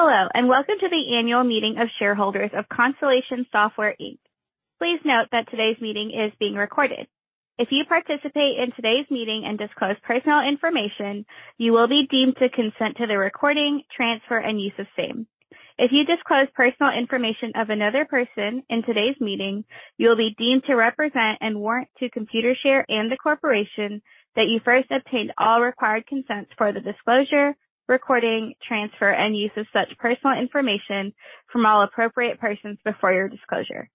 Hello, welcome to the annual meeting of shareholders of Constellation Software, Inc. Please note that today's meeting is being recorded. If you participate in today's meeting and disclose personal information, you will be deemed to consent to the recording, transfer, and use of same. If you disclose personal information of another person in today's meeting, you will be deemed to represent and warrant to Computershare and the corporation that you first obtained all required consents for the disclosure, recording, transfer, and use of such personal information from all appropriate persons before your disclosure.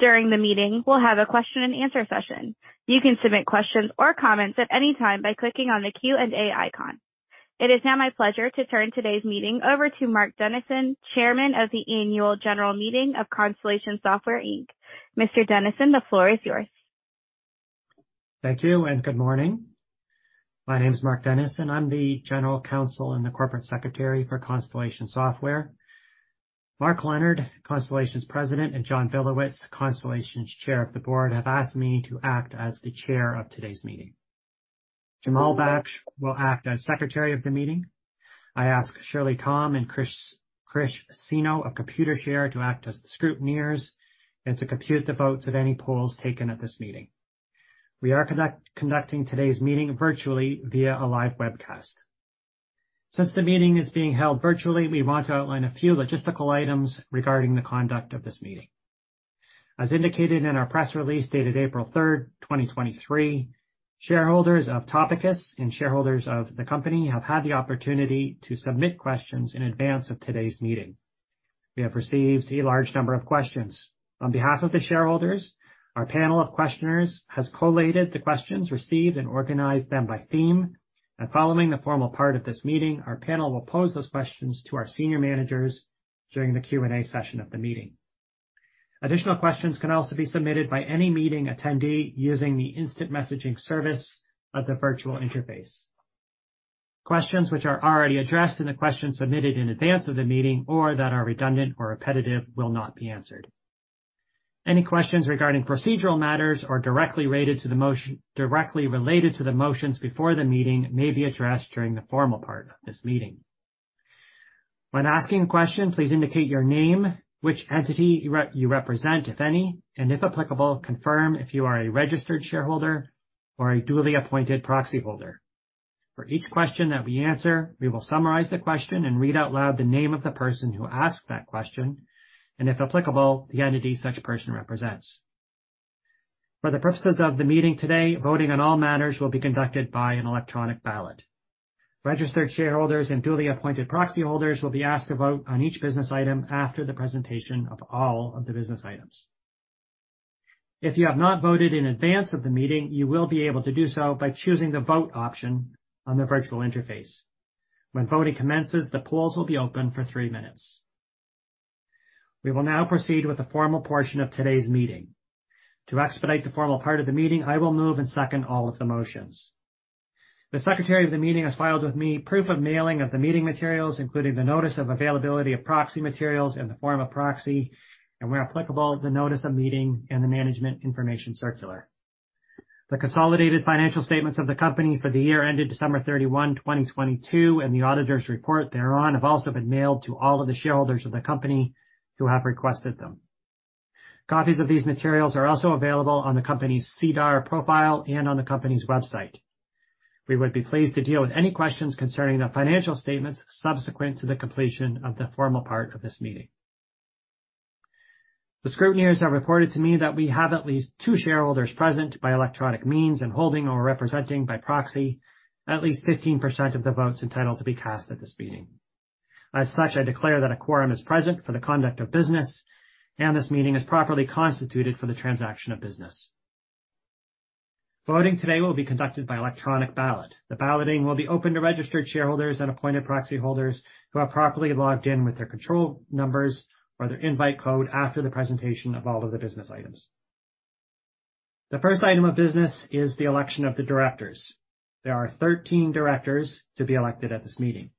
During the meeting, we'll have a question and answer session. You can submit questions or comments at any time by clicking on the Q&A icon. It is now my pleasure to turn today's meeting over to Mark Dennison, chairman of the annual general meeting of Constellation Software, Inc. Mr. Dennison, the floor is yours. Thank you. Good morning. My name is Mark Dennison. I'm the general counsel and the corporate secretary for Constellation Software. Mark Leonard, Constellation's President, and John Billowits, Constellation's Chair of the Board, have asked me to act as the chair of today's meeting. Jamal Baksh will act as Secretary of the Meeting. I ask Shirley Tom and Chris Cino of Computershare to act as the scrutineers and to compute the votes of any polls taken at this meeting. We are conducting today's meeting virtually via a live webcast. The meeting is being held virtually, we want to outline a few logistical items regarding the conduct of this meeting. As indicated in our press release dated April 3, 2023, shareholders of Topicus and shareholders of the company have had the opportunity to submit questions in advance of today's meeting. We have received a large number of questions. On behalf of the shareholders, our panel of questioners has collated the questions received and organized them by theme. Following the formal part of this meeting, our panel will pose those questions to our senior managers during the Q&A session of the meeting. Additional questions can also be submitted by any meeting attendee using the instant messaging service of the virtual interface. Questions which are already addressed in the questions submitted in advance of the meeting or that are redundant or repetitive will not be answered. Any questions regarding procedural matters or directly related to the motions before the meeting may be addressed during the formal part of this meeting. When asking a question, please indicate your name, which entity you represent, if any, and if applicable, confirm if you are a registered shareholder or a duly appointed proxyholder. For each question that we answer, we will summarize the question and read out loud the name of the person who asked that question and, if applicable, the entity such person represents. For the purposes of the meeting today, voting on all matters will be conducted by an electronic ballot. Registered shareholders and duly appointed proxy holders will be asked to vote on each business item after the presentation of all of the business items. If you have not voted in advance of the meeting, you will be able to do so by choosing the vote option on the virtual interface. When voting commences, the polls will be open for three minutes. We will now proceed with the formal portion of today's meeting. To expedite the formal part of the meeting, I will move and second all of the motions. The Secretary of the Meeting has filed with me proof of mailing of the meeting materials, including the notice of availability of proxy materials in the form of proxy, and where applicable, the notice of meeting and the management information circular. The consolidated financial statements of the company for the year ended December 31, 2022, and the auditor's report thereon have also been mailed to all of the shareholders of the company who have requested them. Copies of these materials are also available on the company's SEDAR profile and on the company's website. We would be pleased to deal with any questions concerning the financial statements subsequent to the completion of the formal part of this meeting. The scrutineers have reported to me that we have at least two shareholders present by electronic means and holding or representing by proxy at least 15% of the votes entitled to be cast at this meeting. As such, I declare that a quorum is present for the conduct of business, and this meeting is properly constituted for the transaction of business. Voting today will be conducted by electronic ballot. The balloting will be open to registered shareholders and appointed proxy holders who have properly logged in with their control numbers or their invite code after the presentation of all of the business items. The first item of business is the election of the directors. There are 13 directors to be elected at this meeting.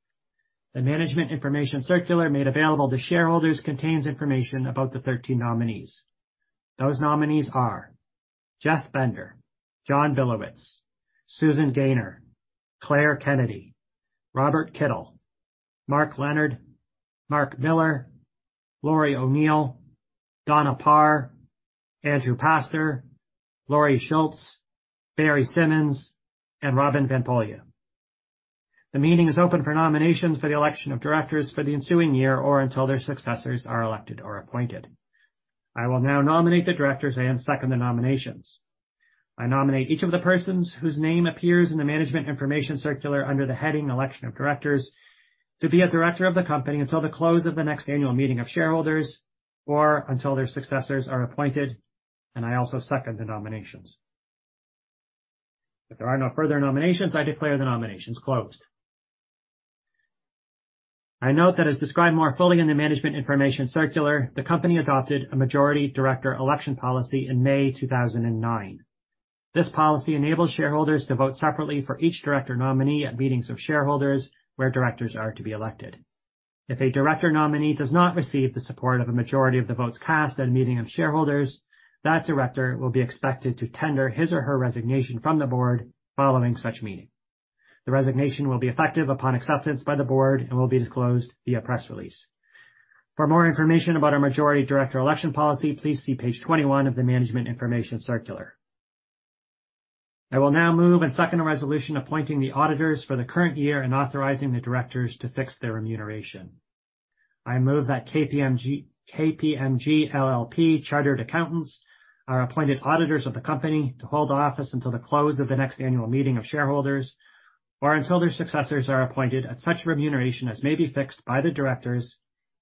The management information circular made available to shareholders contains information about the 13 nominees. Those nominees are Jeff Bender, John Billowits, Susan Gayner, Claire Kennedy, Robert Kittel, Mark Leonard, Mark Miller, Lori O'Neill, Donna Parr, Andrew Pastor, Laurie Schultz, Barry Symons, and Robin Van Poelje. The meeting is open for nominations for the election of directors for the ensuing year or until their successors are elected or appointed. I will now nominate the directors and second the nominations. I nominate each of the persons whose name appears in the Management Information Circular under the heading Election of Directors to be a director of the company until the close of the next annual meeting of shareholders or until their successors are appointed. I also second the nominations. If there are no further nominations, I declare the nominations closed. I note that as described more fully in the Management Information Circular, the company adopted a majority director election policy in May 2009. This policy enables shareholders to vote separately for each director nominee at meetings of shareholders where directors are to be elected. If a director nominee does not receive the support of a majority of the votes cast at a meeting of shareholders, that director will be expected to tender his or her resignation from the board following such meeting. The resignation will be effective upon acceptance by the board and will be disclosed via press release. For more information about our majority director election policy, please see page 21 of the Management Information Circular. I will now move and second the resolution appointing the auditors for the current year and authorizing the directors to fix their remuneration. I move that KPMG LLP Chartered Accountants are appointed auditors of the company to hold office until the close of the next annual meeting of shareholders, or until their successors are appointed at such remuneration as may be fixed by the directors,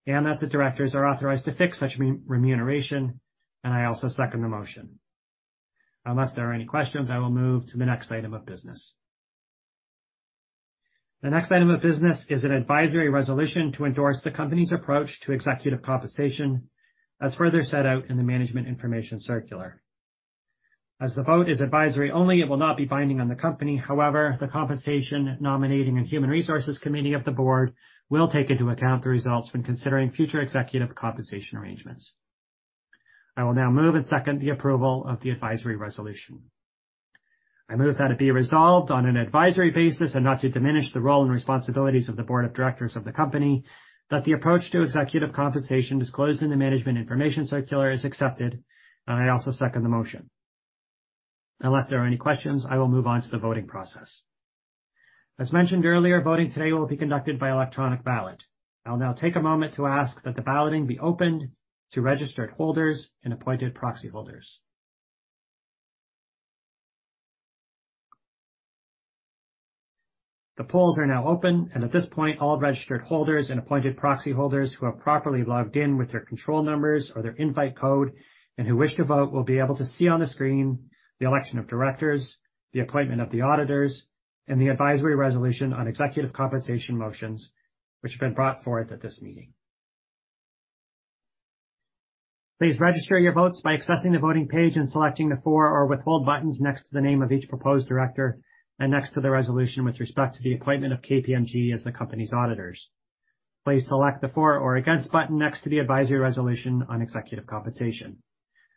that the directors are authorized to fix such remuneration. I also second the motion. Unless there are any questions, I will move to the next item of business. The next item of business is an advisory resolution to endorse the company's approach to executive compensation, as further set out in the Management Information Circular. As the vote is advisory only, it will not be binding on the company. However, the Compensation Nominating & Human Resources Committee of the board will take into account the results when considering future executive compensation arrangements. I will now move and second the approval of the advisory resolution. I move that it be resolved on an advisory basis and not to diminish the role and responsibilities of the board of directors of the company that the approach to executive compensation disclosed in the Management Information Circular is accepted. I also second the motion. Unless there are any questions, I will move on to the voting process. As mentioned earlier, voting today will be conducted by electronic ballot. I'll now take a moment to ask that the balloting be opened to registered holders and appointed proxy holders. The polls are now open. At this point, all registered holders and appointed proxy holders who have properly logged in with their control numbers or their invite code and who wish to vote will be able to see on the screen the election of directors, the appointment of the auditors, and the advisory resolution on executive compensation motions which have been brought forward at this meeting. Please register your votes by accessing the voting page and selecting the for or withhold buttons next to the name of each proposed director and next to the resolution with respect to the appointment of KPMG as the company's auditors. Please select the for or against button next to the advisory resolution on executive compensation.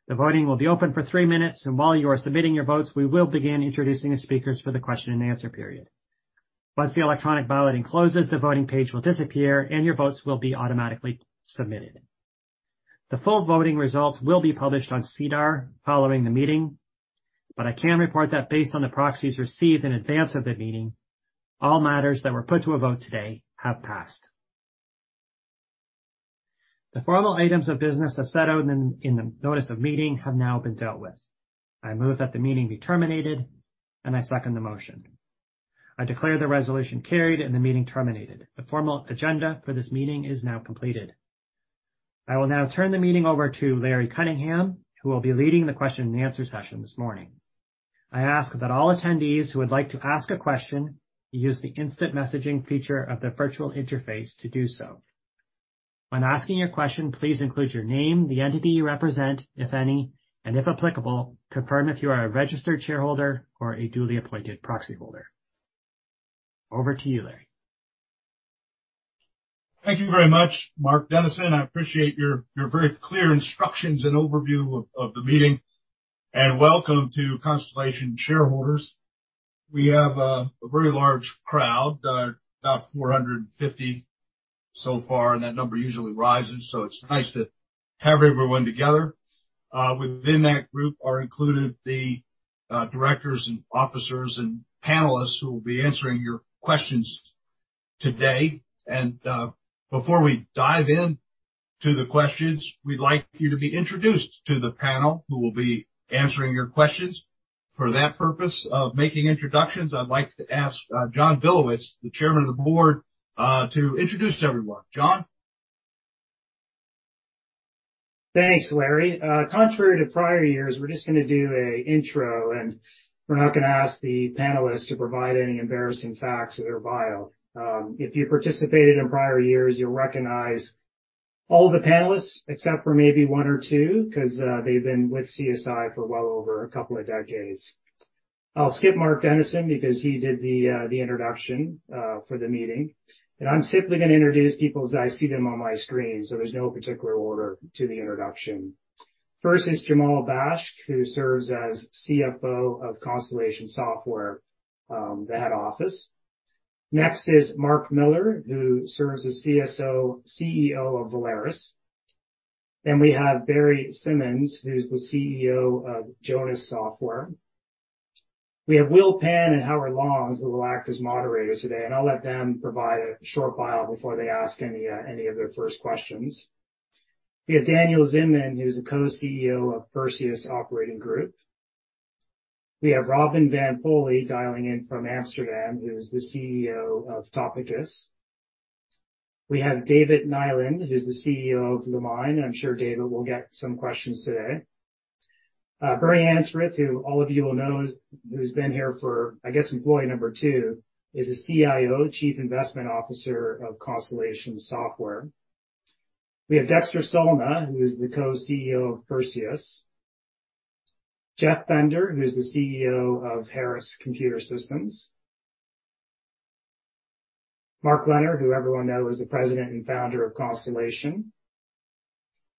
The voting will be open for three minutes. While you are submitting your votes, we will begin introducing the speakers for the question and answer period. Once the electronic balloting closes, the voting page will disappear, and your votes will be automatically submitted. The full voting results will be published on SEDAR following the meeting. I can report that based on the proxies received in advance of the meeting, all matters that were put to a vote today have passed. The formal items of business as set out in the notice of meeting have now been dealt with. I move that the meeting be terminated. I second the motion. I declare the resolution carried and the meeting terminated. The formal agenda for this meeting is now completed. I will now turn the meeting over to Lawrence Cunningham, who will be leading the question and answer session this morning. I ask that all attendees who would like to ask a question use the instant messaging feature of the virtual interface to do so. When asking your question, please include your name, the entity you represent, if any, and if applicable, confirm if you are a registered shareholder or a duly appointed proxy holder. Over to you, Larry. Thank you very much, Mark Dennison. I appreciate your very clear instructions and overview of the meeting. Welcome to Constellation shareholders. We have a very large crowd, about 450 so far, and that number usually rises, so it's nice to have everyone together. Within that group are included the directors and officers and panelists who will be answering your questions today. Before we dive into the questions, we'd like you to be introduced to the panel who will be answering your questions. For that purpose of making introductions, I'd like to ask John Billowits, the Chairman of the Board, to introduce everyone. John? Thanks, Larry. Contrary to prior years, we're just gonna do a intro, we're not gonna ask the panelists to provide any embarrassing facts of their bio. If you participated in prior years, you'll recognize all the panelists except for maybe one or two, 'cause they've been with CSI for well over a couple of decades. I'll skip Mark Dennison because he did the introduction for the meeting. I'm simply gonna introduce people as I see them on my screen, there's no particular order to the introduction. First is Jamal Baksh, who serves as CFO of Constellation Software, the head office. Next is Mark Miller, who serves as CEO of Volaris. We have Barry Symons, who's the CEO of Jonas Software. We have Will Pan and Howard Leung, who will act as moderators today, and I'll let them provide a short bio before they ask any of their first questions. We have Daniel Zinman, who's the Co-CEO of Perseus Operating Group. We have Robin Van Poelje dialing in from Amsterdam, who is the CEO of Topicus. We have David Nyland, who's the CEO of Lumine. I'm sure David will get some questions today. Bernie Anzarouth, who all of you will know who's been here for, I guess, employee number two, is the CIO, Chief Investment Officer of Constellation Software. We have Dexter Salna, who is the Co-CEO of Perseus. Jeff Bender, who is the CEO of Harris Computer Systems. Mark Leonard, who everyone knows is the President and Founder of Constellation,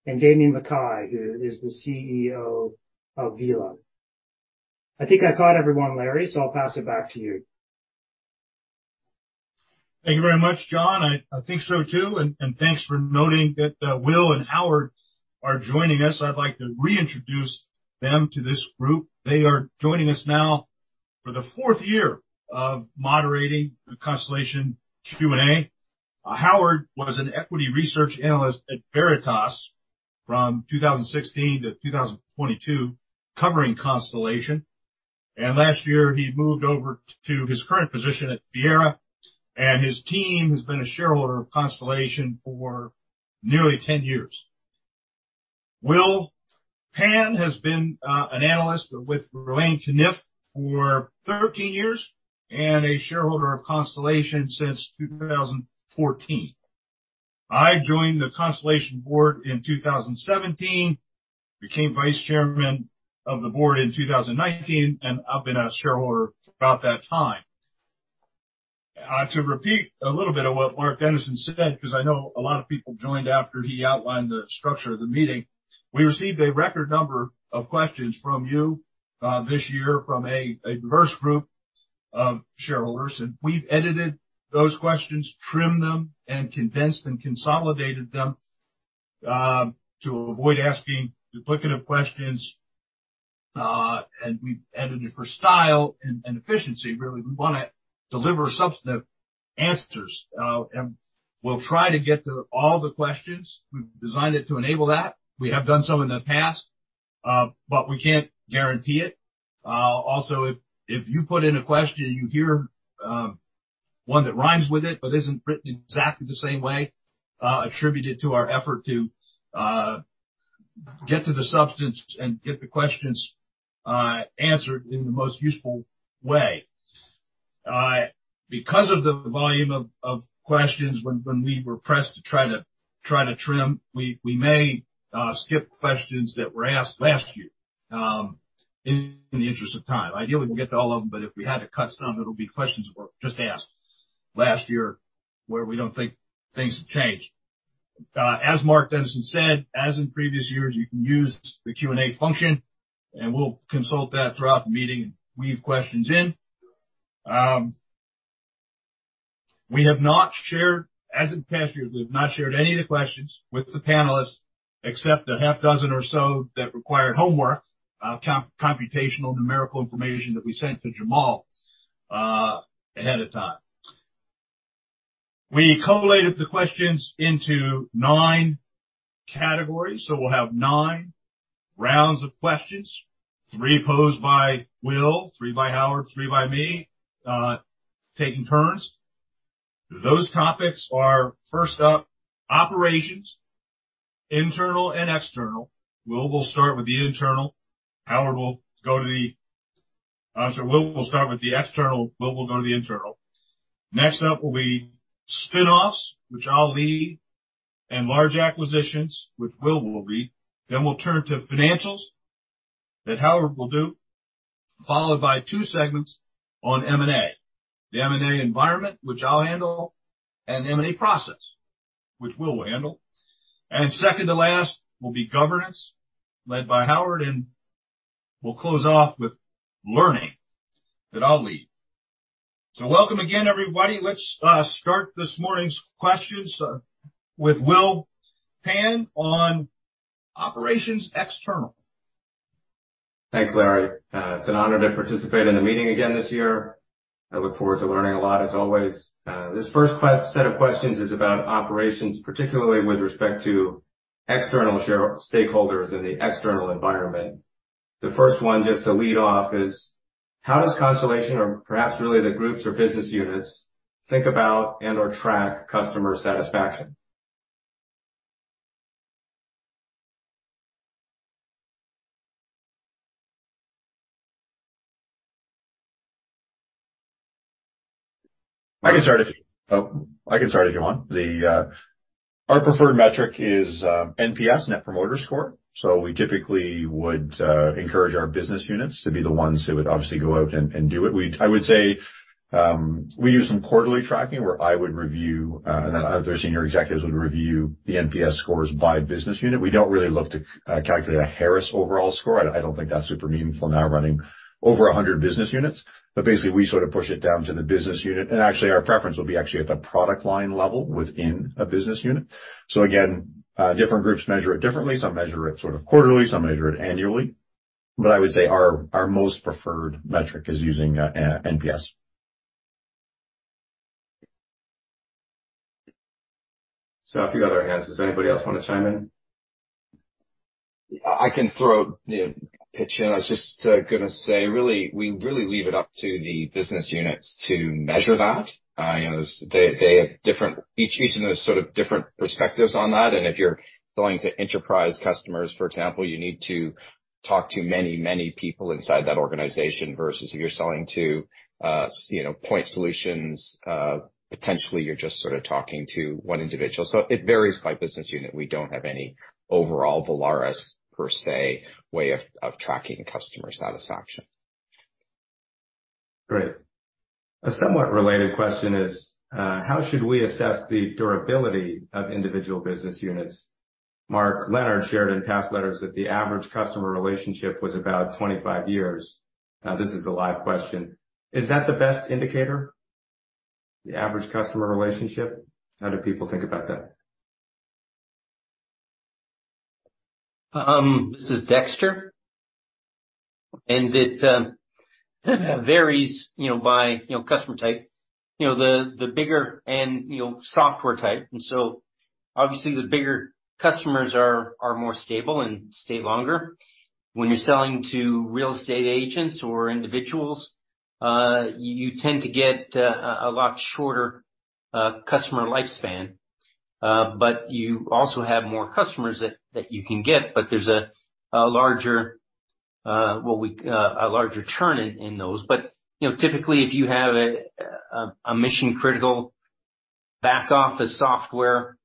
and Damian McKay, who is the CEO of Vela. I think I caught everyone, Larry, so I'll pass it back to you. Thank you very much, John. I think so, too. Thanks for noting that Will and Howard are joining us. I'd like to reintroduce them to this group. They are joining us now for the fourth year of moderating the Constellation Q&A. Howard was an equity research analyst at Veritas Investment Research from 2016 to 2022, covering Constellation. Last year, he moved over to his current position at Veritas, and his team has been a shareholder of Constellation for nearly 10 years. Will has been an analyst with Ruane Cunniff for 13 years and a shareholder of Constellation since 2014. I joined the Constellation board in 2017, became Vice Chairman of the Board in 2019. I've been a shareholder about that time. To repeat a little bit of what Mark Dennison said, because I know a lot of people joined after he outlined the structure of the meeting. We received a record number of questions from you this year from a diverse group of shareholders. We've edited those questions, trimmed them, and condensed and consolidated them to avoid asking duplicative questions. We've edited for style and efficiency. Really, we wanna deliver substantive answers. We'll try to get to all the questions. We've designed it to enable that. We have done so in the past, but we can't guarantee it. Also, if you put in a question, you hear one that rhymes with it but isn't written exactly the same way, attribute it to our effort to get to the substance and get the questions answered in the most useful way. Because of the volume of questions when we were pressed to try to trim, we may skip questions that were asked last year in the interest of time. Ideally, we'll get to all of them, but if we had to cut some, it'll be questions that were just asked last year where we don't think things have changed. As Mark Dennison said, as in previous years, you can use the Q&A function, and we'll consult that throughout the meeting and weave questions in. We have not shared as in past years, we have not shared any of the questions with the panelists, except a half dozen or so that require homework, computational numerical information that we sent to Jamal ahead of time. We collated the questions into nine categories, so we'll have nine rounds of questions. Three posed by Will, three by Howard, three by me, taking turns. Those topics are first up, operations, internal and external. Will will start with the internal. I'm sorry. Will will start with the external. Will will go to the internal. Next up will be spin-offs, which I'll lead, large acquisitions, which Will will lead. We'll turn to financials that Howard will do, followed by two segments on M&A. The M&A environment, which I'll handle, and M&A process, which Will will handle. Second to last will be governance led by Howard, and we'll close off with learning that I'll lead. Welcome again, everybody. Let's start this morning's questions with Will Pan on operations external. Thanks, Larry. It's an honor to participate in the meeting again this year. I look forward to learning a lot as always. This first set of questions is about operations, particularly with respect to external stakeholders in the external environment. The first one, just to lead off, is how does Constellation or perhaps really the groups or business units think about and/or track customer satisfaction? I can start if you want. Our preferred metric is NPS, Net Promoter Score. We typically would encourage our business units to be the ones who would obviously go out and do it. I would say we use some quarterly tracking where I would review, and then other senior executives would review the NPS scores by business unit. We don't really look to calculate a Harris overall score. I don't think that's super meaningful now running over 100 business units. Basically, we sort of push it down to the business unit. Actually, our preference will be actually at the product line level within a business unit. Again, different groups measure it differently. Some measure it sort of quarterly, some measure it annually. I would say our most preferred metric is using NPS. A few other hands. Does anybody else wanna chime in? I can throw, you know, a pitch in. I was just gonna say, really, we really leave it up to the business units to measure that. You know, each unit has sort of different perspectives on that. If you're going to enterprise customers, for example, you need to talk to many, many people inside that organization versus if you're selling to, you know, point solutions, potentially you're just sort of talking to one individual. It varies by business unit. We don't have any overall Volaris per se way of tracking customer satisfaction. Great. A somewhat related question is, how should we assess the durability of individual business units? Mark Leonard shared in past letters that the average customer relationship was about 2five years. Now, this is a live question. Is that the best indicator, the average customer relationship? How do people think about that? This is Dexter, and it varies, you know, by, you know, customer type. The bigger and, you know, software type. Obviously the bigger customers are more stable and stay longer. When you're selling to real estate agents or individuals, you tend to get a lot shorter customer lifespan. You also have more customers that you can get. There's a larger churn in those. You know, typically, if you have a mission-critical back office software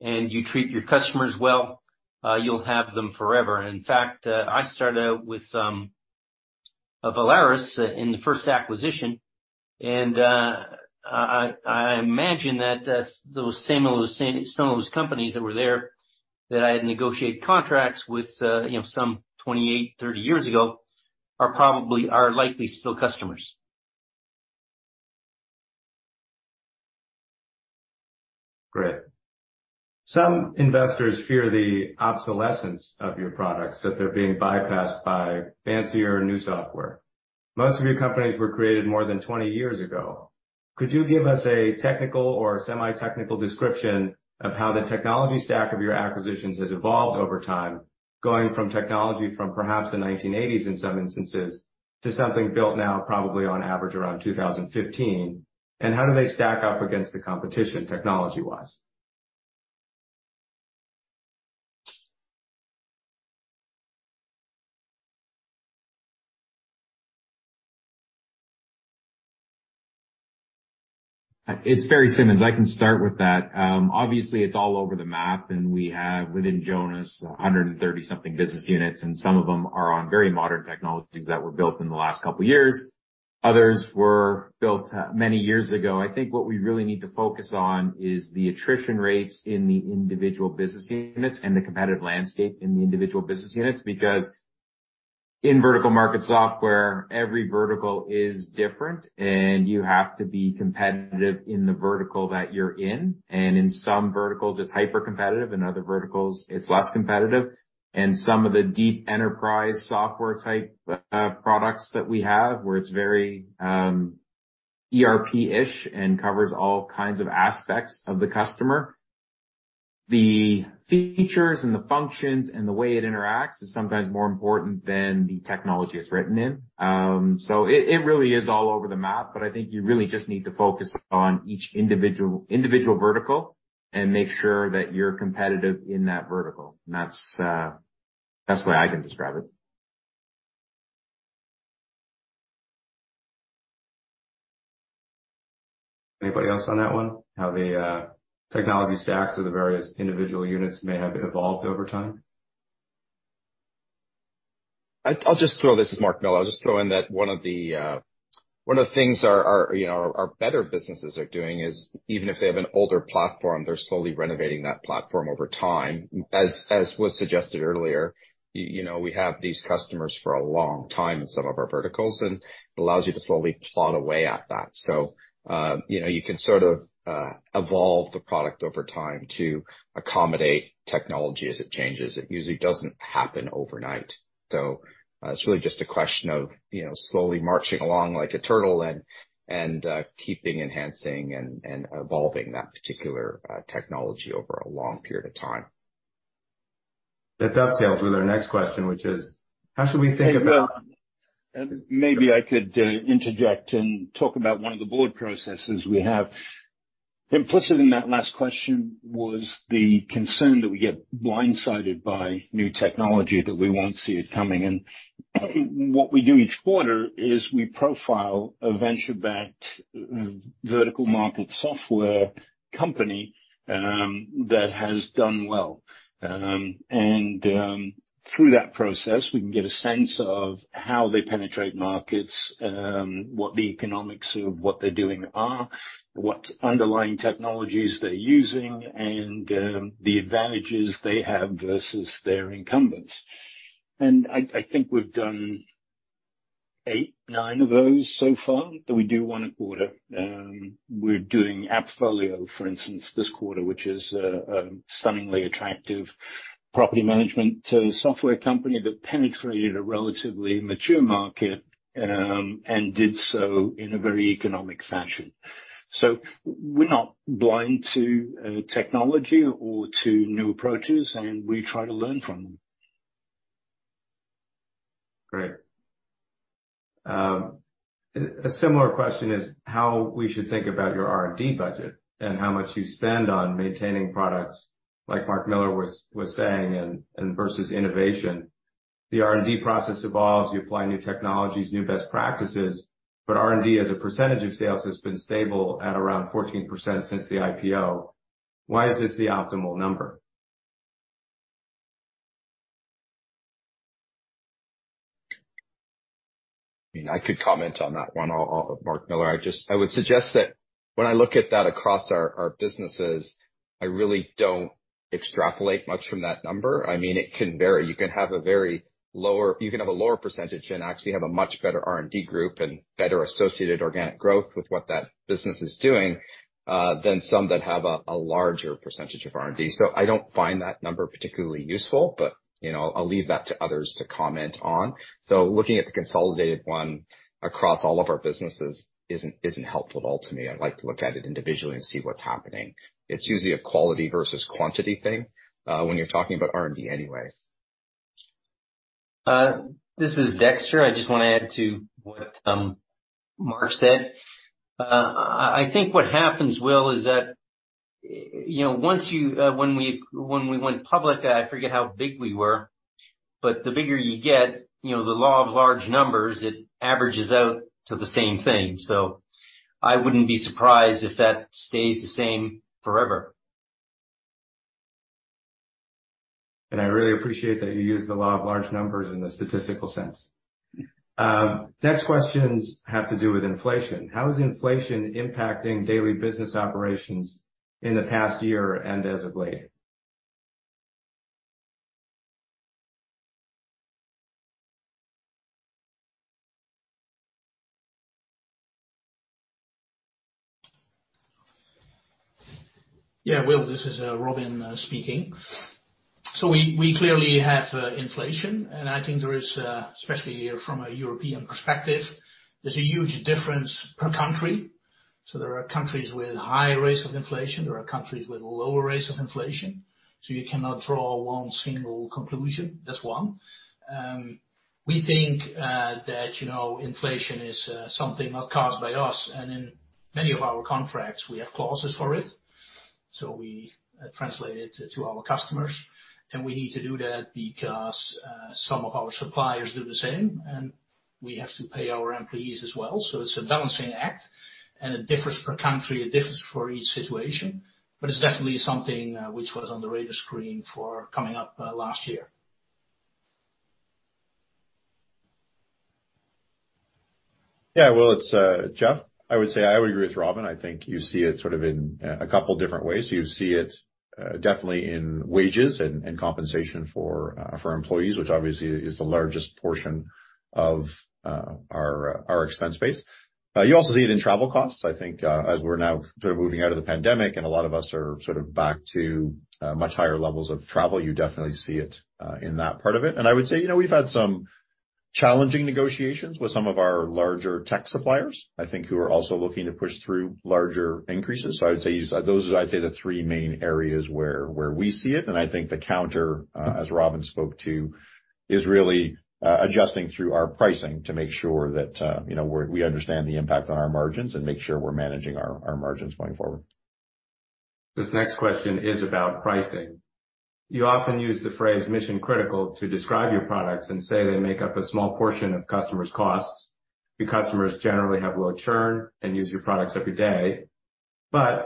and you treat your customers well, you'll have them forever. In fact, I started out with Volaris in the first acquisition. I imagine that some of those companies that were there that I had negotiated contracts with, you know, some 28 years, 30 years ago, are likely still customers. Great. Some investors fear the obsolescence of your products, that they're being bypassed by fancier new software. Most of your companies were created more than 20 years ago. Could you give us a technical or semi-technical description of how the technology stack of your acquisitions has evolved over time, going from technology from perhaps the 1980s in some instances, to something built now probably on average around 2015? How do they stack up against the competition technology-wise? It's Barry Symons. I can start with that. Obviously it's all over the map. We have within Jonas, 130 something business units, and some of them are on very modern technologies that were built in the last couple of years. Others were built, many years ago. I think what we really need to focus on is the attrition rates in the individual business units and the competitive landscape in the individual business units. In vertical market software, every vertical is different and you have to be competitive in the vertical that you're in. In some verticals it's hyper-competitive, in other verticals it's less competitive. Some of the deep enterprise software type, products that we have, where it's very, ERP-ish and covers all kinds of aspects of the customer. The features and the functions and the way it interacts is sometimes more important than the technology it's written in. It really is all over the map, but I think you really just need to focus on each individual vertical and make sure that you're competitive in that vertical. That's the way I can describe it. Anybody else on that one? How the technology stacks or the various individual units may have evolved over time. This is Mark Miller. I'll just throw in that one of the, one of the things our, you know, our better businesses are doing is even if they have an older platform, they're slowly renovating that platform over time. As was suggested earlier, you know, we have these customers for a long time in some of our verticals, and it allows you to slowly plod away at that. You know, you can sort of evolve the product over time to accommodate technology as it changes. It usually doesn't happen overnight. It's really just a question of, you know, slowly marching along like a turtle and keeping enhancing and evolving that particular technology over a long period of time. That dovetails with our next question, which is how should we think about. Maybe I could interject and talk about one of the board processes we have. Implicit in that last question was the concern that we get blindsided by new technology, that we won't see it coming. What we do each quarter is we profile a venture-backed vertical market software company that has done well. Through that process, we can get a sense of how they penetrate markets, what the economics of what they're doing are, what underlying technologies they're using, and the advantages they have versus their incumbents. I think we've done eight, nine of those so far, and we do one a quarter. We're doing AppFolio, for instance, this quarter, which is a stunningly attractive property management software company that penetrated a relatively mature market and did so in a very economic fashion. We're not blind to technology or to new approaches, and we try to learn from them. Great. A similar question is how we should think about your R&D budget and how much you spend on maintaining products like Mark Miller was saying and versus innovation. The R&D process evolves. You apply new technologies, new best practices, R&D as a percentage of sales has b een stable at around 14% since the IPO. Why is this the optimal number? I mean, I could comment on that one. Mark Miller. I would suggest that when I look at that across our businesses, I really don't extrapolate much from that number. I mean, it can vary. You can have a lower percentage and actually have a much better R&D group and better associated organic growth with what that business is doing than some that have a larger percentage of R&D. I don't find that number particularly useful. You know, I'll leave that to others to comment on. Looking at the consolidated one across all of our businesses isn't helpful at all to me. I like to look at it individually and see what's happening. It's usually a quality versus quantity thing when you're talking about R&D anyways. This is Dexter. I just wanna add to what Mark said. I think what happens, Will, is that, you know, when we went public, I forget how big we were, but the bigger you get, you know, the law of large numbers, it averages out to the same thing. I wouldn't be surprised if that stays the same forever. I really appreciate that you used the law of large numbers in the statistical sense. Next questions have to do with inflation. How is inflation impacting daily business operations in the past year and as of late? Yeah, Will, this is Robin speaking. We clearly have inflation, and I think there is especially from a European perspective, there's a huge difference per country. There are countries with high rates of inflation, there are countries with lower rates of inflation, you cannot draw one single conclusion. That's one. We think that, you know, inflation is something not caused by us, and in many of our contracts, we have clauses for it, we translate it to our customers. We need to do that because some of our suppliers do the same, and we have to pay our employees as well. It's a balancing act and it differs per country, it differs for each situation. It's definitely something which was on the radar screen for coming up last year. Yeah, Will, it's Jeff. I would say I would agree with Robin. I think you see it sort of in a couple different ways. You see it definitely in wages and compensation for employees, which obviously is the largest portion of our expense base. You also see it in travel costs. I think, as we're now sort of moving out of the pandemic and a lot of us are sort of back to much higher levels of travel, you definitely see it in that part of it. I would say, you know, we've had some challenging negotiations with some of our larger tech suppliers, I think who are also looking to push through larger increases. I would say those are, I'd say, the three main areas where we see it. I think the counter, as Robin spoke to, is really adjusting through our pricing to make sure that, you know, we understand the impact on our margins and make sure we're managing our margins going forward. This next question is about pricing. You often use the phrase mission critical to describe your products and say they make up a small portion of customers' costs. Your customers generally have low churn and use your products every day.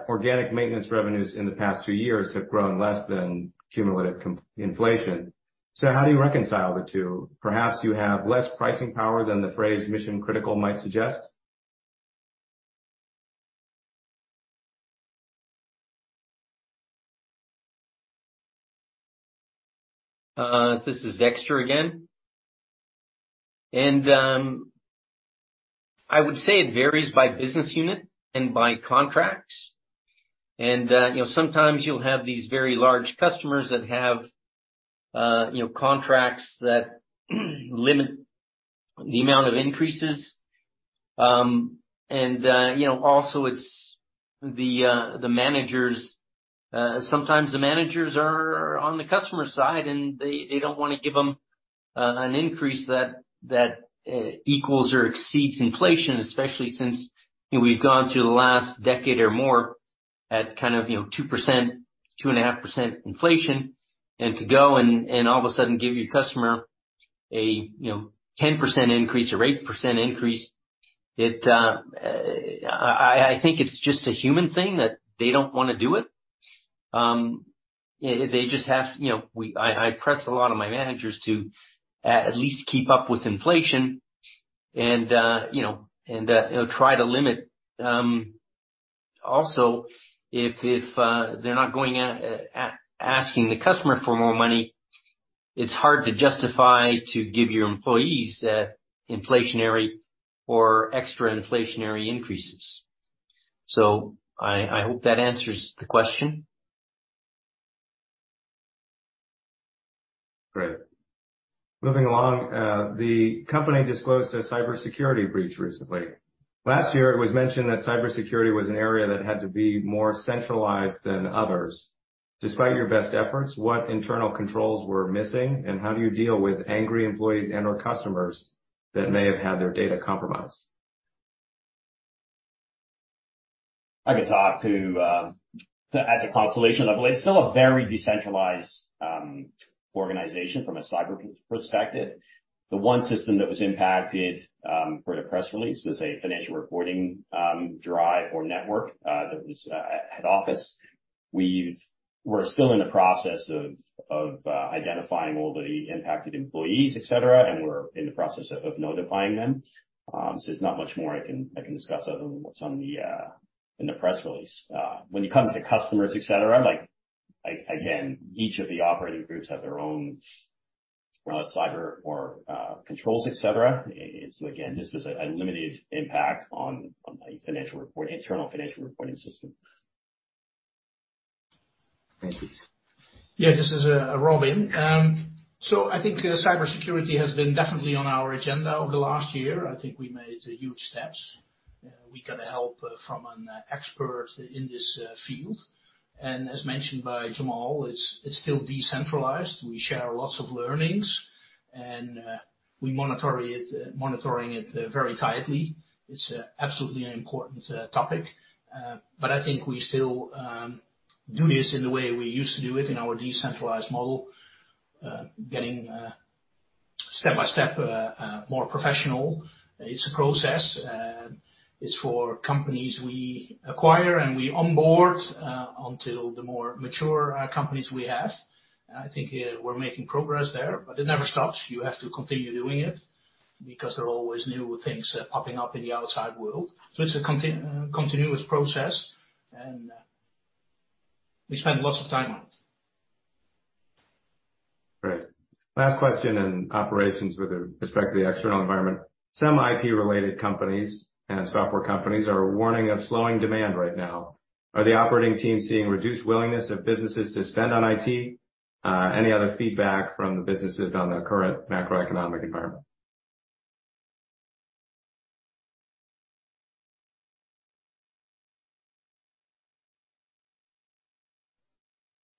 Organic maintenance revenues in the past two years have grown less than cumulative inflation. How do you reconcile the two? Perhaps you have less pricing power than the phrase mission critical might suggest. This is Dexter again. I would say it varies by business unit and by contracts. Sometimes you'll have these very large customers that have, you know, contracts that limit the amount of increases. Also it's the managers. Sometimes the managers are on the customer side, and they don't wanna give them an increase that equals or exceeds inflation, especially since we've gone through the last decade or more at kind of, you know, 2%, 2.5% inflation. To go and all of a sudden give your customer a, you know, 10% increase or 8% increase, I think it's just a human thing that they don't wanna do it. They just have. You know, I press a lot of my managers to at least keep up with inflation, you know, try to limit. Also if they're not going out asking the customer for more money, it's hard to justify to give your employees inflationary or extra inflationary increases. I hope that answers the question. Great. Moving along. The company disclosed a cybersecurity breach recently. Last year, it was mentioned that cybersecurity was an area that had to be more centralized than others. Despite your best efforts, what internal controls were missing, and how do you deal with angry employees and/or customers that may have had their data compromised? I can talk to, at the Constellation level. It's still a very decentralized organization from a cyber perspective. The one system that was impacted, per the press release, was a financial reporting drive or network that was at head office. We're still in the process of identifying all the impacted employees, et cetera, and we're in the process of notifying them. There's not much more I can discuss other than what's on the in the press release. When it comes to customers, et cetera, like, again, each of the operating groups have their own cyber or controls, et cetera. Again, this was a limited impact on a financial report, internal financial reporting system. Thank you. Yeah, this is Robin. I think cybersecurity has been definitely on our agenda over the last year. I think we made huge steps. We got help from an expert in this field. As mentioned by Jamal, it's still decentralized. We share lots of learnings, and we monitor it very tightly. It's absolutely an important topic. I think we still do this in the way we used to do it in our decentralized model, getting step-by-step more professional. It's a process. It's for companies we acquire, and we onboard, until the more mature companies we have. I think we're making progress there, but it never stops. You have to continue doing it because there are always new things popping up in the outside world. It's a continuous process, and we spend lots of time on it. Great. Last question in operations with respect to the external environment. Some IT related companies and software companies are warning of slowing demand right now. Are the operating teams seeing reduced willingness of businesses to spend on IT? Any other feedback from the businesses on the current macroeconomic environment?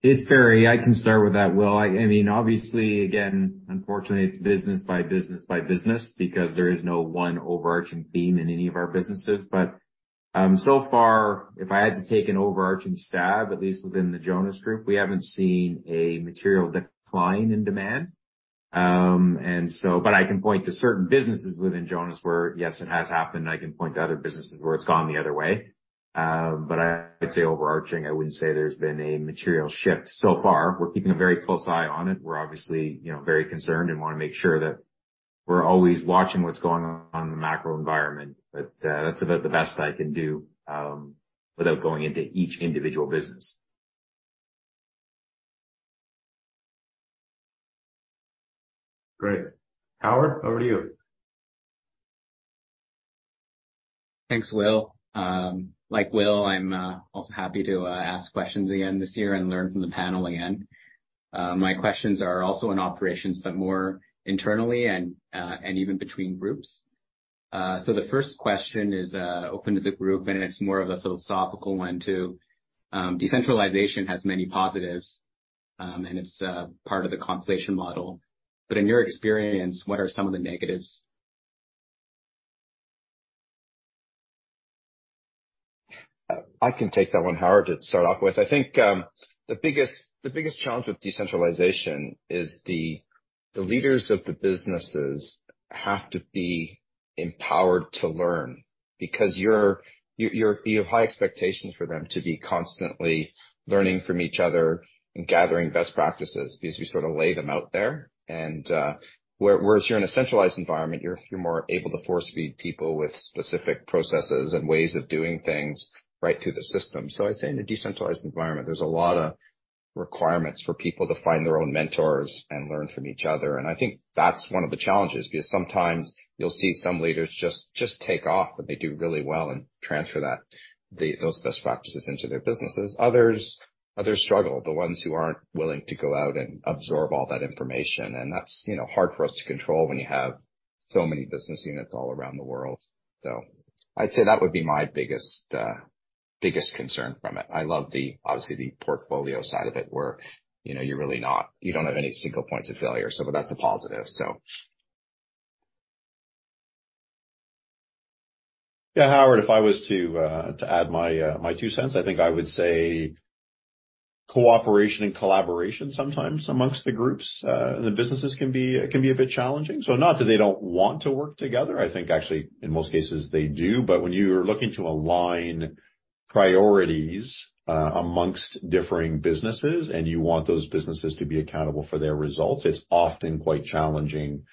It's very. I can start with that, Will. I mean, obviously, again, unfortunately, it's business by business by business because there is no one overarching theme in any of our businesses. So far, if I had to take an overarching stab, at least within the Jonas Group, we haven't seen a material decline in demand. I can point to certain businesses within Jonas where, yes, it has happened, and I can point to other businesses where it's gone the other way. I would say overarching, I wouldn't say there's been a material shift so far. We're keeping a very close eye on it. We're obviously, you know, very concerned and want to make sure that we're always watching what's going on the macro environment. That's about the best I can do without going into each individual business. Great. Howard, over to you. Thanks, Will. Like Will, I'm also happy to ask questions again this year and learn from the panel again. My questions are also on operations, but more internally and even between groups. The first question is open to the group, and it's more of a philosophical one too. Decentralization has many positives, and it's part of the Constellation model. In your experience, what are some of the negatives? I can take that one, Howard, to start off with. I think the biggest challenge with decentralization is the leaders of the businesses have to be empowered to learn because you have high expectations for them to be constantly learning from each other and gathering best practices because we sort of lay them out there. Whereas you're in a centralized environment, you're more able to force-feed people with specific processes and ways of doing things right through the system. I'd say in a decentralized environment, there's a lot of requirements for people to find their own mentors and learn from each other. I think that's one of the challenges, because sometimes you'll see some leaders just take off and they do really well and transfer that those best practices into their businesses. Others struggle, the ones who aren't willing to go out and absorb all that information. That's, you know, hard for us to control when you have so many business units all around the world. I'd say that would be my biggest concern from it. I love the, obviously, the portfolio side of it, where, you know, you don't have any single points of failure. That's a positive. Yeah, Howard, if I was to add my two cents, I think I would say cooperation and collaboration sometimes amongst the groups, the businesses can be a bit challenging. Not that they don't want to work together. I think actually in most cases, they do. When you're looking to align priorities amongst differing businesses, and you want those businesses to be accountable for their results, it's often quite challenging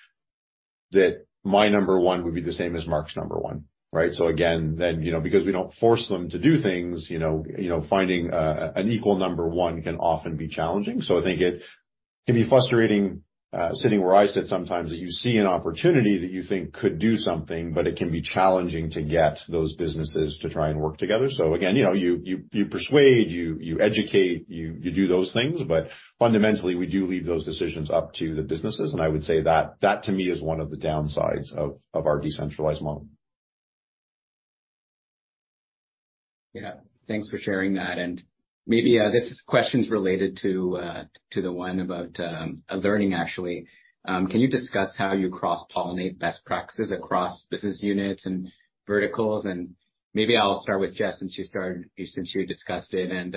that my number one would be the same as Mark's number one, right? Again, then, you know, because we don't force them to do things, you know, finding an equal number one can often be challenging. I think it can be frustrating, sitting where I sit sometimes that you see an opportunity that you think could do something, but it can be challenging to get those businesses to try and work together. Again, you know, you persuade, you educate, you do those things. Fundamentally, we do leave those decisions up to the businesses. I would say that to me is one of the downsides of our decentralized model. Yeah, thanks for sharing that. Maybe this question is related to the one about learning, actually. Can you discuss how you cross-pollinate best practices across business units and verticals? Maybe I'll start with Jeff, since you discussed it.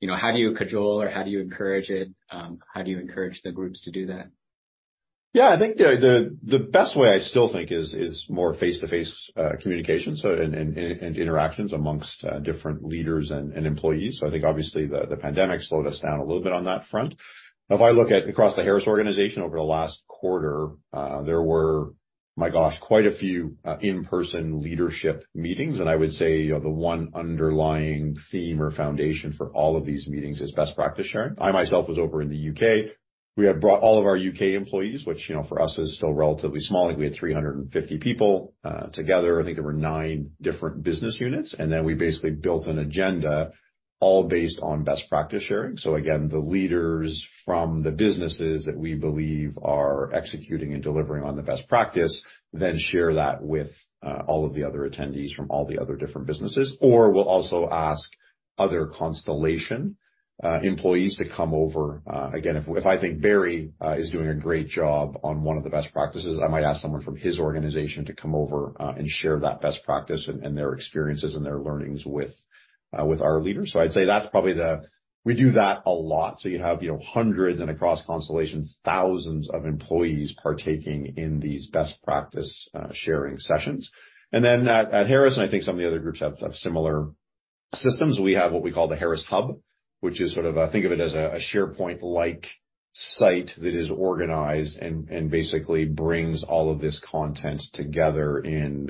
You know, how do you cajole or how do you encourage it? How do you encourage the groups to do that? Yeah, I think the best way I still think is more face-to-face communication so and interactions amongst different leaders and employees. I think obviously the pandemic slowed us down a little bit on that front. If I look at across the Harris organization over the last quarter, there were, my gosh, quite a few in-person leadership meetings. I would say, you know, the one underlying theme or foundation for all of these meetings is best practice sharing. I myself was over in the U.K. We had brought all of our U.K. employees, which you know, for us is still relatively small. Like, we had 350 people together. I think there were nine different business units. Then we basically built an agenda all based on best practice sharing. Again, the leaders from the businesses that we believe are executing and delivering on the best practice then share that with all of the other attendees from all the other different businesses. We'll also ask other Constellation employees to come over. Again, if I think Barry is doing a great job on one of the best practices, I might ask someone from his organization to come over and share that best practice and their experiences and their learnings with our leaders. I'd say that's probably the. We do that a lot. You have, you know, hundreds and across Constellation, thousands of employees partaking in these best practice sharing sessions. At Harris, and I think some of the other groups have similar systems. We have what we call the Harris Hub, which is sort of, I think of it as a SharePoint-like site that is organized and basically brings all of this content together in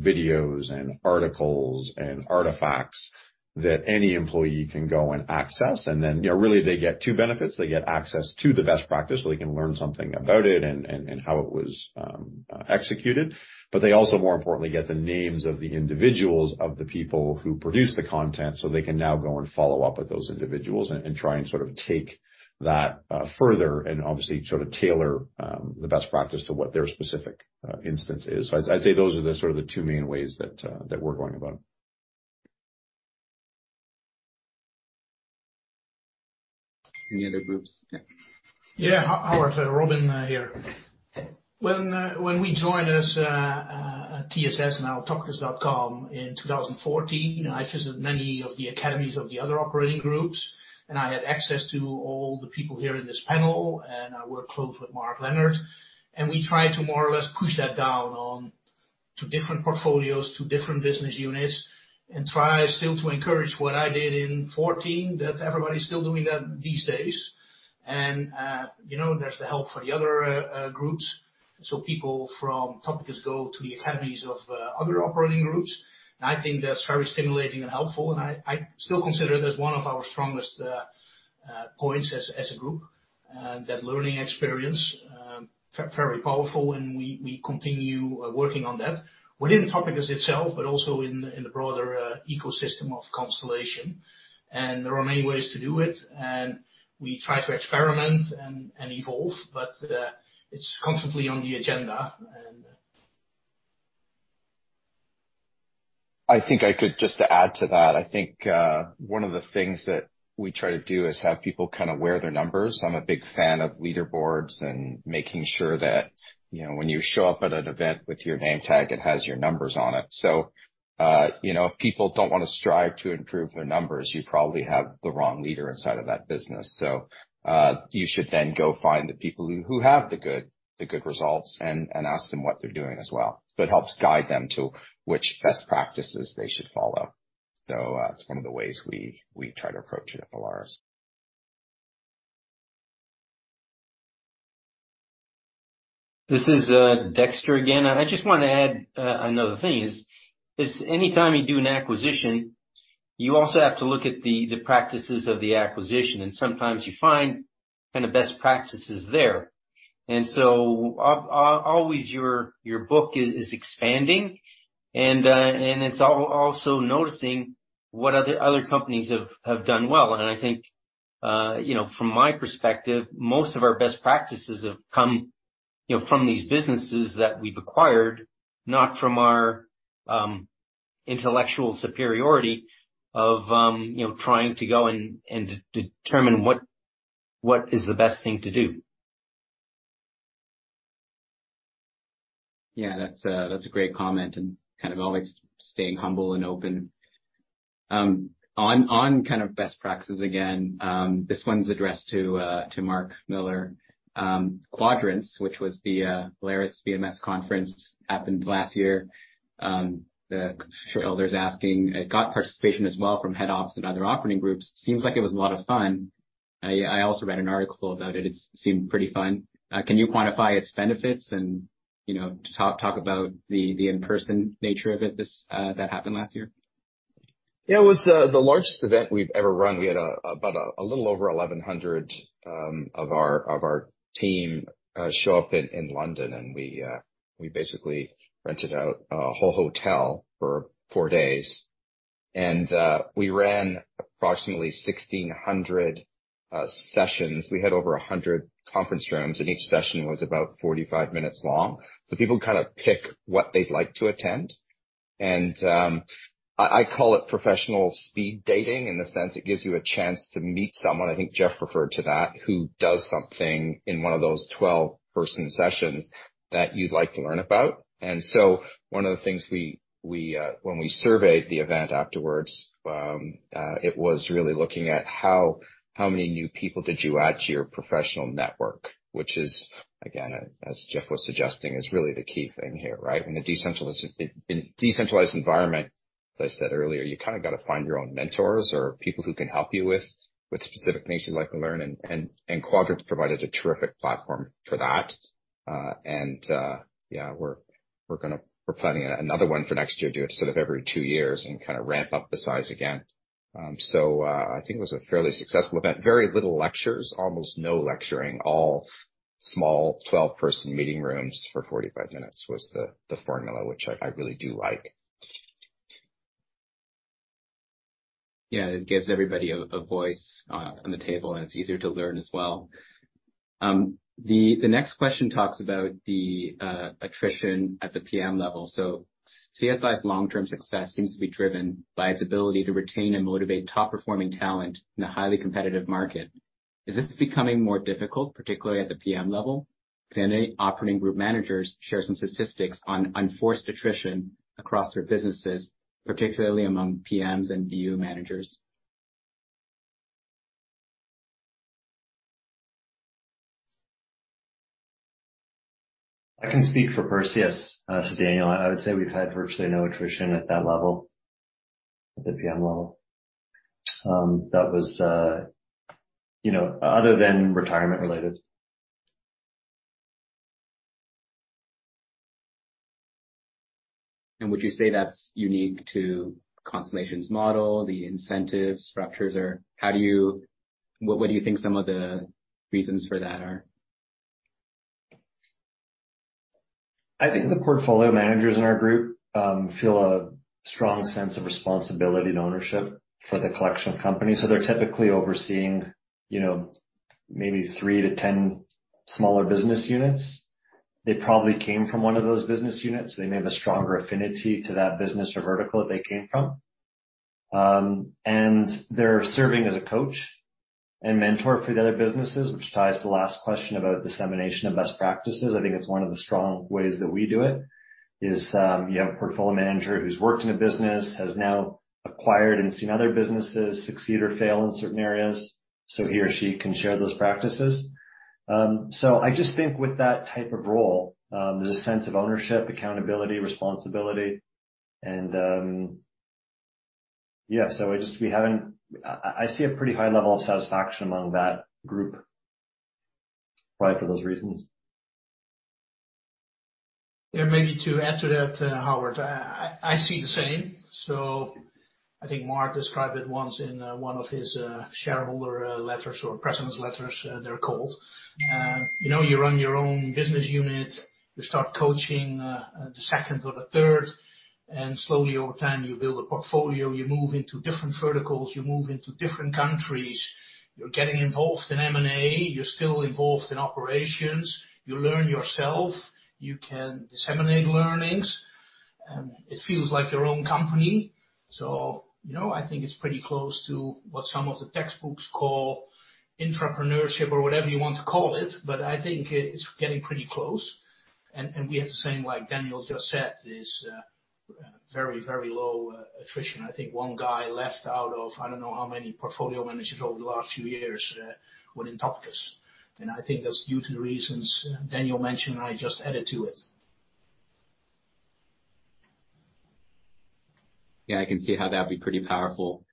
videos and articles and artifacts that any employee can go and access. You know, really they get two benefits. They get access to the best practice, so they can learn something about it and how it was executed. They also, more importantly, get the names of the individuals, of the people who produce the content, so they can now go and follow up with those individuals and try and sort of take that further and obviously sort of tailor the best practice to what their specific instance is. I'd say those are the sort of the two main ways that we're going about it. Any other groups? Yeah. Howard, Robin here. When we joined as TSS, now Topicus.com in 2014, I visited many of the academies of the other operating groups, and I had access to all the people here in this panel, and I worked closely with Mark Leonard, and we tried to more or less push that down on to different portfolios, to different business units, and try still to encourage what I did in 2014, that everybody's still doing that these days. You know, there's the help for the other groups. People from Topicus go to the academies of other operating groups. I think that's very stimulating and helpful, and I still consider it as one of our strongest points as a group. That learning experience, very powerful, and we continue working on that within Topicus itself, but also in the broader ecosystem of Constellation. There are many ways to do it, and we try to experiment and evolve, but, it's constantly on the agenda and I think I could just add to that. I think, one of the things that we try to do is have people kind of wear their numbers. I'm a big fan of leaderboards and making sure that, you know, when you show up at an event with your name tag, it has your numbers on it. You know, if people don't wanna strive to improve their numbers, you probably have the wrong leader inside of that business. You should then go find the people who have the good results and ask them what they're doing as well. It helps guide them to which best practices they should follow. It's one of the ways we try to approach it at Volaris. This is Dexter again. I just want to add another thing is any time you do an acquisition, you also have to look at the practices of the acquisition, sometimes you find kind of best practices there. So always your book is expanding and it's also noticing what other companies have done well. I think, you know, from my perspective, most of our best practices have come, you know, from these businesses that we've acquired, not from our intellectual superiority of, you know, trying to go and determine what is the best thing to do. That's a great comment and kind of always staying humble and open. On kind of best practices again, this one's addressed to Mark Miller. Quadrants, which was the Volaris VMS conference, happened last year. The shareholder's asking, it got participation as well from head office and other operating groups. Seems like it was a lot of fun. I also read an article about it. It seemed pretty fun. Can you quantify its benefits and, you know, talk about the in-person nature of it, this that happened last year? Yeah. It was the largest event we've ever run. We had about a little over 1,100 of our team show up in London, and we basically rented out a whole hotel for four days. We ran approximately 1,600 sessions. We had over 100 conference rooms, and each session was about 45 minutes long. People kind of pick what they'd like to attend. I call it professional speed dating in the sense it gives you a chance to meet someone, I think Jeff referred to that, who does something in one of those 12-person sessions that you'd like to learn about. One of the things we, when we surveyed the event afterwards, it was really looking at how many new people did you add to your professional network. Which is again, as Jeff was suggesting, is really the key thing here, right? In a decentralized environment, as I said earlier, you kinda gotta find your own mentors or people who can help you with specific things you'd like to learn, and Quadrants provided a terrific platform for that. Yeah, we're planning another one for next year, do it sort of every two years and kinda ramp up the size again. I think it was a fairly successful event. Very little lectures, almost no lecturing, all small 12-person meeting rooms for 45 minutes was the formula which I really do like. Yeah. It gives everybody a voice on the table, and it's easier to learn as well. The next question talks about the attrition at the PM level. CSI's long-term success seems to be driven by its ability to retain and motivate top-performing talent in a highly competitive market. Is this becoming more difficult, particularly at the PM level? Can any operating group managers share some statistics on unforced attrition across their businesses, particularly among PMs and BU managers? I can speak for Perseus. Daniel, I would say we've had virtually no attrition at that level, at the PM level. That was, you know, other than retirement-related. Would you say that's unique to Constellation's model, the incentives, structures or what do you think some of the reasons for that are? I think the portfolio managers in our group feel a strong sense of responsibility and ownership for the collection of companies. They're typically overseeing, you know, maybe three to ten smaller business units. They probably came from one of those business units. They may have a stronger affinity to that business or vertical that they came from. And they're serving as a coach and mentor for the other businesses, which ties to the last question about dissemination of best practices. I think it's one of the strong ways that we do it, is, you have a portfolio manager who's worked in a business, has now acquired and seen other businesses succeed or fail in certain areas, so he or she can share those practices. I just think with that type of role, there's a sense of ownership, accountability, responsibility, and yeah. We haven't. I see a pretty high level of satisfaction among that group, probably for those reasons. Yeah. Maybe to add to that, Howard, I see the same. I think Mark described it once in one of his shareholder letters or President's letters, they're called. You know, you run your own business unit. You start coaching the second or the third, and slowly over time, you build a portfolio. You move into different verticals. You move into different countries. You're getting involved in M&A. You're still involved in operations. You learn yourself. You can disseminate learnings. It feels like your own company. You know, I think it's pretty close to what some of the textbooks call entrepreneurship or whatever you want to call it, but I think it's getting pretty close. And we have the same, like Daniel just said, is very, very low attrition. I think one guy left out of I don't know how many portfolio managers over the last few years, within Topicus. I think that's due to the reasons Daniel mentioned. I just added to it. Yeah. I can see how that'd be pretty powerful.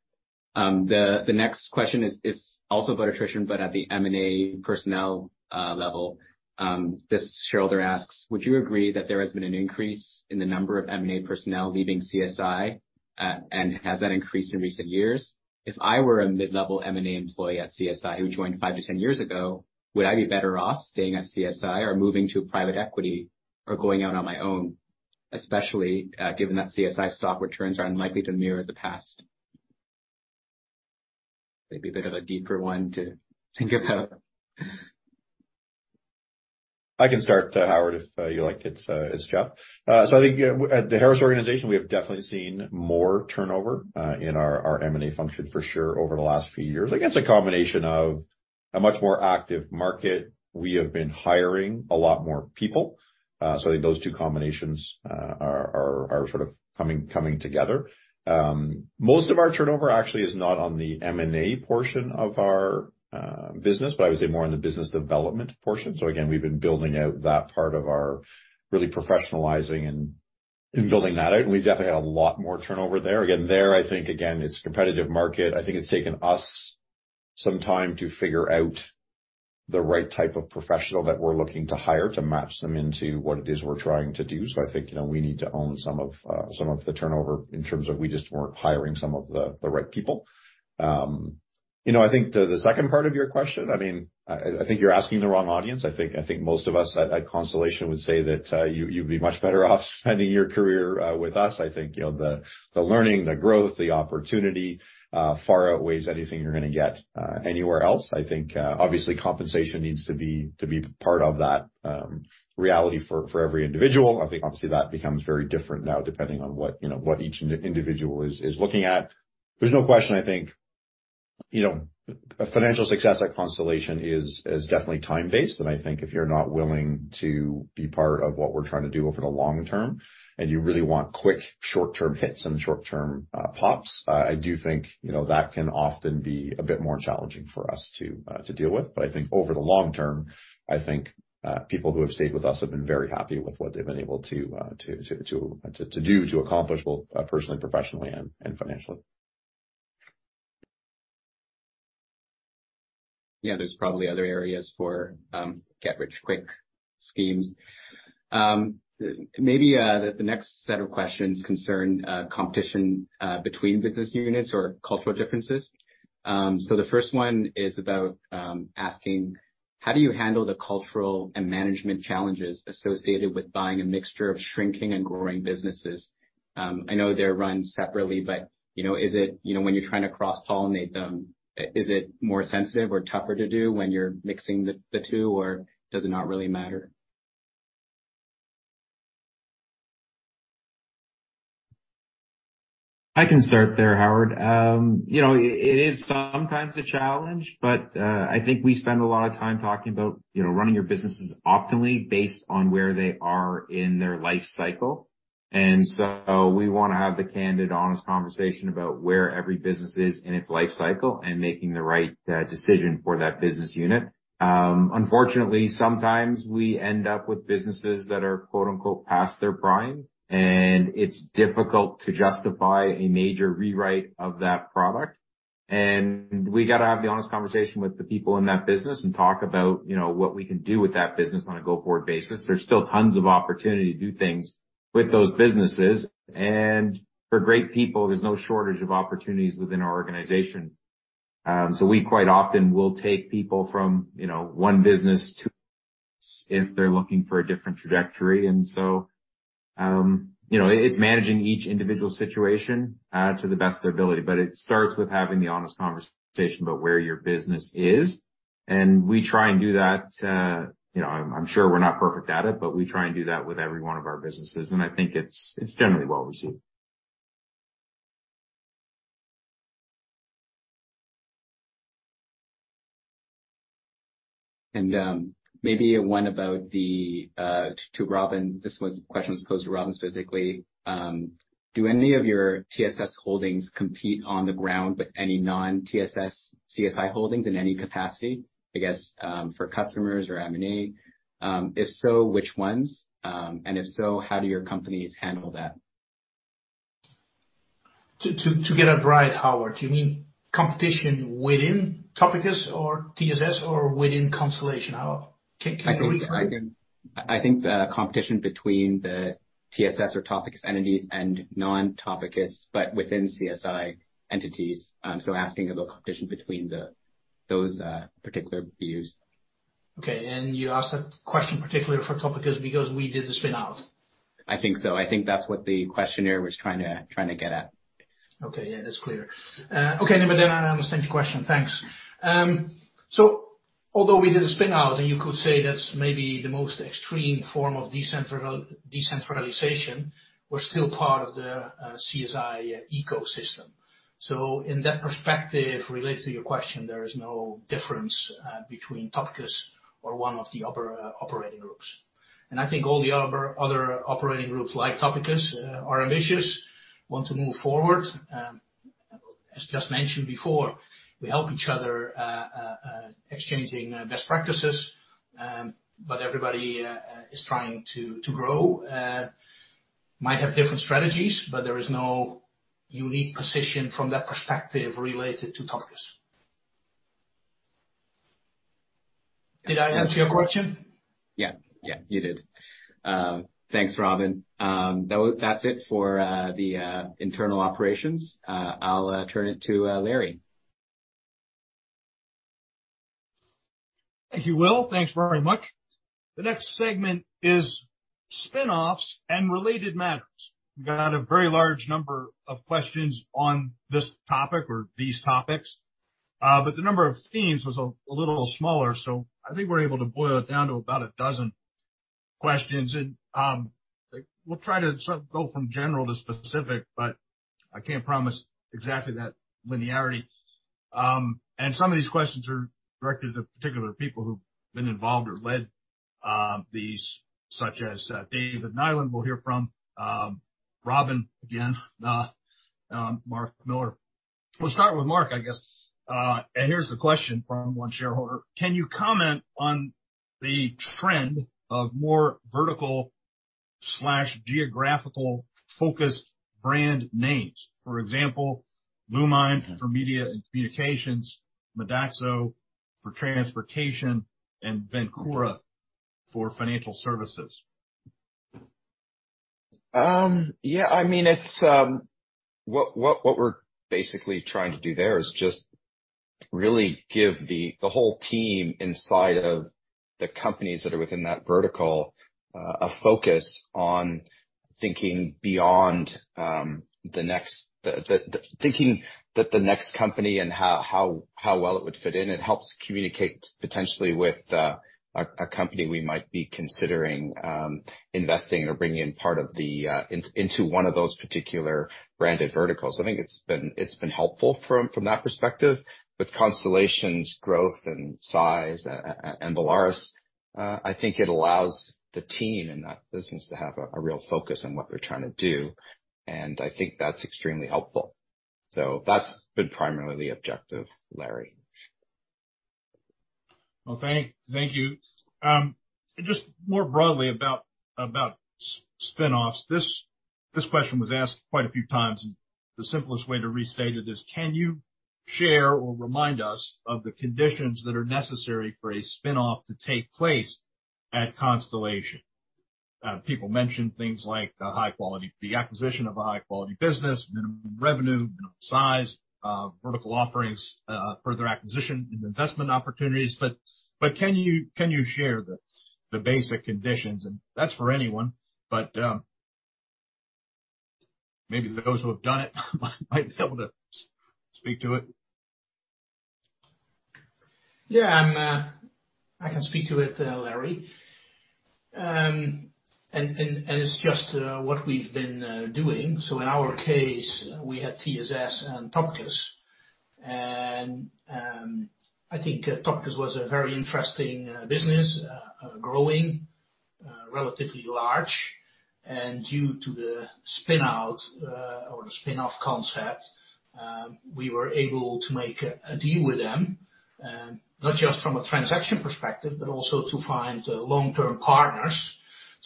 The next question is also about attrition, but at the M&A personnel level. This shareholder asks: Would you agree that there has been an increase in the number of M&A personnel leaving CSI, and has that increased in recent years? If I were a mid-level M&A employee at CSI who joined five, 10 years ago, would I be better off staying at CSI or moving to private equity or going out on my own, especially given that CSI stock returns are unlikely to mirror the past? Maybe a bit of a deeper one to think about. I can start, Howard, if you like. It's Jeff. I think at the Harris organization, we have definitely seen more turnover in our M&A function for sure over the last few years. I think it's a combination of a much more active market. We have been hiring a lot more people. I think those two combinations are sort of coming together. Most of our turnover actually is not on the M&A portion of our business, but I would say more on the business development portion. Again, we've been building out that part of our really professionalizing and building that out, and we've definitely had a lot more turnover there. Again, there, I think, again, it's a competitive market. I think it's taken us some time to figure out the right type of professional that we're looking to hire to match them into what it is we're trying to do. I think, you know, we need to own some of, some of the turnover in terms of we just weren't hiring some of the right people. You know, I think the second part of your question, I mean, I think you're asking the wrong audience. I think most of us at Constellation would say that you'd be much better off spending your career with us. I think, you know, the learning, the growth, the opportunity far outweighs anything you're gonna get anywhere else. I think obviously compensation needs to be part of that reality for every individual. I think obviously that becomes very different now depending on what, you know, what each individual is looking at. There's no question. You know, a financial success at Constellation is definitely time-based. I think if you're not willing to be part of what we're trying to do over the long term, and you really want quick short-term hits and short-term pops, I do think, you know, that can often be a bit more challenging for us to deal with. I think over the long term, I think people who have stayed with us have been very happy with what they've been able to do to accomplish both personally, professionally, and financially. There's probably other areas for get rich quick schemes. Maybe the next set of questions concern competition between business units or cultural differences. The first one is about asking how do you handle the cultural and management challenges associated with buying a mixture of shrinking and growing businesses? I know they're run separately, but, you know, is it, you know, when you're trying to cross-pollinate them, is it more sensitive or tougher to do when you're mixing the two, or does it not really matter? I can start there, Howard. You know, it is sometimes a challenge, but I think we spend a lot of time talking about, you know, running your businesses optimally based on where they are in their life cycle. We wanna have the candid, honest conversation about where every business is in its life cycle and making the right decision for that business unit. Unfortunately, sometimes we end up with businesses that are quote-unquote, "Past their prime," and it's difficult to justify a major rewrite of that product. We gotta have the honest conversation with the people in that business and talk about, you know, what we can do with that business on a go-forward basis. There's still tons of opportunity to do things with those businesses. For great people, there's no shortage of opportunities within our organization. We quite often will take people from, you know, one business to if they're looking for a different trajectory. You know, it's managing each individual situation, to the best of their ability. It starts with having the honest conversation about where your business is, and we try and do that. You know, I'm sure we're not perfect at it, but we try and do that with every one of our businesses, and I think it's generally well-received. Maybe one about the to Robin. This one question was posed to Robin specifically. Do any of your TSS holdings compete on the ground with any non-TSS CSI holdings in any capacity? I guess, for customers or M&A. If so, which ones? And if so, how do your companies handle that? To get it right, Howard, do you mean competition within Topicus or TSS or within Constellation? Can you rephrase? I think the competition between the TSS or Topicus entities and non-Topicus, but within CSI entities. Asking about competition between the, those, particular views. Okay. You asked that question particularly for Topicus because we did the spin-out. I think so. I think that's what the questioner was trying to get at. Okay. Yeah, that's clear. Okay, I understand your question. Thanks. Although we did a spin-out, and you could say that's maybe the most extreme form of decentralization, we're still part of the CSI ecosystem. In that perspective, related to your question, there is no difference between Topicus or one of the operating groups. I think all the other operating groups like Topicus are ambitious, want to move forward. As just mentioned before, we help each other exchanging best practices, but everybody is trying to grow. Might have different strategies, there is no unique position from that perspective related to Topicus. Did I answer your question? Yeah. Yeah, you did. Thanks, Robin. That's it for the internal operations. I'll turn it to Larry. Thank you, Will. Thanks very much. The next segment is spin-offs and related matters. We got a very large number of questions on this topic or these topics, but the number of themes was a little smaller, so I think we're able to boil it down to about a dozen questions. We'll try to sort of go from general to specific, but I can't promise exactly that linearity. Some of these questions are directed to particular people who've been involved or led these, such as David Nyland, we'll hear from Robin again, Mark Miller. We'll start with Mark, I guess. Here's the question from one shareholder: Can you comment on the trend of more vertical/geographical focused brand names, for example, Lumine for media and communications, Modaxo for transportation, and Vencora for financial services? Yeah, I mean, it's. What we're basically trying to do there is just really give the whole team inside of the companies that are within that vertical, a focus on thinking beyond thinking that the next company and how well it would fit in. It helps communicate potentially with a company we might be considering, investing or bringing in part of the into one of those particular branded verticals. I think it's been helpful from that perspective. With Constellation's growth and size and Volaris- I think it allows the team in that business to have a real focus on what they're trying to do, and I think that's extremely helpful. That's been primarily objective, Larry. Well, thank you. just more broadly about spin-offs. This question was asked quite a few times. The simplest way to restate it is: Can you share or remind us of the conditions that are necessary for a spin-off to take place at Constellation? People mentioned things like the acquisition of a high quality business, minimum revenue, minimum size, vertical offerings, further acquisition and investment opportunities. can you share the basic conditions? That's for anyone, but maybe for those who have done it might be able to speak to it. Yeah. I can speak to it, Larry. It's just what we've been doing. In our case, we had TSS and Topicus. I think Topicus was a very interesting business, growing relatively large. Due to the spin-out or the spin-off concept, we were able to make a deal with them, not just from a transaction perspective, but also to find long-term partners.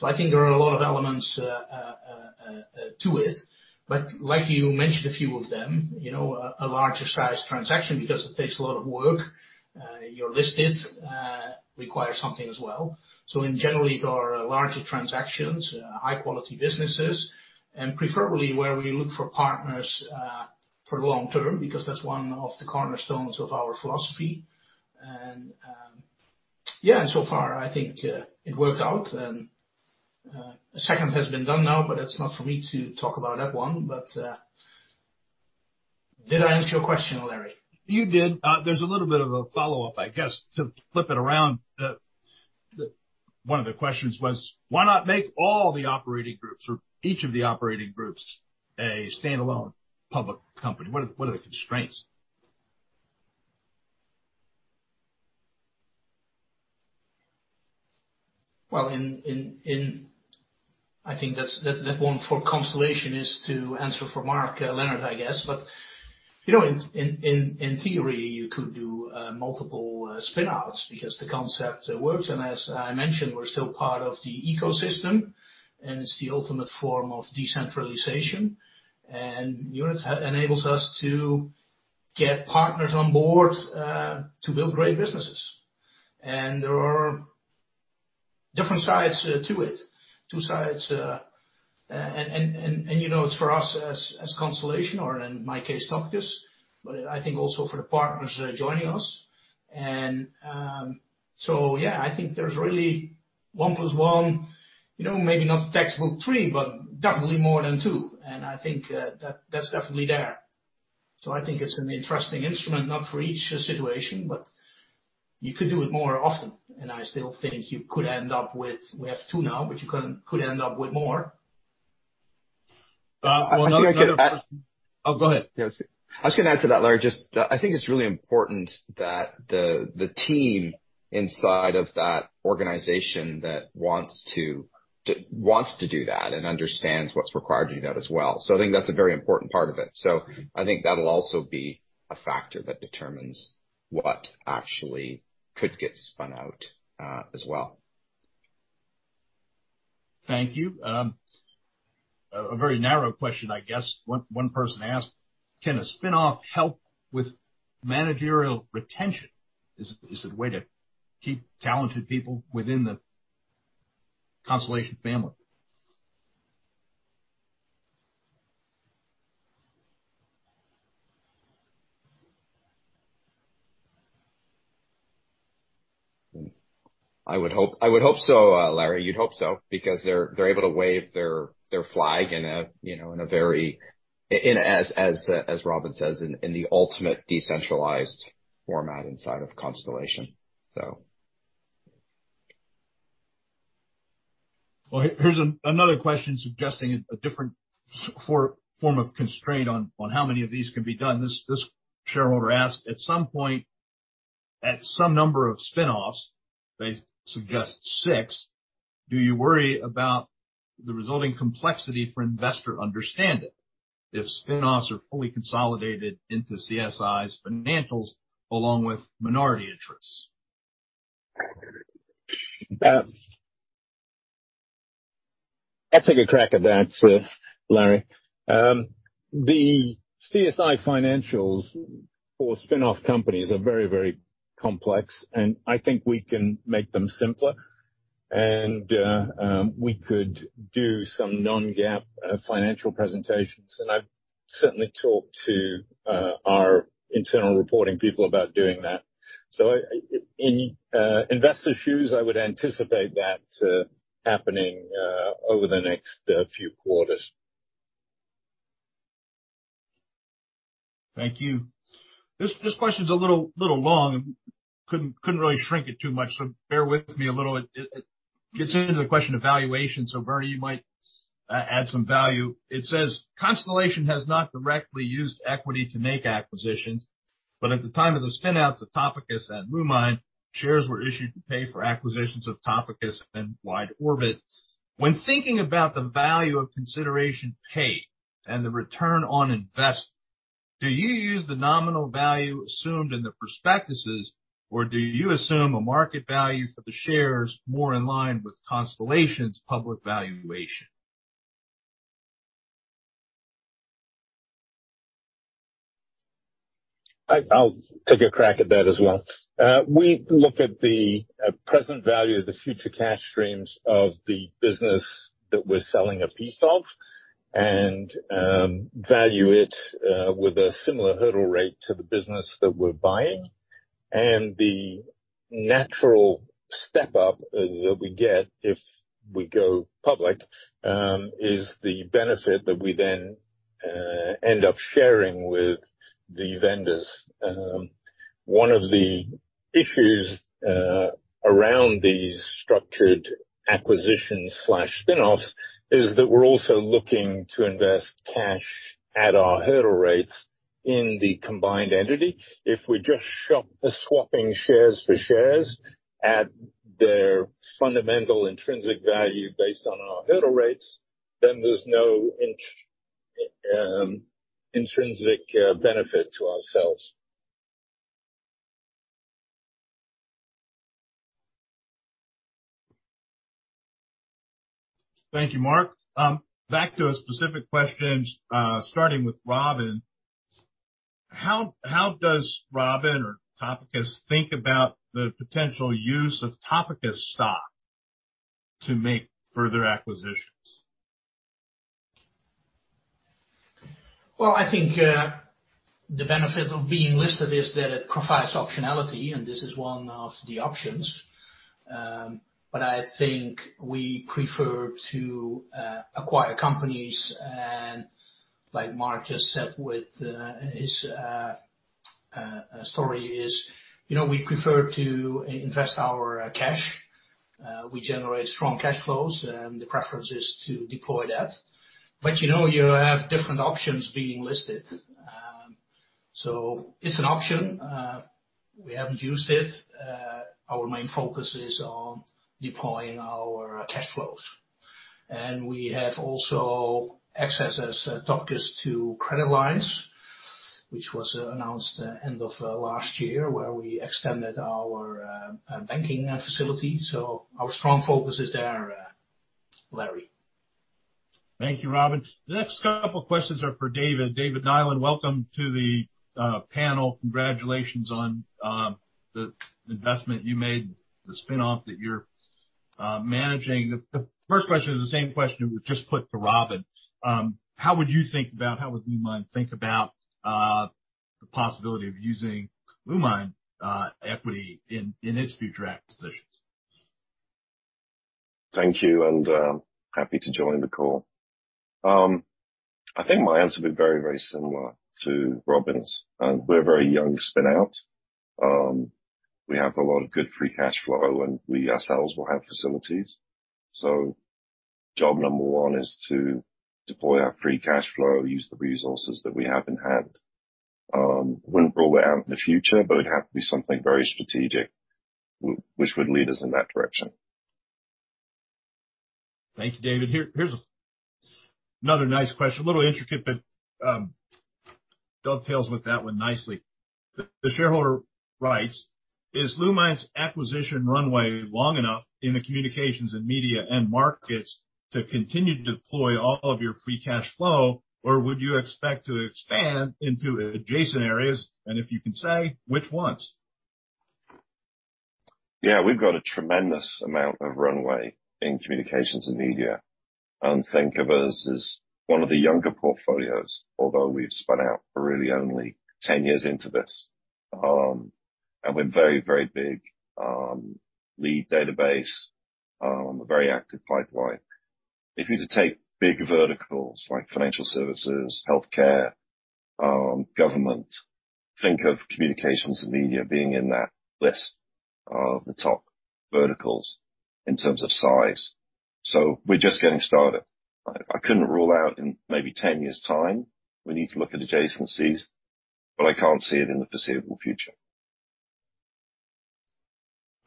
I think there are a lot of elements to it. Like you mentioned, a few of them, you know, a larger sized transaction because it takes a lot of work. You're listed, requires something as well. In general, there are larger transactions, high quality businesses, and preferably where we look for partners, for the long term, because that's one of the cornerstones of our philosophy. Yeah. So far, I think it worked out. The second has been done now, but it's not for me to talk about that one. Did I answer your question, Larry? You did. There's a little bit of a follow-up, I guess, to flip it around. One of the questions was: Why not make all the operating groups or each of the operating groups a standalone public company? What are the constraints? Well, I think that's one for Constellation is to answer for Mark Leonard, I guess. You know, in theory, you could do multiple spin-outs because the concept works. As I mentioned, we're still part of the ecosystem, and it's the ultimate form of decentralization. It enables us to get partners on board to build great businesses. There are different sides to it, two sides. You know, it's for us as Constellation or in my case, Topicus, but I think also for the partners joining us. Yeah, I think there's really one plus one, you know, maybe not textbook three, but definitely more than two. I think that's definitely there. I think it's an interesting instrument, not for each situation, but you could do it more often. I still think you could end up with. We have two now, but you could end up with more. Well, another question- I think I could. Oh, go ahead. Yeah, that's it. I was gonna add to that, Larry. Just, I think it's really important that the team inside of that organization that wants to do that and understands what's required to do that as well. I think that's a very important part of it. I think that'll also be a factor that determines what actually could get spun out as well. Thank you. A very narrow question, I guess. One person asked: Can a spin-off help with managerial retention? Is it a way to keep talented people within the Constellation family? I would hope so, Larry. You'd hope so, because they're able to wave their flag in a, you know, in as Robin says, in the ultimate decentralized format inside of Constellation, so. Well, here's another question suggesting a different form of constraint on how many of these can be done. This shareholder asked: At some point, at some number of spin-offs, they suggest six, do you worry about the resulting complexity for investor understanding if spin-offs are fully consolidated into CSI's financials along with minority interests? I'll take a crack at that, Larry. The CSI financials for spin-off companies are very, very complex, and I think we can make them simpler and we could do some non-GAAP financial presentations. I've certainly talked to our internal reporting people about doing that. In investor shoes, I would anticipate that happening over the next few quarters. Thank you. This question's a little long. Couldn't really shrink it too much, so bear with me a little. It gets into the question of valuation. Bernie, you might add some value. It says Constellation has not directly used equity to make acquisitions, but at the time of the spin-outs of Topicus and Lumine, shares were issued to pay for acquisitions of Topicus and WideOrbit. When thinking about the value of consideration paid and the return on investment, do you use the nominal value assumed in the prospectuses, or do you assume a market value for the shares more in line with Constellation's public valuation? I'll take a crack at that as well. We look at the present value of the future cash streams of the business that we're selling a piece of, and value it with a similar hurdle rate to the business that we're buying. The natural step up that we get if we go public is the benefit that we then end up sharing with the vendors. One of the issues around these structured acquisitions/spin-offs is that we're also looking to invest cash at our hurdle rates in the combined entity. If we just shop the swapping shares for shares at their fundamental intrinsic value based on our hurdle rates, then there's no intrinsic benefit to ourselves. Thank you, Mark. Back to specific questions, starting with Robin. How does Robin or Topicus think about the potential use of Topicus stock to make further acquisitions? I think the benefit of being listed is that it provides optionality, and this is one of the options. I think we prefer to acquire companies, and like Mark just said with his story is, you know, we prefer to invest our cash. We generate strong cash flows, and the preference is to deploy that. But, you know, you have different options being listed. It's an option. We haven't used it. Our main focus is on deploying our cash flows. We have also access as Topicus to credit lines, which was announced end of last year, where we extended our banking facility. Our strong focus is there, Larry. Thank you, Robin. The next couple questions are for David. David Nyland, welcome to the panel. Congratulations on the investment you made, the spin-off that you're managing. The first question is the same question we just put to Robin. How would Lumine think about the possibility of using Lumine equity in its future acquisitions? Thank you. Happy to join the call. I think my answer would be very, very similar to Robin's. We're a very young spin-out. We have a lot of good free cash flow, and we ourselves will have facilities. Job number one is to deploy our free cash flow, use the resources that we have in hand. Wouldn't rule it out in the future, but it'd have to be something very strategic which would lead us in that direction. Thank you, David. Here's another nice question. A little intricate, but dovetails with that one nicely. The shareholder writes: Is Lumine's acquisition runway long enough in the communications and media end markets to continue to deploy all of your free cash flow, or would you expect to expand into adjacent areas? If you can say, which ones? Yeah. We've got a tremendous amount of runway in communications and media. Think of us as one of the younger portfolios, although we've spun out, we're really only 10 years into this. We're very, very big, lead database, a very active pipeline. If you were to take big verticals like financial services, healthcare, government, think of communications and media being in that list of the top verticals in terms of size. We're just getting started. I couldn't rule out in maybe 10 years' time, we need to look at adjacencies, but I can't see it in the foreseeable future.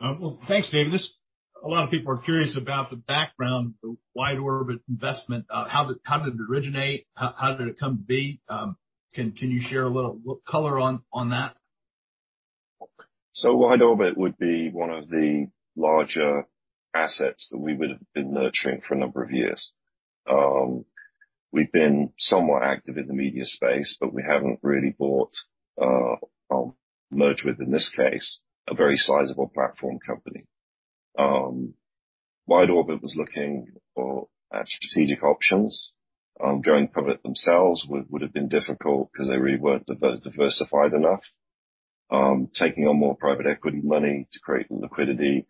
Well, thanks, David. Just a lot of people are curious about the background, the WideOrbit investment. How did it originate? How did it come to be? Can you share a little color on that? WideOrbit would be one of the larger assets that we would have been nurturing for a number of years. We've been somewhat active in the media space, but we haven't really bought or merged with, in this case, a very sizable platform company. WideOrbit was looking for strategic options. Going private themselves would have been difficult 'cause they really weren't diversified enough. Taking on more private equity money to create liquidity.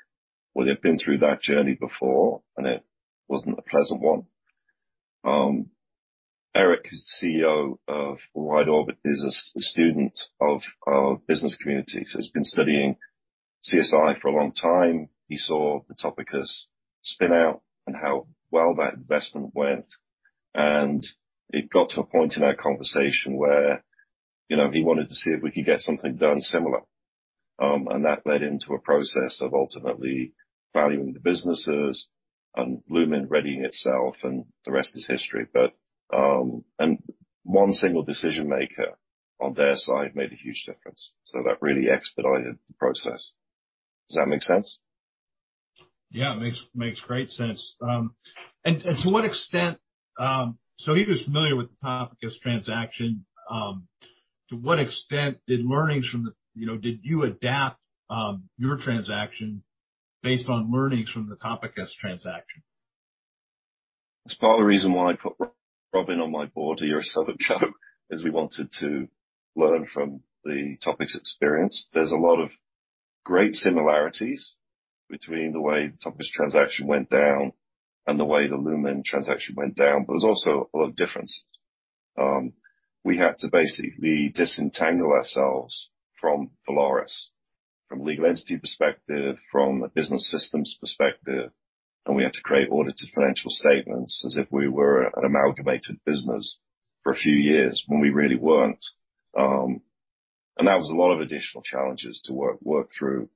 They've been through that journey before, and it wasn't a pleasant one. Eric, who's the CEO of WideOrbit, is a student of our business community, so he's been studying CSI for a long time. He saw the Topicus spin out and how well that investment went, and it got to a point in our conversation where, you know, he wanted to see if we could get something done similar. That led into a process of ultimately valuing the businesses and Lumine readying itself, and the rest is history. One single decision maker on their side made a huge difference. That really expedited the process. Does that make sense? Yeah, it makes great sense. To what extent. He was familiar with the Topicus transaction. To what extent did learnings from the, you know, did you adapt your transaction based on learnings from the Topicus transaction? It's part of the reason why I put Robin on my board, to your southern joke, is we wanted to learn from the Topicus experience. There's a lot of great similarities between the way the Topicus transaction went down and the way the Lumine transaction went down. There was also a lot of differences. We had to basically disentangle ourselves from Volaris, from a legal entity perspective, from a business systems perspective, and we had to create audited financial statements as if we were an amalgamated business for a few years when we really weren't. That was a lot of additional challenges to work through.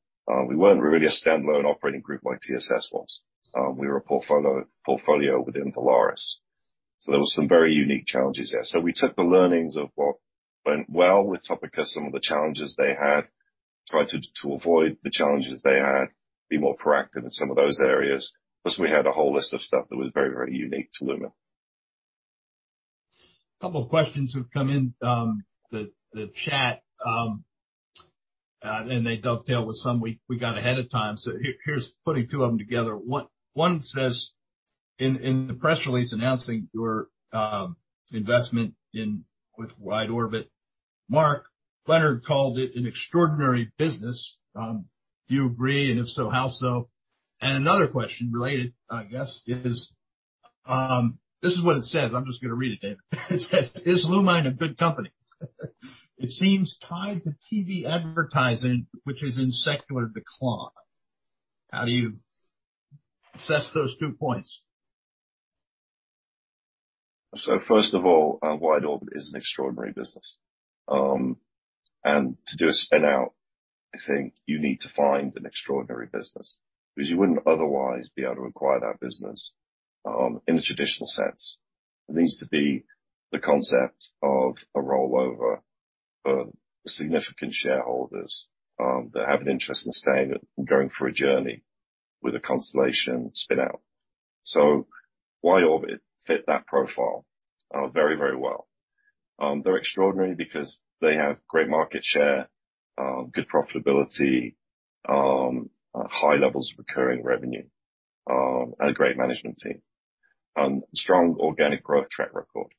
We weren't really a stand-alone operating group like TSS was. We were a portfolio within Volaris. There were some very unique challenges there. We took the learnings of what went well with Topicus, some of the challenges they had, tried to avoid the challenges they had, be more proactive in some of those areas. We had a whole list of stuff that was very, very unique to Lumine. A couple of questions have come in, the chat. They dovetail with some we got ahead of time. Here's putting two of them together. One says, in the press release announcing your investment with WideOrbit, Mark called it an extraordinary business. Do you agree? If so, how so? Another question related, I guess, is, this is what it says. I'm just gonna read it, David. It says, "Is Lumine a good company? It seems tied to TV advertising, which is in secular decline." How do you assess those two points? First of all, WideOrbit is an extraordinary business. To do a spin out, I think you need to find an extraordinary business because you wouldn't otherwise be able to acquire that business in a traditional sense. There needs to be the concept of a rollover for significant shareholders that have an interest in staying and going for a journey with a Constellation spin out. WideOrbit fit that profile very, very well. They're extraordinary because they have great market share, good profitability, high levels of recurring revenue, and a great management team, and a strong organic growth track record.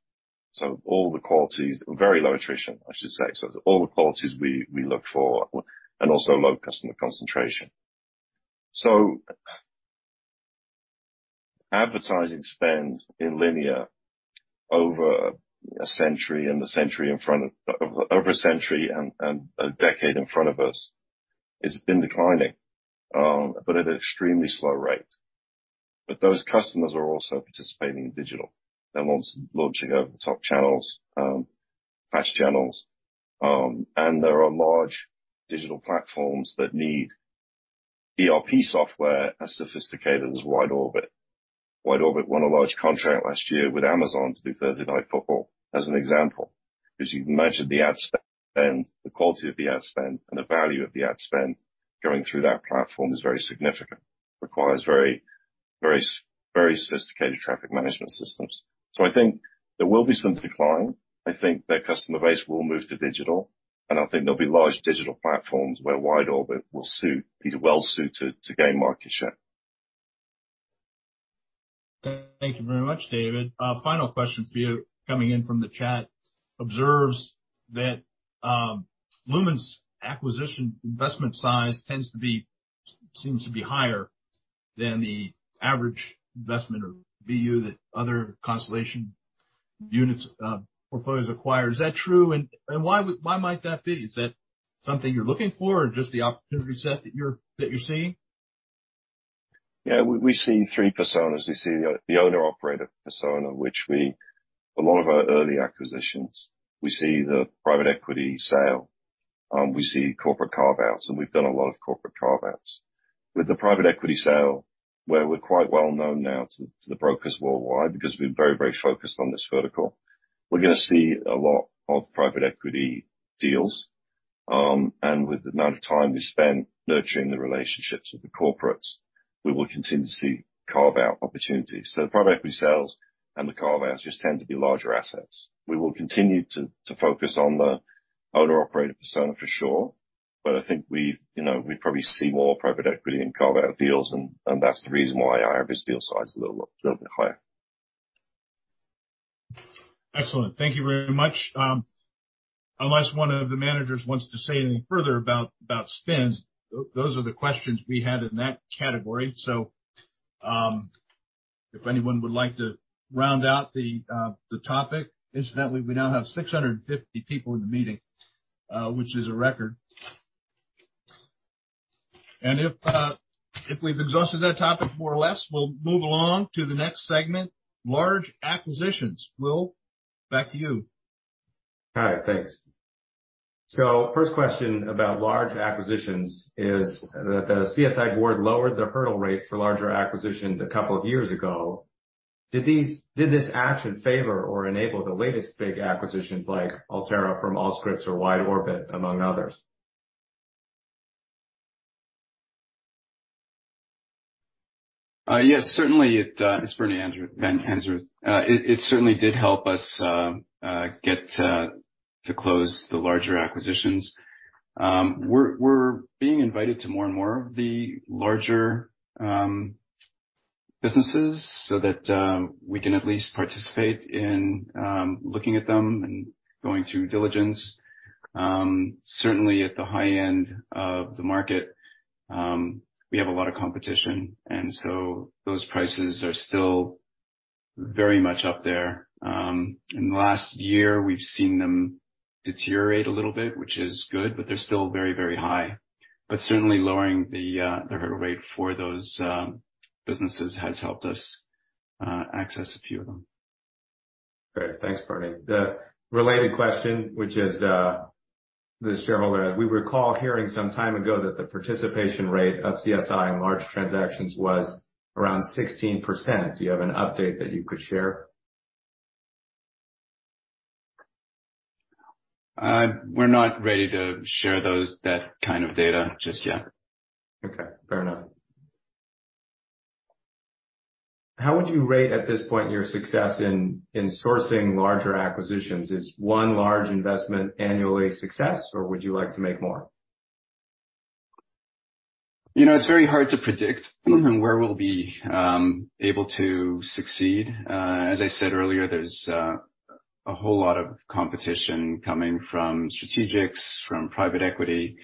Very low attrition, I should say. All the qualities we look for, and also low customer concentration. Advertising spend in linear over a century and a century in front of. Over a century and a decade in front of us, it's been declining, but at an extremely slow rate. Those customers are also participating in digital. They're launching over-the-top channels, patch channels, and there are large digital platforms that need ERP software as sophisticated as WideOrbit. WideOrbit won a large contract last year with Amazon to do Thursday Night Football, as an example. As you can imagine, the ad spend, the quality of the ad spend and the value of the ad spend going through that platform is very significant. Requires very sophisticated traffic management systems. I think there will be some decline. I think their customer base will move to digital, and I think there'll be large digital platforms where WideOrbit will be well-suited to gain market share. Thank you very much, David. A final question for you coming in from the chat observes that Lumine's acquisition investment size seems to be higher than the average investment or VU that other Constellation units, portfolios acquire. Is that true? Why might that be? Is that something you're looking for or just the opportunity set that you're seeing? Yeah. We see three personas. We see the owner/operator persona. A lot of our early acquisitions. We see the private equity sale, we see corporate carve-outs, and we've done a lot of corporate carve-outs. With the private equity sale, where we're quite well known now to the brokers worldwide because we're very, very focused on this vertical, we're gonna see a lot of private equity deals. With the amount of time we spend nurturing the relationships with the corporates, we will continue to see carve-out opportunities. The private equity sales and the carve-outs just tend to be larger assets. We will continue to focus on the owner/operator persona for sure, but I think we, you know, probably see more private equity and carve-out deals and that's the reason why our average deal size is a little bit higher. Excellent. Thank you very much. Unless one of the managers wants to say anything further about spins, those are the questions we had in that category. If anyone would like to round out the topic. Incidentally, we now have 650 people in the meeting, which is a record. If we've exhausted that topic more or less, we'll move along to the next segment, large acquisitions. Will, back to you. All right, thanks. First question about large acquisitions is that the CSI board lowered the hurdle rate for larger acquisitions a couple of years ago. Did this action favor or enable the latest big acquisitions like Altera from Allscripts or WideOrbit, among others? Yes, certainly it's Bernie Anzarouth. It certainly did help us get to close the larger acquisitions. We're being invited to more and more of the larger businesses so that we can at least participate in looking at them and going through diligence. Certainly at the high end of the market, we have a lot of competition, and so those prices are still very much up there. In the last year, we've seen them deteriorate a little bit, which is good, but they're still very, very high. Certainly lowering the hurdle rate for those businesses has helped us access a few of them. Great. Thanks, Bernie. The related question, which is, the shareholder, we recall hearing some time ago that the participation rate of CSI in large transactions was around 16%. Do you have an update that you could share? We're not ready to share those, that kind of data just yet. Fair enough. How would you rate at this point your success in sourcing larger acquisitions? Is one large investment annually success, or would you like to make more? You know, it's very hard to predict where we'll be able to succeed. As I said earlier, there's a whole lot of competition coming from strategics, from private equity.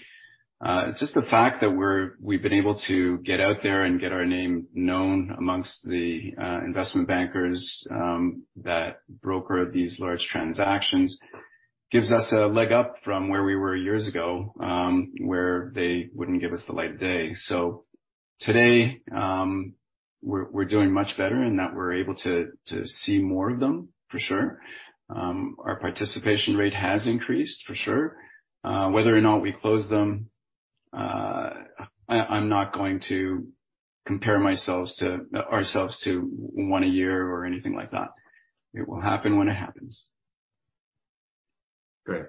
Just the fact that we've been able to get out there and get our name known amongst the investment bankers that broker these large transactions gives us a leg up from where we were years ago, where they wouldn't give us the light of day. Today, we're doing much better in that we're able to see more of them, for sure. Our participation rate has increased, for sure. Whether or not we close them, I'm not going to compare myself to ourselves to one a year or anything like that. It will happen when it happens. Great.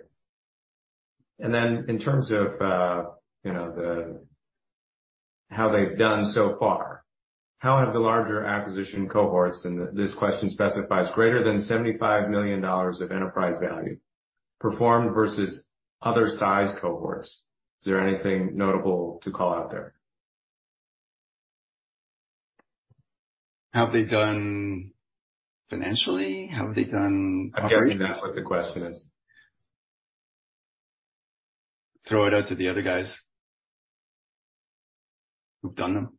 Then in terms of, you know, the how they've done so far, how have the larger acquisition cohorts, and this question specifies greater than $75 million of enterprise value, performed versus other size cohorts? Is there anything notable to call out there? How have they done financially? How have they done? I'm guessing that's what the question is. Throw it out to the other guys who've done them.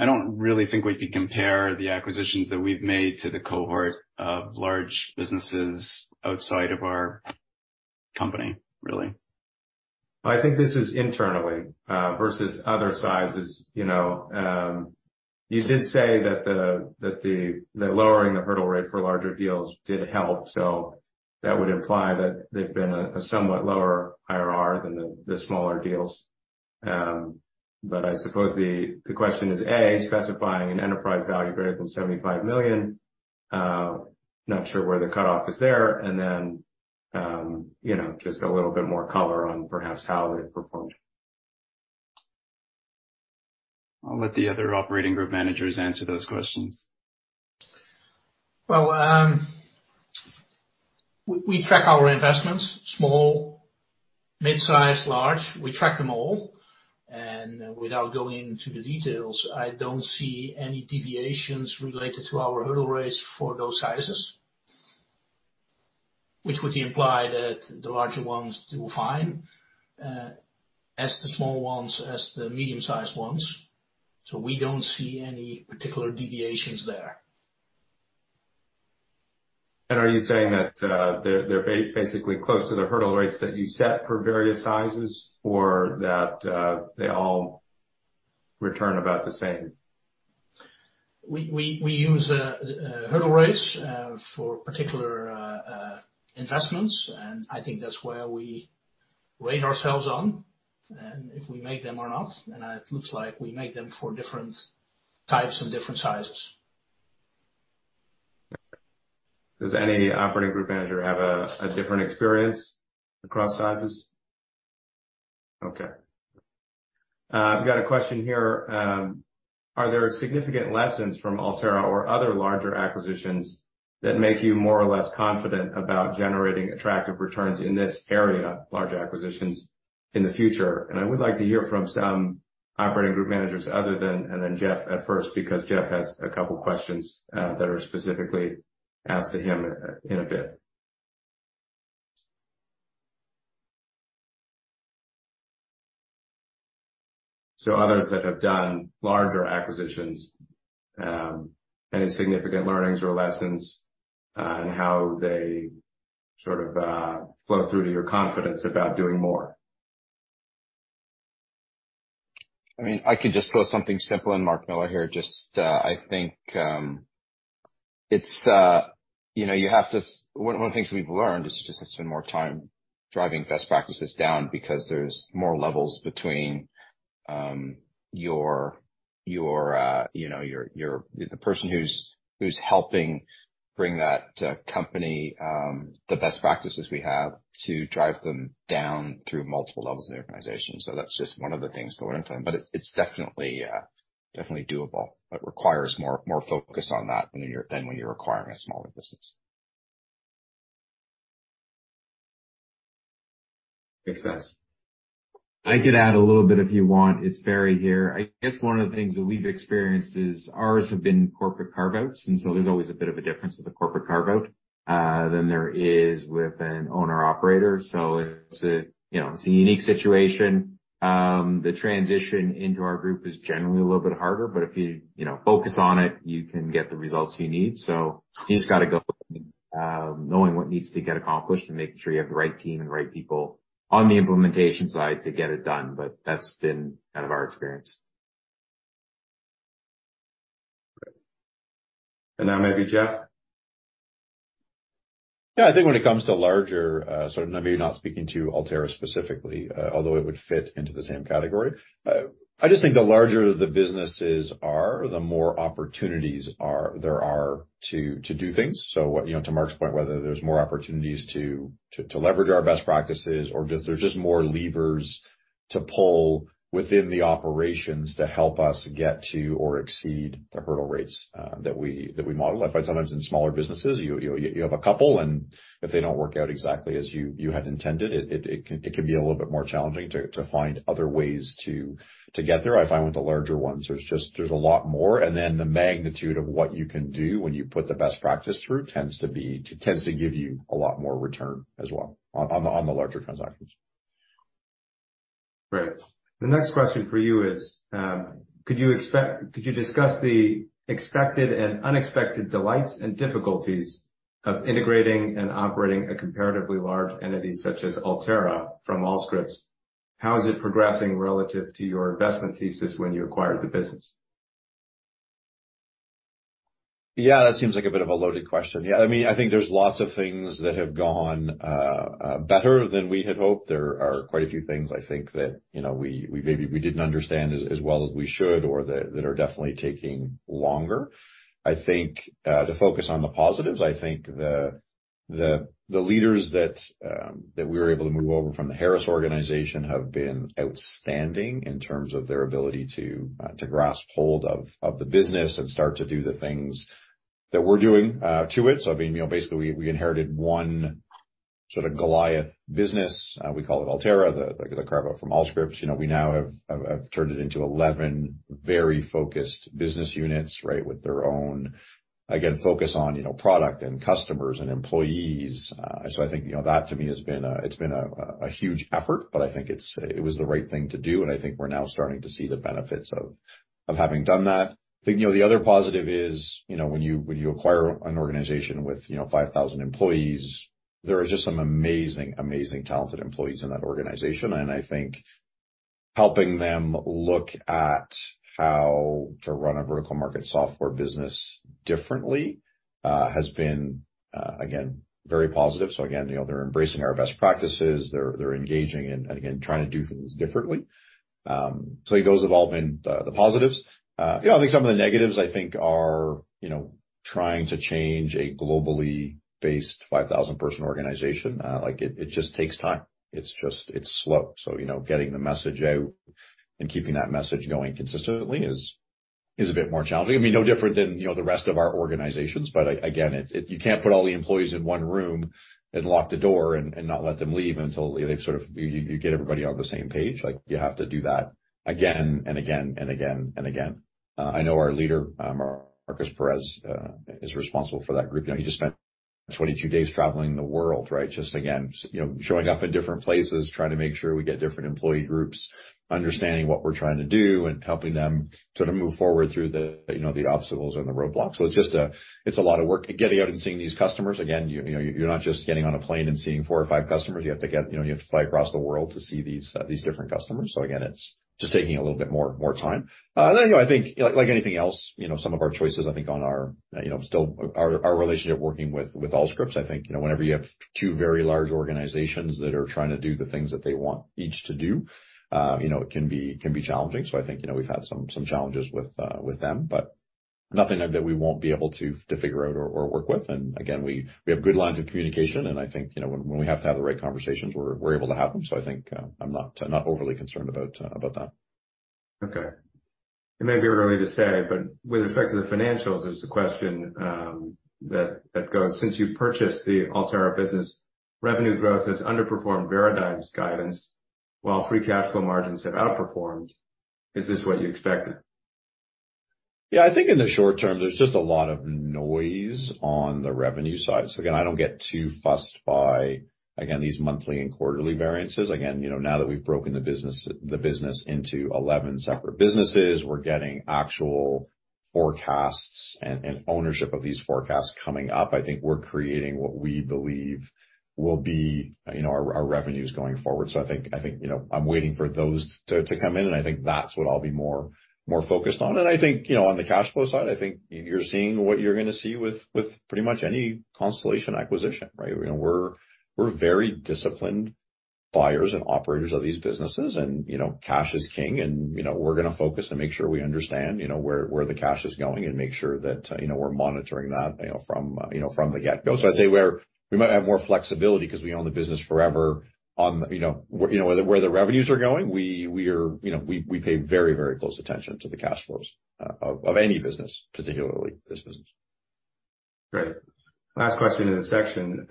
I don't really think we can compare the acquisitions that we've made to the cohort of large businesses outside of our company, really. I think this is internally, versus other sizes. You know, you did say that lowering the hurdle rate for larger deals did help, so that would imply that they've been a somewhat lower IRR than the smaller deals. I suppose the question is, A, specifying an enterprise value greater than $75 million. Not sure where the cutoff is there. You know, just a little bit more color on perhaps how they've performed. I'll let the other operating group managers answer those questions. Well, we track our investments small, mid-size, large. We track them all. Without going into the details, I don't see any deviations related to our hurdle rates for those sizes, which would imply that the larger ones do fine, as the small ones, as the medium-sized ones. We don't see any particular deviations there. Are you saying that, they're basically close to the hurdle rates that you set for various sizes or that, they all return about the same? We use hurdle rates for particular investments. I think that's where we rate ourselves on and if we make them or not. It looks like we make them for different types and different sizes. Okay. Does any operating group manager have a different experience across sizes? Okay. I've got a question here. Are there significant lessons from Altera or other larger acquisitions that make you more or less confident about generating attractive returns in this area, large acquisitions in the future. I would like to hear from some operating group managers other than, and then Jeff at first, because Jeff has a couple questions that are specifically asked to him in a bit. Others that have done larger acquisitions, any significant learnings or lessons on how they sort of flow through to your confidence about doing more? I mean, I could just throw something simple. Mark Miller here, just, I think, it's, you know, One of the things we've learned is just to spend more time driving best practices down because there's more levels between, your, you know, your the person who's helping bring that company, the best practices we have to drive them down through multiple levels of the organization. That's just one of the things that we're implementing. It's definitely doable. It requires more focus on that than when you're acquiring a smaller business. Makes sense. I could add a little bit if you want. It's Barry here. I guess one of the things that we've experienced is ours have been corporate carve-outs, there's always a bit of a difference with a corporate carve-out than there is with an owner-operator. It's a, you know, it's a unique situation. The transition into our group is generally a little bit harder, but if you know, focus on it, you can get the results you need. You just gotta go in knowing what needs to get accomplished and making sure you have the right team and the right people on the implementation side to get it done. That's been kind of our experience. Great. Now maybe Jeff. Yeah. I think when it comes to larger, sort of maybe not speaking to Altera specifically, although it would fit into the same category. I just think the larger the businesses are, the more opportunities there are to do things. You know, to Mark's point, whether there's more opportunities to leverage our best practices or just, there's just more levers to pull within the operations to help us get to or exceed the hurdle rates that we model. I find sometimes in smaller businesses, you have a couple, and if they don't work out exactly as you had intended, it can be a little bit more challenging to find other ways to get there. I find with the larger ones, there's just, there's a lot more, and then the magnitude of what you can do when you put the best practice through tends to give you a lot more return as well on the, on the larger transactions. Great. The next question for you is, could you discuss the expected and unexpected delights and difficulties of integrating and operating a comparatively large entity such as Altera from Allscripts? How is it progressing relative to your investment thesis when you acquired the business? That seems like a bit of a loaded question. I mean, I think there's lots of things that have gone better than we had hoped. There are quite a few things I think that, you know, we maybe we didn't understand as well as we should or that are definitely taking longer. I think, to focus on the positives, I think the leaders that we were able to move over from the Harris organization have been outstanding in terms of their ability to grasp hold of the business and start to do the things that we're doing to it. I mean, you know, basically we inherited one sort of Goliath business, we call it Altera, like the carve-out from Allscripts. You know, we now have turned it into 11 very focused business units, right, with their own, again, focus on, you know, product and customers and employees. I think, you know, that to me has been a huge effort, but I think it was the right thing to do, and I think we're now starting to see the benefits of having done that. I think, you know, the other positive is, you know, when you, when you acquire an organization with, you know, 5,000 employees, there are just some amazing talented employees in that organization, and I think helping them look at how to run a vertical market software business differently, has been again, very positive. Again, you know, they're embracing our best practices, they're engaging and again, trying to do things differently. Those have all been the positives. You know, I think some of the negatives are, you know, trying to change a globally based 5,000 person organization. Like, it just takes time. It's just, it's slow. You know, getting the message out and keeping that message going consistently is a bit more challenging. I mean, no different than, you know, the rest of our organizations, but again, you can't put all the employees in one room and lock the door and not let them leave until they've sort of you get everybody on the same page. Like, you have to do that again and again and again and again. I know our leader, Marcus Perez, is responsible for that group. You know, he just spent 22 days traveling the world, right? Just again, you know, showing up in different places, trying to make sure we get different employee groups understanding what we're trying to do and helping them sort of move forward through the, you know, the obstacles and the roadblocks. It's a lot of work. Getting out and seeing these customers, again, you know, you're not just getting on a plane and seeing four or five customers. You have to fly across the world to see these different customers. Again, it's just taking a little bit more time. Anyway, I think like anything else, you know, some of our choices I think on our, you know, still our relationship working with Allscripts. Whenever you have two very large organizations that are trying to do the things that they want each to do, you know, it can be challenging. I think we've had some challenges with them, nothing that we won't be able to figure out or work with. Again, we have good lines of communication when we have to have the right conversations, we're able to have them. I think I'm not overly concerned about that. Okay. It may be early to say, but with respect to the financials, there's a question that goes. Since you purchased the Altera business, revenue growth has underperformed Veradigm's guidance while free cash flow margins have outperformed. Is this what you expected? I think in the short term, there's just a lot of noise on the revenue side. Again, I don't get too fussed by, these monthly and quarterly variances. Again, you know, now that we've broken the business into 11 separate businesses, we're getting actual forecasts and ownership of these forecasts coming up. I think we're creating what we believe will be, you know, our revenues going forward. I think, you know, I'm waiting for those to come in, and I think that's what I'll be more focused on. I think, you know, on the cash flow side, I think you're seeing what you're gonna see with pretty much any Constellation acquisition, right? You know, we're very disciplined buyers and operators of these businesses and, you know, cash is king and, you know, we're gonna focus and make sure we understand, you know, where the cash is going and make sure that, you know, we're monitoring that, you know, from, you know, from the get-go. I'd say we might have more flexibility 'cause we own the business forever on, you know, where, you know, where the revenues are going. We, we are, you know, we pay very, very close attention to the cash flows of any business, particularly this business. Great. Last question in this section,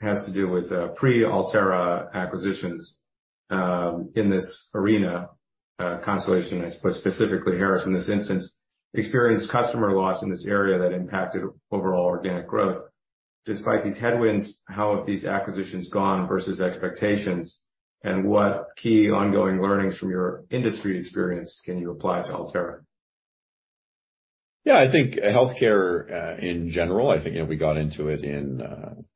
has to do with pre-Altera acquisitions, in this arena, Constellation, I suppose specifically Harris in this instance, experienced customer loss in this area that impacted overall organic growth. Despite these headwinds, how have these acquisitions gone versus expectations, and what key ongoing learnings from your industry experience can you apply to Altera? I think healthcare in general, I think, you know, we got into it in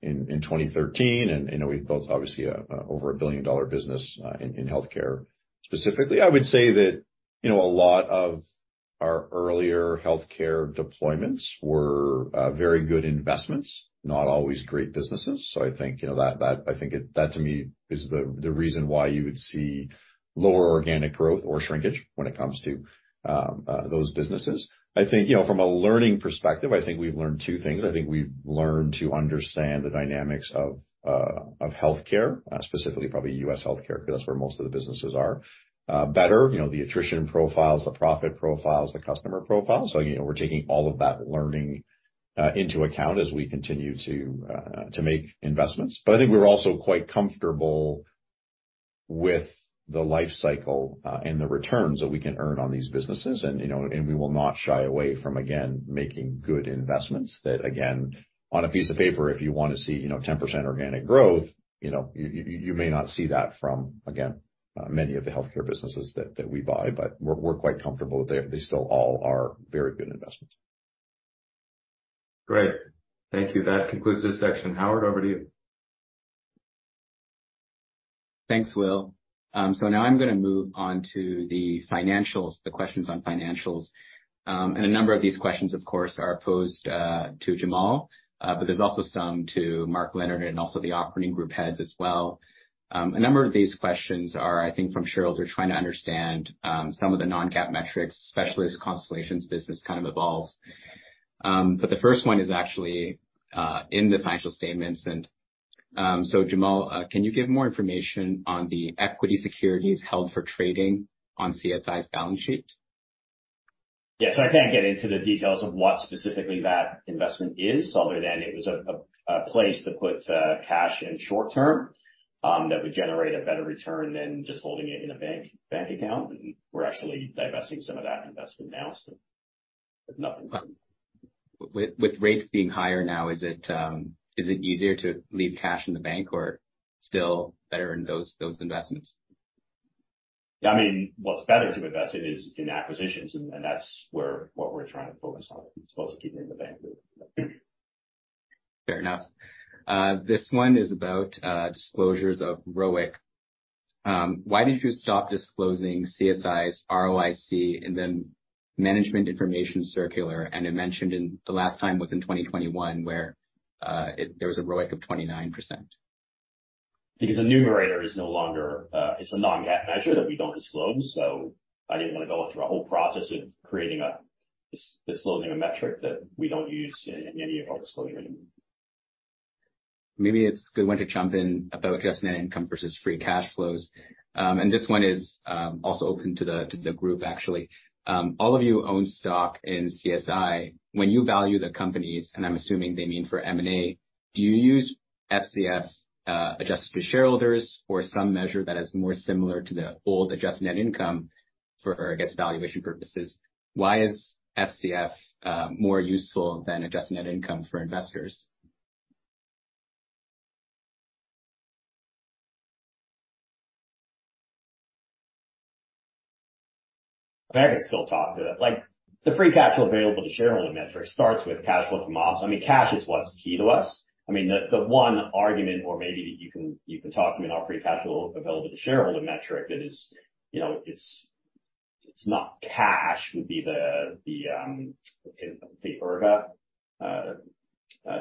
2013 and, you know, we've built obviously over a billion-dollar business in healthcare. Specifically, I would say that, you know, a lot of our earlier healthcare deployments were very good investments, not always great businesses. I think, you know, that to me is the reason why you would see lower organic growth or shrinkage when it comes to those businesses. I think, you know, from a learning perspective, I think we've learned two things. I think we've learned to understand the dynamics of healthcare specifically probably U.S. healthcare 'cause that's where most of the businesses are better. You know, the attrition profiles, the profit profiles, the customer profiles. you know, we're taking all of that learning into account as we continue to make investments. I think we're also quite comfortable with the life cycle and the returns that we can earn on these businesses and, you know, and we will not shy away from, again, making good investments. That again, on a piece of paper, if you wanna see, you know, 10% organic growth, you know, you may not see that from, again, many of the healthcare businesses that we buy, but we're quite comfortable they still all are very good investments. Great. Thank you. That concludes this section. Howard, over to you. Thanks, Will. Now I'm gonna move on to the financials, the questions on financials. A number of these questions, of course, are posed to Jamal, but there's also some to Mark Leonard and also the operating group heads as well. A number of these questions are, I think, from shareholders who are trying to understand some of the non-GAAP metrics, especially as Constellation's business kind of evolves. The first one is actually in the financial statements. Jamal, can you give more information on the equity securities held for trading on CSI's balance sheet? Yeah. I can't get into the details of what specifically that investment is other than it was a place to put cash in short term that would generate a better return than just holding it in a bank account. We're actually divesting some of that investment now, so there's nothing. With rates being higher now, is it easier to leave cash in the bank or still better in those investments? I mean, what's better to invest in is in acquisitions and that's what we're trying to focus on as opposed to keeping in the bank. Fair enough. This one is about disclosures of ROIC. Why did you stop disclosing CSI's ROIC in the management information circular? It mentioned in the last time was in 2021, where there was a ROIC of 29%. Because the numerator is no longer, it's a non-GAAP measure that we don't disclose. I didn't wanna go through a whole process of creating a disclosing a metric that we don't use in any of our disclosure anymore. It's a good one to jump in about adjusted net income versus free cash flows. This one is also open to the group, actually. All of you own stock in CSI. When you value the companies, and I'm assuming they mean for M&A, do you use FCF adjusted to shareholders or some measure that is more similar to the old adjusted net income for, I guess, valuation purposes? Why is FCF more useful than adjusted net income for investors? I can still talk to that. Like, the free cash flow available to shareholder metric starts with cash flow from ops. I mean, cash is what's key to us. I mean, the one argument or maybe you can talk to me about free cash flow available to shareholder metric that is, you know, it's not cash, would be the okay, the ERGA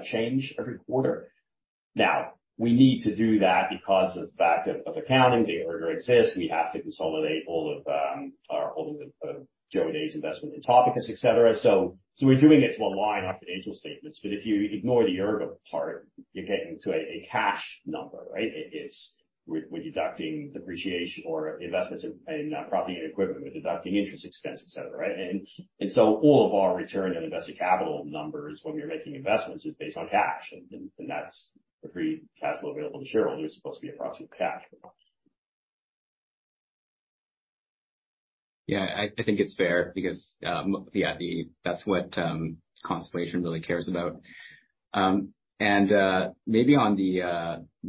change every quarter. We need to do that because of the fact of accounting. The ERGA exists. We have to consolidate all of all of the Joday's investment in Topicus, et cetera. We're doing it to align our financial statements, but if you ignore the ERGA part, you're getting to a cash number, right? It is. We're deducting depreciation or investments in property and equipment. We're deducting interest expense, et cetera, right? All of our return on invested capital numbers when we are making investments is based on cash. That's the free cash flow available to shareholders supposed to be approximate cash. I think it's fair because that's what Constellation really cares about.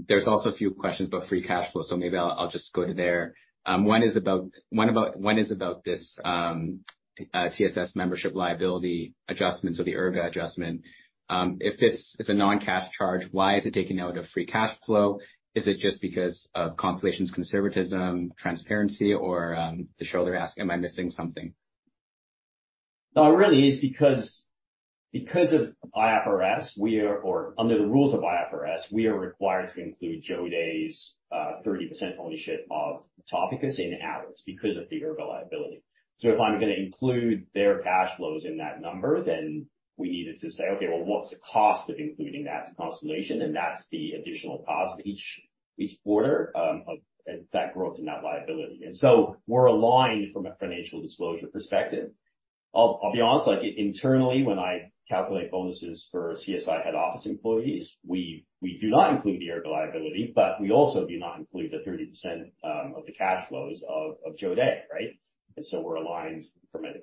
There's also a few questions about free cash flow, so maybe I'll just go to there. One is about this TSS membership liability adjustment, so the IRBA adjustment. If this is a non-cash charge, why is it taken out of free cash flow? Is it just because of Constellation's conservatism, transparency or the shareholder asking, "Am I missing something? No, it really is because of IFRS, under the rules of IFRS, we are required to include Joday's 30% ownership of Topicus in ours because of the IRBA liability. If I'm going to include their cash flows in that number, then we needed to say, "Okay, well, what's the cost of including that to Constellation?" That's the additional cost each quarter of that growth in that liability. We're aligned from a financial disclosure perspective. I'll be honest, like, internally, when I calculate bonuses for CSI head office employees, we do not include the IRBA liability, but we also do not include the 30% of the cash flows of Joday, right? We're aligned from an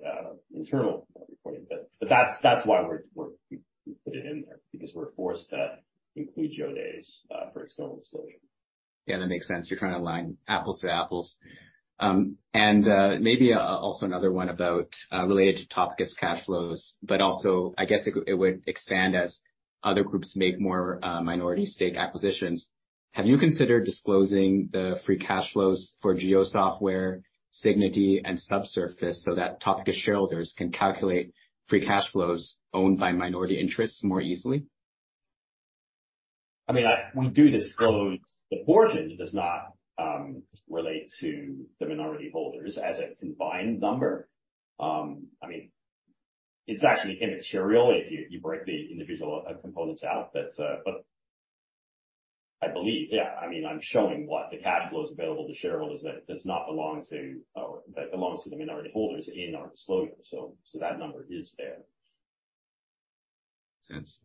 internal reporting. That's why we put it in there because we're forced to include Joday's for external disclosure. Yeah, that makes sense. You're trying to align apples to apples. Maybe, also another one about related to Topicus cash flows, but also, I guess it would expand as other groups make more minority stake acquisitions. Have you considered disclosing the free cash flows for GeoSoftware, Signity and Subsurface so that Topicus shareholders can calculate free cash flows owned by minority interests more easily? I mean, we do disclose the portion that does not relate to the minority holders as a combined number. I mean, it's actually immaterial if you break the individual components out. I believe, yeah, I mean, I'm showing what the cash flows available to shareholders that does not belong to or that belongs to the minority holders in our disclosure. That number is there. Makes sense.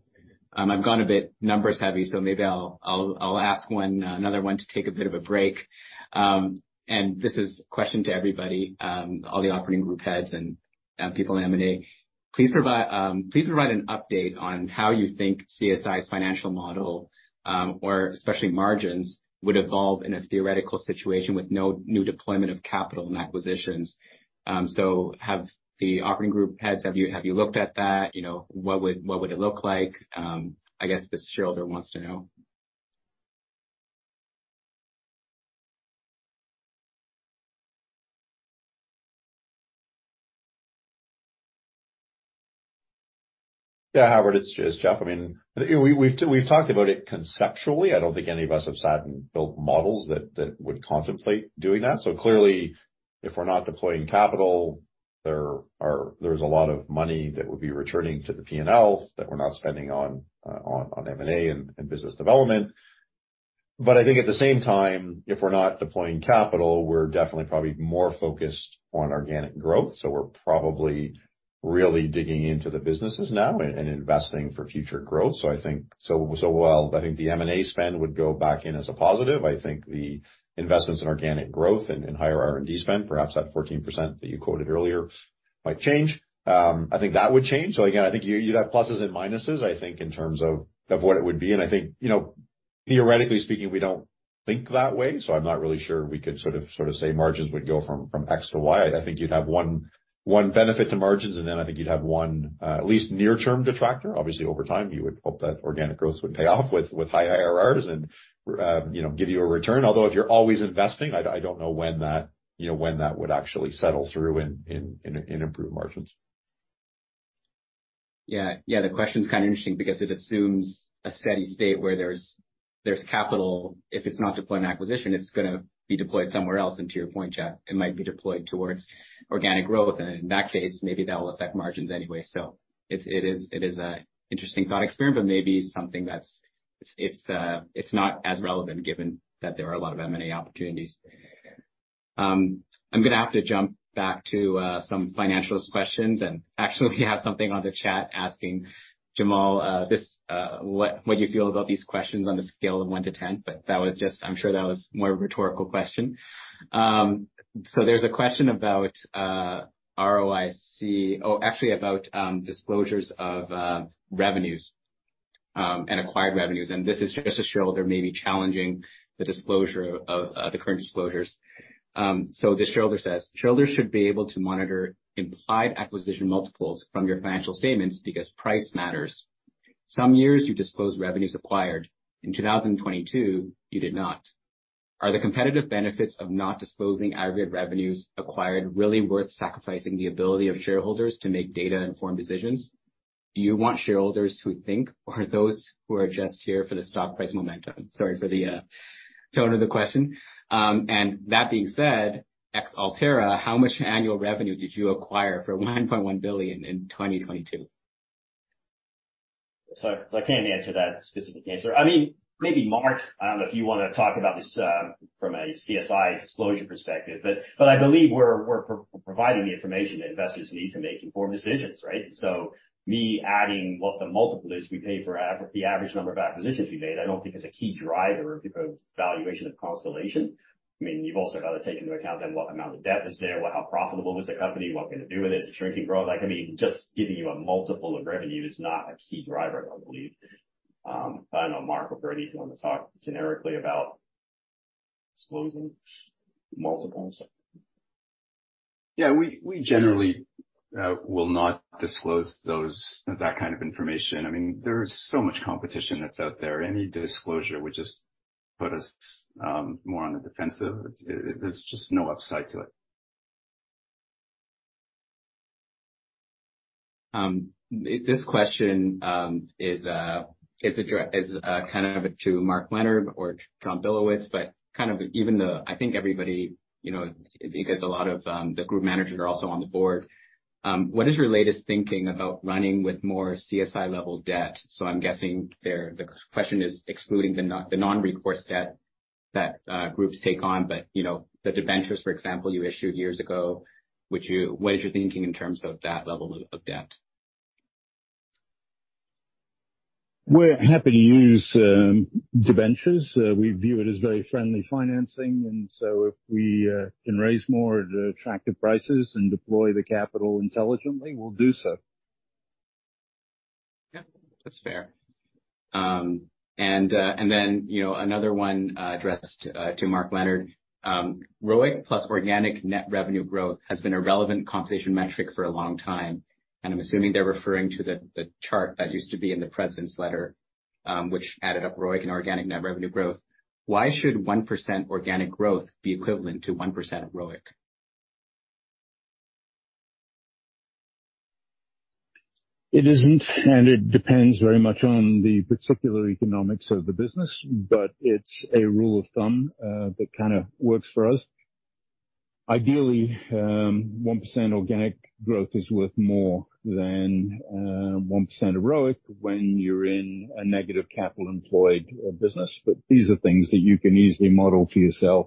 I've gone a bit numbers heavy, so maybe I'll ask one, another one to take a bit of a break. This is question to everybody, all the operating group heads and people in M&A. Please provide, please provide an update on how you think CSI's financial model, or especially margins would evolve in a theoretical situation with no new deployment of capital and acquisitions. Have the operating group heads, have you looked at that? You know, what would it look like? I guess this shareholder wants to know. Yeah, Howard, it's Jeff. I mean, you know, we've talked about it conceptually. I don't think any of us have sat and built models that would contemplate doing that. Clearly, if we're not deploying capital, there's a lot of money that would be returning to the P&L that we're not spending on M&A and business development. I think at the same time, if we're not deploying capital, we're definitely probably more focused on organic growth. We're probably really digging into the businesses now and investing for future growth. I think, while I think the M&A spend would go back in as a positive, I think the investments in organic growth and higher R&D spend, perhaps that 14% that you quoted earlier might change. I think that would change. Again, I think you'd have pluses and minuses, I think, in terms of what it would be. I think, you know, theoretically speaking, we don't think that way, so I'm not really sure we could sort of say margins would go from X to Y. I think you'd have one benefit to margins, and then I think you'd have one, at least near term detractor. Obviously, over time, you would hope that organic growth would pay off with high IRRs and, you know, give you a return. Although if you're always investing, I don't know when that, you know, when that would actually settle through in improved margins. The question's kind of interesting because it assumes a steady state where there's capital. If it's not deploying acquisition, it's going to be deployed somewhere else. To your point, Jeff, it might be deployed towards organic growth, and in that case, maybe that will affect margins anyway. It is an interesting thought experiment, but maybe something that's not as relevant given that there are a lot of M&A opportunities. I'm going to have to jump back to some financialist questions. Actually have something on the chat asking Jamal this, what you feel about these questions on a scale of 1 to 10, but I'm sure that was more of a rhetorical question. There's a question about ROIC, disclosures of revenues and acquired revenues. This is just a shareholder maybe challenging the disclosure of the current disclosures. This shareholder says, "Shareholders should be able to monitor implied acquisition multiples from your financial statements because price matters. Some years you disclose revenues acquired. In 2022, you did not. Are the competitive benefits of not disclosing aggregate revenues acquired really worth sacrificing the ability of shareholders to make data-informed decisions? Do you want shareholders who think or those who are just here for the stock price momentum?" Sorry for the tone of the question. That being said, ex Altera, how much annual revenue did you acquire for $1.1 billion in 2022? I can't answer that specific answer. I mean, maybe Mark, I don't know if you wanna talk about this from a CSI disclosure perspective, but I believe we're providing the information that investors need to make informed decisions, right? Me adding what the multiple is we pay for the average number of acquisitions we made, I don't think is a key driver of the valuation of Constellation. I mean, you've also got to take into account then what amount of debt is there, how profitable was the company, what can you do with it, the shrinking growth. Like, I mean, just giving you a multiple of revenue is not a key driver, I believe. I don't know, Mark or Bernie, if you want to talk generically about disclosing multiples. We generally will not disclose those, that kind of information. There's so much competition that's out there. Any disclosure would just put us more on the defensive. There's just no upside to it. This question, kind of to Mark Leonard or John Billowits, but kind of even though I think everybody, you know, because a lot of the group managers are also on the board. What is your latest thinking about running with more CSI-level debt? I'm guessing there the question is excluding the non-recourse debt that groups take on. You know, the debentures, for example, you issued years ago, what is your thinking in terms of that level of debt? We're happy to use, debentures. We view it as very friendly financing, and so if we can raise more at attractive prices and deploy the capital intelligently, we'll do so. Yeah, that's fair. You know, another one, addressed to Mark Leonard. ROIC plus organic net revenue growth has been a relevant compensation metric for a long time, and I'm assuming they're referring to the chart that used to be in the president's letter, which added up ROIC and organic net revenue growth. Why should 1% organic growth be equivalent to 1% of ROIC? It isn't, and it depends very much on the particular economics of the business, but it's a rule of thumb, that kinda works for us. Ideally, 1% organic growth is worth more than 1% of ROIC when you're in a negative capital employed business. These are things that you can easily model for yourself,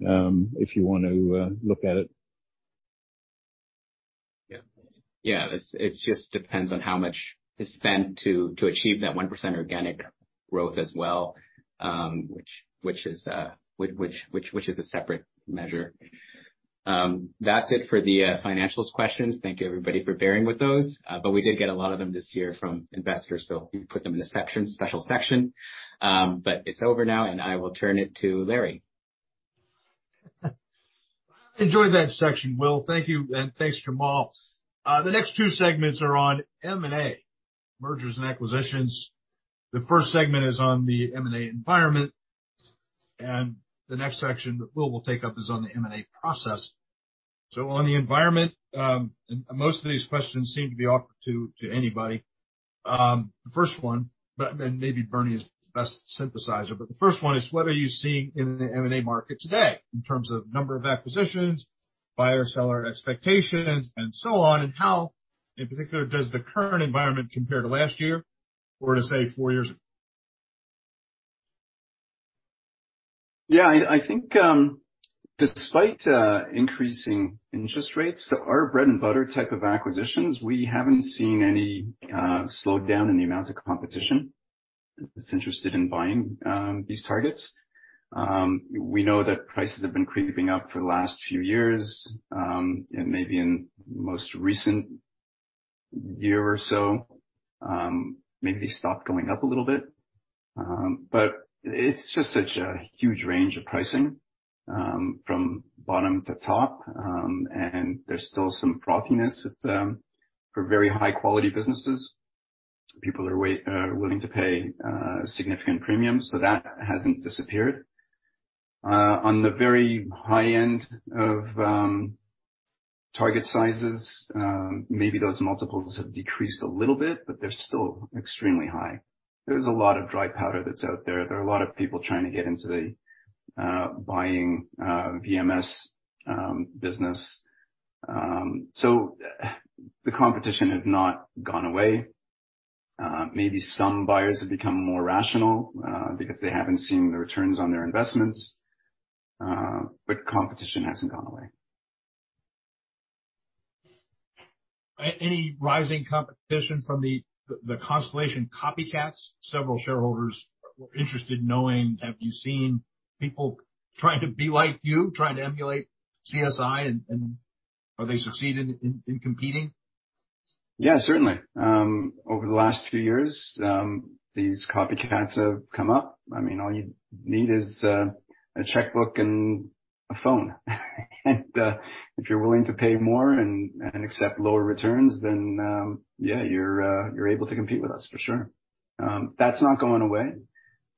if you want to look at it. Yeah. Yeah. It just depends on how much is spent to achieve that 1% organic growth as well, which is a separate measure. That's it for the financials questions. Thank you, everybody, for bearing with those. It's over now, and I will turn it to Larry. Enjoyed that section, Will. Thank you, and thanks, Jamal. The next two segments are on M&A, mergers and acquisitions. The first segment is on the M&A environment, and the next section that Will will take up is on the M&A process. On the environment, and most of these questions seem to be offered to anybody. The first one, but maybe Bernie is the best synthesizer, but the first one is, what are you seeing in the M&A market today in terms of number of acquisitions, buyer-seller expectations, and so on, and how, in particular, does the current environment compare to last year or to, say, four years ago? Yeah. I think, despite increasing interest rates, our bread-and-butter type of acquisitions, we haven't seen any slowdown in the amount of competition that's interested in buying these targets. We know that prices have been creeping up for the last few years, and maybe in the most recent year or so, maybe they stopped going up a little bit. It's just such a huge range of pricing from bottom to top. There's still some frothiness for very high-quality businesses. People are willing to pay significant premiums, so that hasn't disappeared. On the very high end of target sizes, maybe those multiples have decreased a little bit, but they're still extremely high. There's a lot of dry powder that's out there. There are a lot of people trying to get into the buying VMS business. The competition has not gone away. Maybe some buyers have become more rational because they haven't seen the returns on their investments, but competition hasn't gone away. Any rising competition from the Constellation copycats? Several shareholders were interested in knowing, have you seen people trying to be like you, trying to emulate CSI, and are they succeeding in competing? Yeah, certainly. Over the last few years, these copycats have come up. I mean, all you need is a checkbook and a phone. If you're willing to pay more and accept lower returns, then yeah, you're able to compete with us for sure. That's not going away.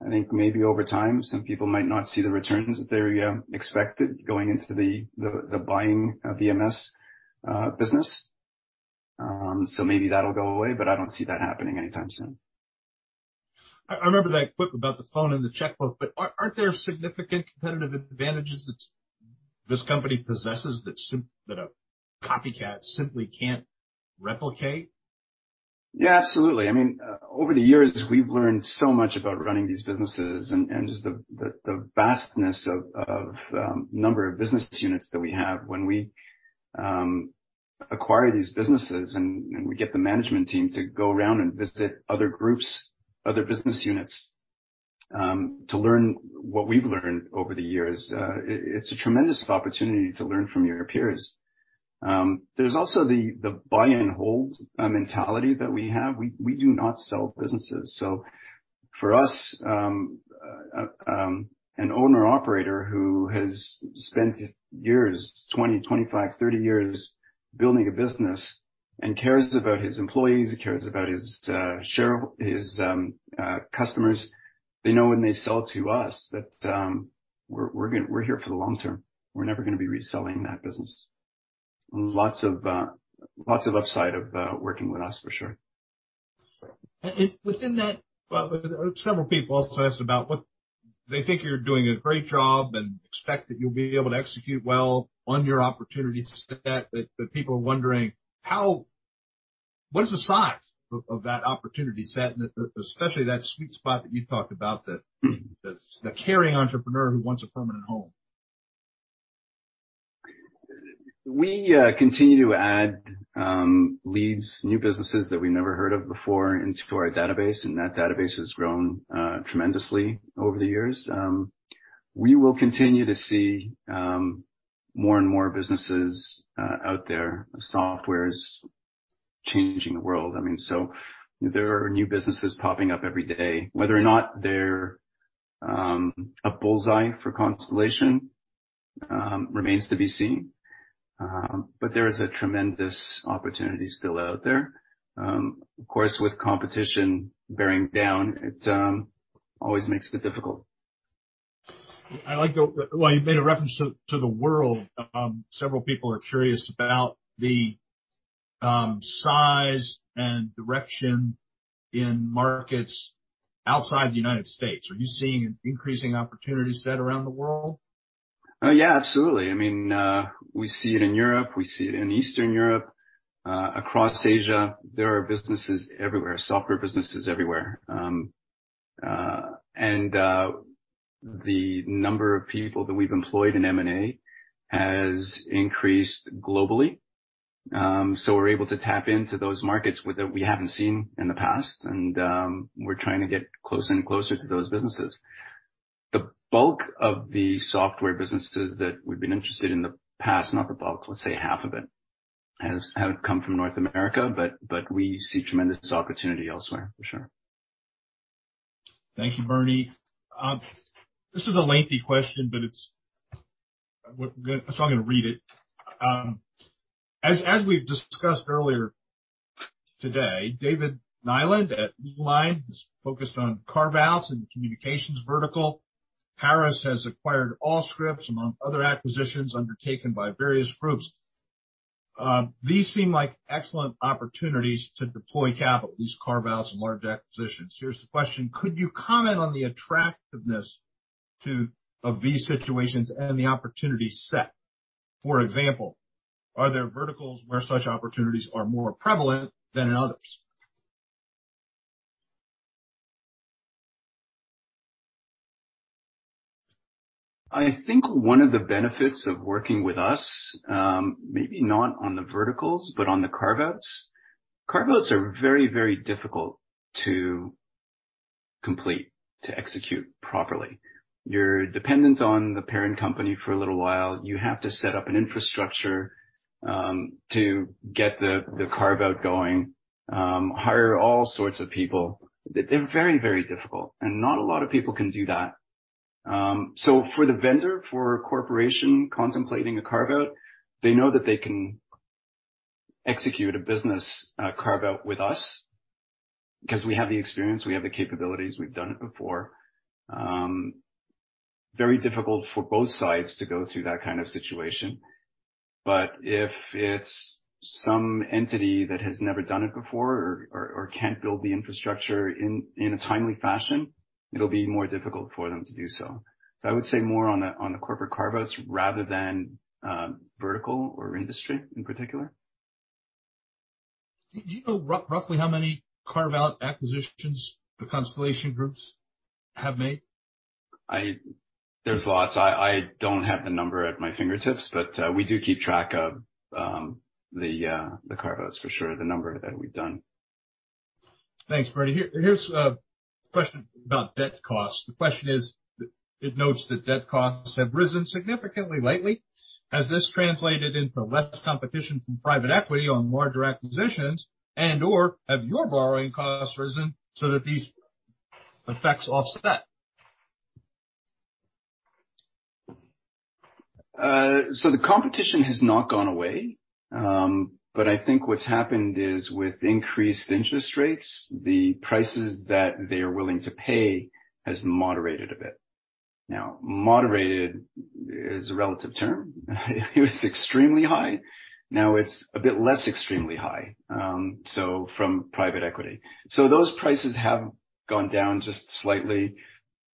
I think maybe over time, some people might not see the returns that they expected going into the buying a VMS business. Maybe that'll go away, but I don't see that happening anytime soon. I remember that clip about the phone and the checkbook, but aren't there significant competitive advantages that this company possesses that a copycat simply can't replicate? Absolutely. I mean, over the years, we've learned so much about running these businesses and just the, the vastness of number of business units that we have. When we acquire these businesses and we get the management team to go around and visit other groups, other business units, to learn what we've learned over the years, it's a tremendous opportunity to learn from your peers. There's also the buy and hold mentality that we have. We, we do not sell businesses. For us, an owner operator who has spent years, 20, 25, 30 years building a business and cares about his employees, cares about his customers, they know when they sell to us that we're here for the long term. We're never gonna be reselling that business. Lots of upside of working with us for sure. Within that, well, several people also asked about what. They think you're doing a great job and expect that you'll be able to execute well on your opportunity set, but people are wondering: what is the size of that opportunity set and especially that sweet spot that you talked about, the carrying entrepreneur who wants a permanent home? We continue to add leads, new businesses that we never heard of before into our database, and that database has grown tremendously over the years. We will continue to see more and more businesses out there. Software is changing the world. I mean, there are new businesses popping up every day. Whether or not they're a bullseye for Constellation, remains to be seen. There is a tremendous opportunity still out there. Of course, with competition bearing down, it always makes it difficult. I like the way you made a reference to the world. Several people are curious about the size and direction in markets outside the United States. Are you seeing an increasing opportunity set around the world? Yeah, absolutely. I mean, we see it in Europe. We see it in Eastern Europe, across Asia. There are businesses everywhere, software businesses everywhere. The number of people that we've employed in M&A has increased globally. We're able to tap into those markets that we haven't seen in the past, and we're trying to get closer and closer to those businesses. The bulk of the software businesses that we've been interested in the past, not the bulk, let's say half of it, have come from North America. We see tremendous opportunity elsewhere for sure. Thank you, Bernie. This is a lengthy question. I'm gonna read it. As we've discussed earlier today, David Nyland at Eagle Eye is focused on carve-outs and communications vertical. Harris has acquired Allscripts, among other acquisitions undertaken by various groups. These seem like excellent opportunities to deploy capital, these carve-outs and large acquisitions. Here's the question: Could you comment on the attractiveness of these situations and the opportunity set? For example, are there verticals where such opportunities are more prevalent than in others? I think one of the benefits of working with us, maybe not on the verticals, but on the carve-outs. Carve-outs are very, very difficult to complete, to execute properly. You're dependent on the parent company for a little while. You have to set up an infrastructure, to get the carve-out going, hire all sorts of people. They're very, very difficult, and not a lot of people can do that. For the vendor, for a corporation contemplating a carve-out, they know that they can execute a business carve-out with us 'cause we have the experience, we have the capabilities, we've done it before. Very difficult for both sides to go through that kind of situation. If it's some entity that has never done it before or can't build the infrastructure in a timely fashion, it'll be more difficult for them to do so. I would say more on the corporate carve-outs rather than, vertical or industry in particular. Do you know roughly how many carve-out acquisitions the Constellation groups have made? There's lots. I don't have the number at my fingertips, but we do keep track of the carve-outs for sure, the number that we've done. Thanks, Bernie. Here's a question about debt costs. The question is, it notes that debt costs have risen significantly lately. Has this translated into less competition from private equity on larger acquisitions and/or have your borrowing costs risen so that these effects offset? The competition has not gone away. I think what's happened is with increased interest rates, the prices that they are willing to pay has moderated a bit. Now moderated is a relative term. It was extremely high. Now it's a bit less extremely high, from private equity. Those prices have gone down just slightly.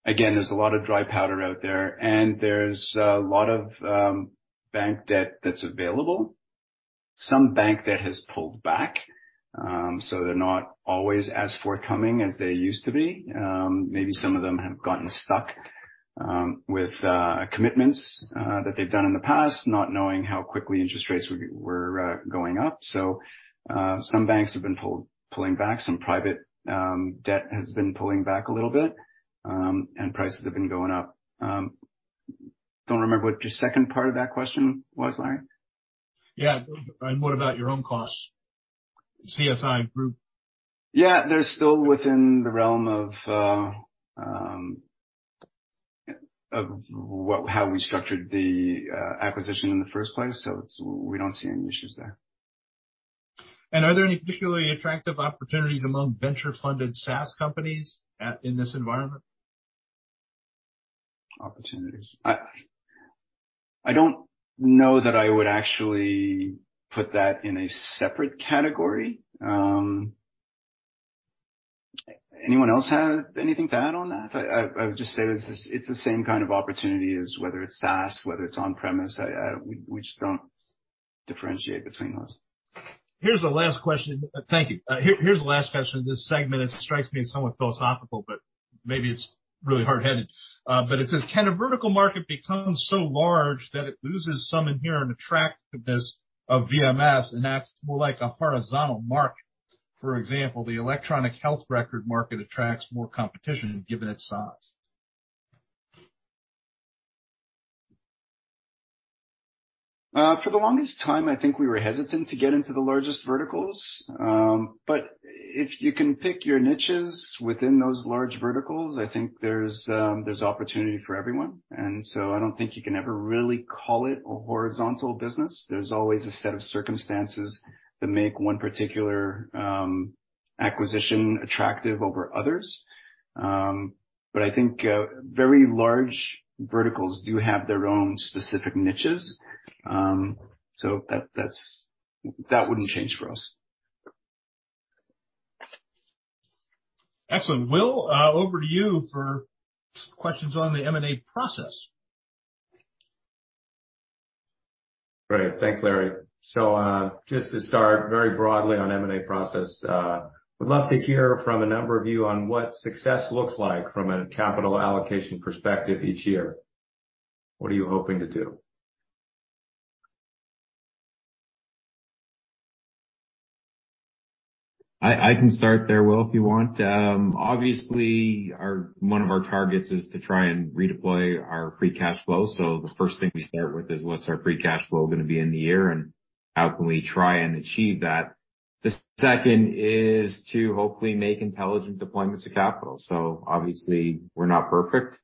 Again, there's a lot of dry powder out there, and there's a lot of bank debt that's available. Some bank debt has pulled back, they're not always as forthcoming as they used to be. Maybe some of them have gotten stuck with commitments that they've done in the past, not knowing how quickly interest rates were going up. Some banks have been pulling back. Some private debt has been pulling back a little bit, and prices have been going up. Don't remember what your second part of that question was, Larry. Yeah. What about your own costs? CSI Group. Yeah. They're still within the realm of how we structured the acquisition in the first place. We don't see any issues there. Are there any particularly attractive opportunities among venture-funded SaaS companies in this environment? Opportunities. I don't know that I would actually put that in a separate category. Anyone else have anything to add on that? I would just say it's the same kind of opportunity as whether it's SaaS, whether it's on-premise, we just don't differentiate between those. Here's the last question. Thank you. Here's the last question in this segment. It strikes me as somewhat philosophical, but maybe it's really hard-headed. It says, "Can a vertical market become so large that it loses some inherent attractiveness of VMS, and that's more like a horizontal market? For example, the electronic health record market attracts more competition given its size. For the longest time, I think we were hesitant to get into the largest verticals. If you can pick your niches within those large verticals, I think there's opportunity for everyone. I don't think you can ever really call it a horizontal business. There's always a set of circumstances that make one particular acquisition attractive over others. I think very large verticals do have their own specific niches. That wouldn't change for us. Excellent. Will, over to you for questions on the M&A process. Great. Thanks, Larry. Just to start very broadly on M&A process, would love to hear from a number of you on what success looks like from a capital allocation perspective each year. What are you hoping to do? I can start there, Will, if you want. Obviously, one of our targets is to try and redeploy our free cash flow. The first thing we start with is what's our free cash flow gonna be in the year, and how can we try and achieve that. The second is to hopefully make intelligent deployments of capital. Obviously, we're not perfect.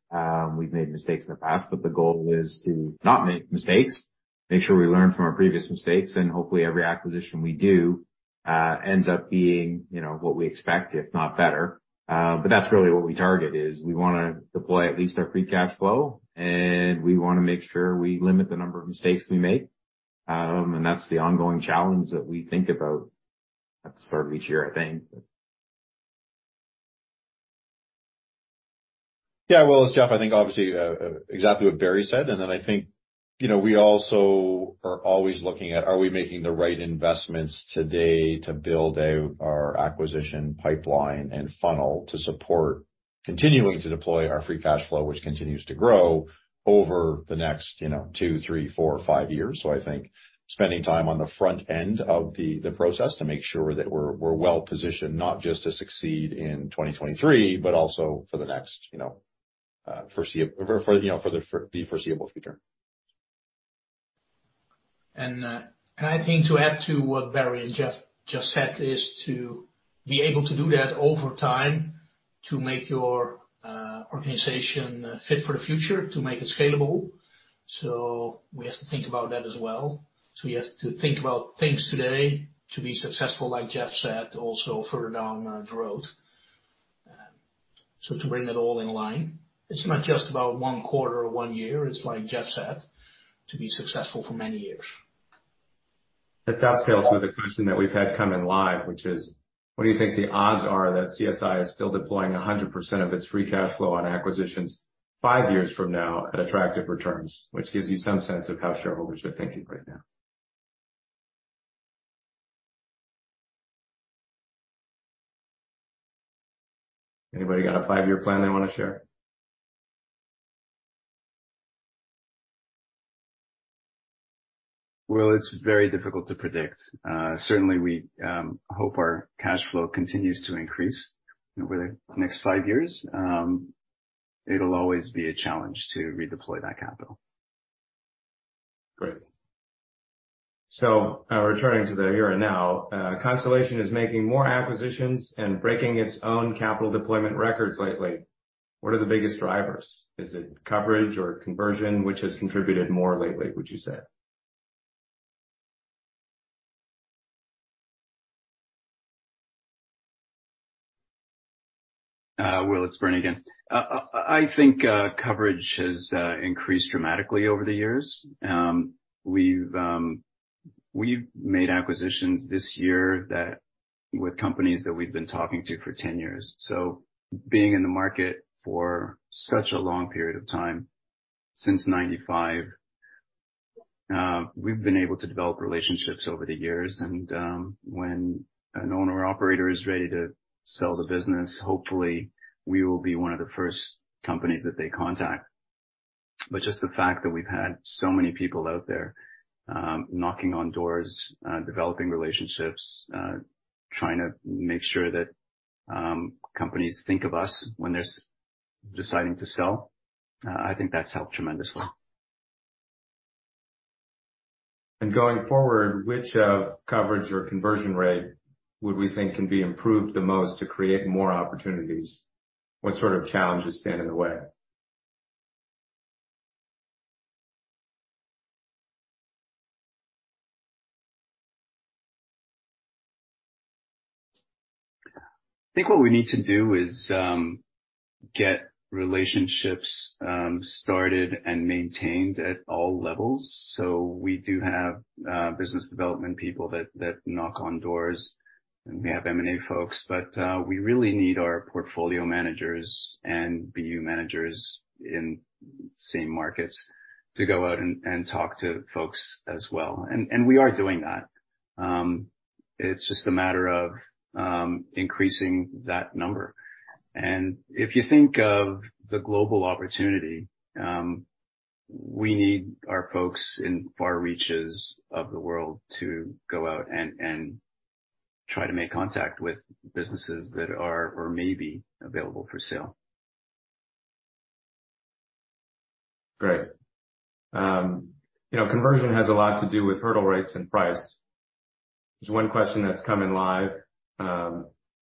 We've made mistakes in the past, but the goal is to not make mistakes, make sure we learn from our previous mistakes, and hopefully every acquisition we do, ends up being, you know, what we expect, if not better. That's really what we target, is we wanna deploy at least our free cash flow, and we wanna make sure we limit the number of mistakes we make. That's the ongoing challenge that we think about at the start of each year, I think. Yeah. Well, it's Jeff. I think obviously, exactly what Barry said, and then I think, you know, we also are always looking at are we making the right investments today to build out our acquisition pipeline and funnel to support continuing to deploy our free cash flow, which continues to grow over the next, you know, 2, 3, 4, five years. I think spending time on the front end of the process to make sure that we're well-positioned, not just to succeed in 2023, but also for the next, you know, for the foreseeable future. I think to add to what Barry and Jeff just said is to be able to do that over time to make your organization fit for the future, to make it scalable. We have to think about that as well. We have to think about things today to be successful, like Jeff said, also further down the road. To bring that all in line. It's not just about one quarter or one year. It's like Jeff said, to be successful for many years. That dovetails with a question that we've had come in live, which is, what do you think the odds are that CSI is still deploying 100% of its free cash flow on acquisitions five years from now at attractive returns, which gives you some sense of how shareholders are thinking right now. Anybody got a five-year plan they wanna share? It's very difficult to predict. Certainly, we hope our cash flow continues to increase over the next five years. It'll always be a challenge to redeploy that capital. Great. Returning to the here and now, Constellation Software is making more acquisitions and breaking its own capital deployment records lately. What are the biggest drivers? Is it coverage or conversion which has contributed more lately, would you say? Will, it's Bernie again. I think coverage has increased dramatically over the years. We've made acquisitions this year that with companies that we've been talking to for 10 years. Being in the market for such a long period of time, since 1995, we've been able to develop relationships over the years. When an owner-operator is ready to sell the business, hopefully we will be one of the first companies that they contact. Just the fact that we've had so many people out there knocking on doors, developing relationships, trying to make sure that companies think of us when they're deciding to sell, I think that's helped tremendously. Going forward, which of coverage or conversion rate would we think can be improved the most to create more opportunities? What sort of challenges stand in the way? I think what we need to do is get relationships started and maintained at all levels. We do have business development people that knock on doors, and we have M&A folks, but we really need our portfolio managers and BU managers in same markets to go out and talk to folks as well. We are doing that. It's just a matter of increasing that number. If you think of the global opportunity, we need our folks in far reaches of the world to go out and try to make contact with businesses that are or may be available for sale. Great. You know, conversion has a lot to do with hurdle rates and price. There's one question that's come in live.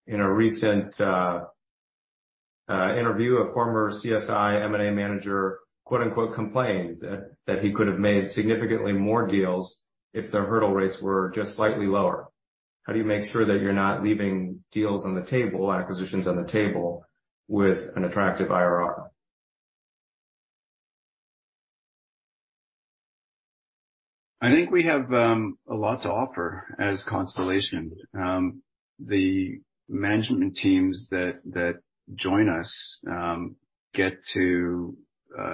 In a recent interview, a former CSI M&A manager, quote-unquote, complained that he could have made significantly more deals if their hurdle rates were just slightly lower. How do you make sure that you're not leaving deals on the table, acquisitions on the table with an attractive IRR? I think we have a lot to offer as Constellation. The management teams that join us get to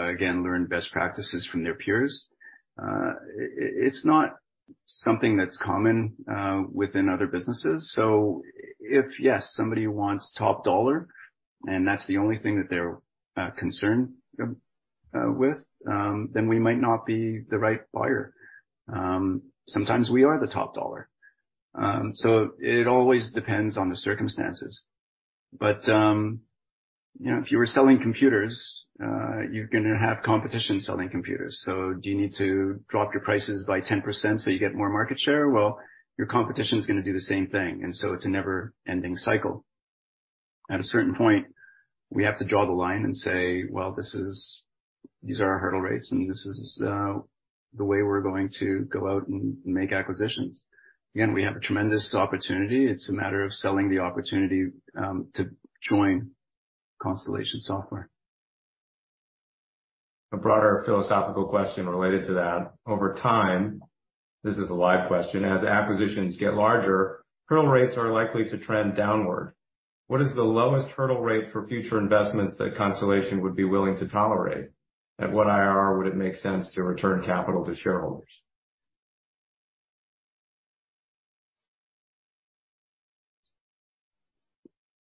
again, learn best practices from their peers. It's not something that's common within other businesses. If, yes, somebody wants top dollar, and that's the only thing that they're concerned with, then we might not be the right buyer. Sometimes we are the top dollar. It always depends on the circumstances. You know, if you were selling computers, you're gonna have competition selling computers. Do you need to drop your prices by 10% so you get more market share? Your competition is gonna do the same thing, it's a never-ending cycle. At a certain point, we have to draw the line and say, "Well, these are our hurdle rates, and this is the way we're going to go out and make acquisitions." We have a tremendous opportunity. It's a matter of selling the opportunity to join Constellation Software. A broader philosophical question related to that. Over time, this is a live question, as acquisitions get larger, hurdle rates are likely to trend downward. What is the lowest hurdle rate for future investments that Constellation would be willing to tolerate? At what IRR would it make sense to return capital to shareholders?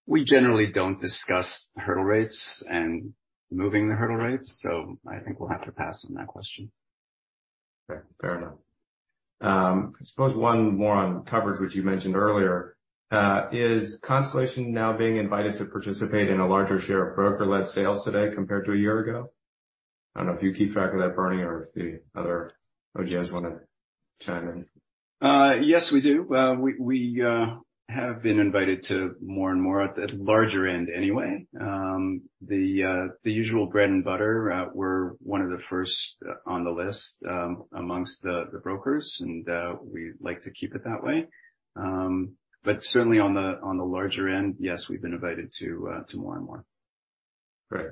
We generally don't discuss hurdle rates and moving the hurdle rates. I think we'll have to pass on that question. Fair enough. I suppose one more on coverage, which you mentioned earlier. Is Constellation now being invited to participate in a larger share of broker-led sales today compared to one year ago? I don't know if you keep track of that, Bernie, or if the other OGs wanna chime in. Yes, we do. We have been invited to more and more at the larger end anyway. The usual bread and butter, we're one of the first on the list amongst the brokers, and we like to keep it that way. Certainly on the larger end, yes, we've been invited to more and more. Great.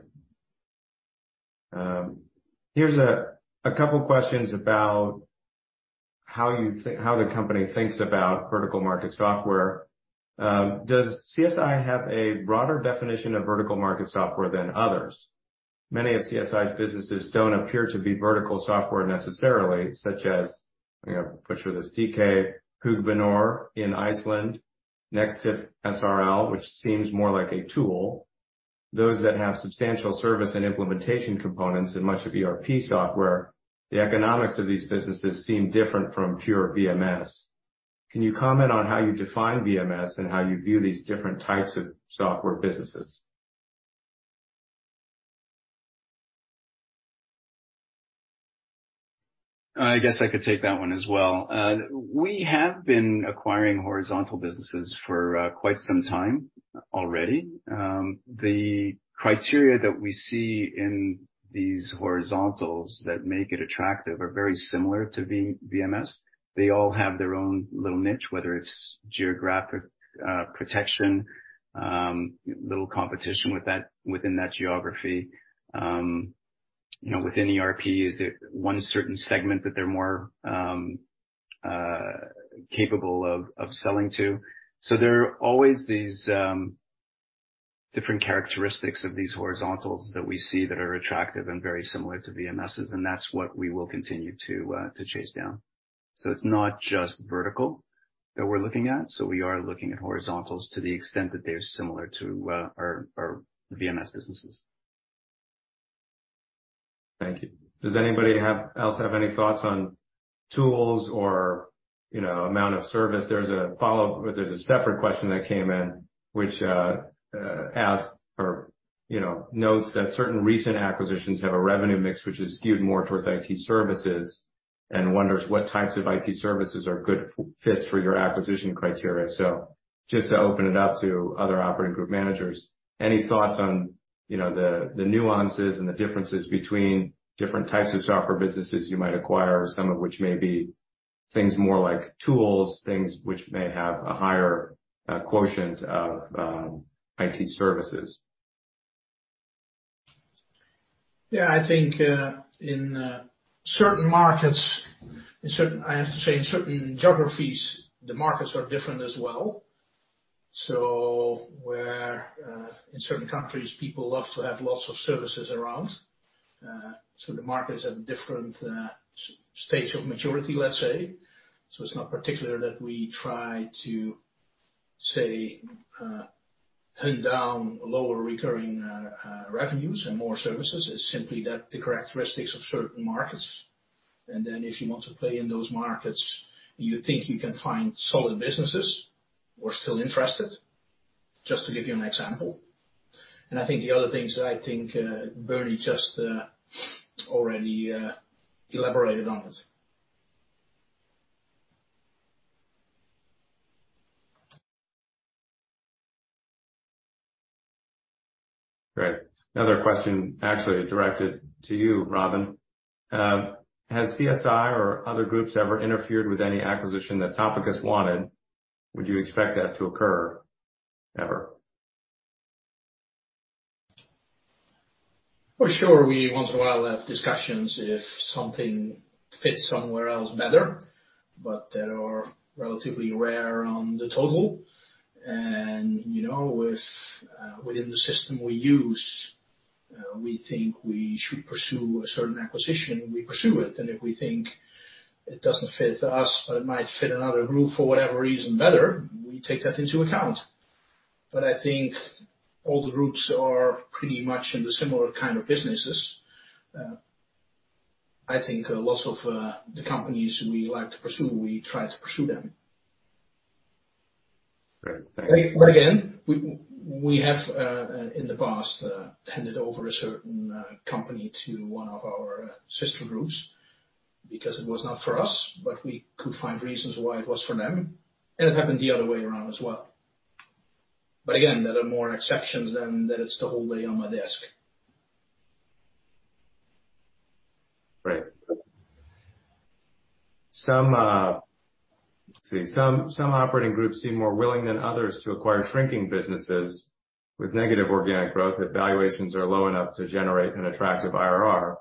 here's a couple questions about how the company thinks about vertical market software. Does CSI have a broader definition of vertical market software than others? Many of CSI's businesses don't appear to be vertical software necessarily, such as, you know, put you this dk hugbúnaður in Iceland, NEXTIP srl, which seems more like a tool. Those that have substantial service and implementation components in much of ERP software, the economics of these businesses seem different from pure VMS. Can you comment on how you define VMS and how you view these different types of software businesses? I guess I could take that one as well. We have been acquiring horizontal businesses for quite some time already. The criteria that we see in these horizontals that make it attractive are very similar to VMS. They all have their own little niche, whether it's geographic protection, little competition with that, within that geography. You know, within ERP, is it one certain segment that they're more capable of selling to? There are always these different characteristics of these horizontals that we see that are attractive and very similar to VMSs, and that's what we will continue to chase down. It's not just vertical that we're looking at. We are looking at horizontals to the extent that they are similar to our VMS businesses. Thank you. Does anybody else have any thoughts on tools or, you know, amount of service? There's a follow-up, or there's a separate question that came in which asks or, you know, notes that certain recent acquisitions have a revenue mix which is skewed more towards IT services and wonders what types of IT services are good fits for your acquisition criteria. Just to open it up to other operating group managers, any thoughts on, you know, the nuances and the differences between different types of software businesses you might acquire, some of which may be things more like tools, things which may have a higher quotient of IT services? Yeah, I think, in certain markets, I have to say, in certain geographies, the markets are different as well. Where, in certain countries, people love to have lots of services around. The markets have different stage of maturity, let's say. It's not particular that we try to, say, hunt down lower recurring revenues and more services. It's simply that the characteristics of certain markets. If you want to play in those markets, you think you can find solid businesses. We're still interested, just to give you an example. I think the other things that I think, Bernie just already elaborated on it. Great. Another question actually directed to you, Robin. Has CSI or other groups ever interfered with any acquisition that Topicus wanted? Would you expect that to occur ever? For sure. We once in a while have discussions if something fits somewhere else better, but they are relatively rare on the total. You know, if within the system we use, we think we should pursue a certain acquisition, we pursue it. If we think it doesn't fit us, but it might fit another group for whatever reason better, we take that into account. I think all the groups are pretty much in the similar kind of businesses. I think lots of the companies we like to pursue, we try to pursue them. Great. Thank you. Again, we have, in the past, handed over a certain company to one of our sister groups because it was not for us, but we could find reasons why it was for them, and it happened the other way around as well. Again, there are more exceptions than that it's the whole day on my desk. Great. Some, let's see. Some operating groups seem more willing than others to acquire shrinking businesses with negative organic growth if valuations are low enough to generate an attractive IRR.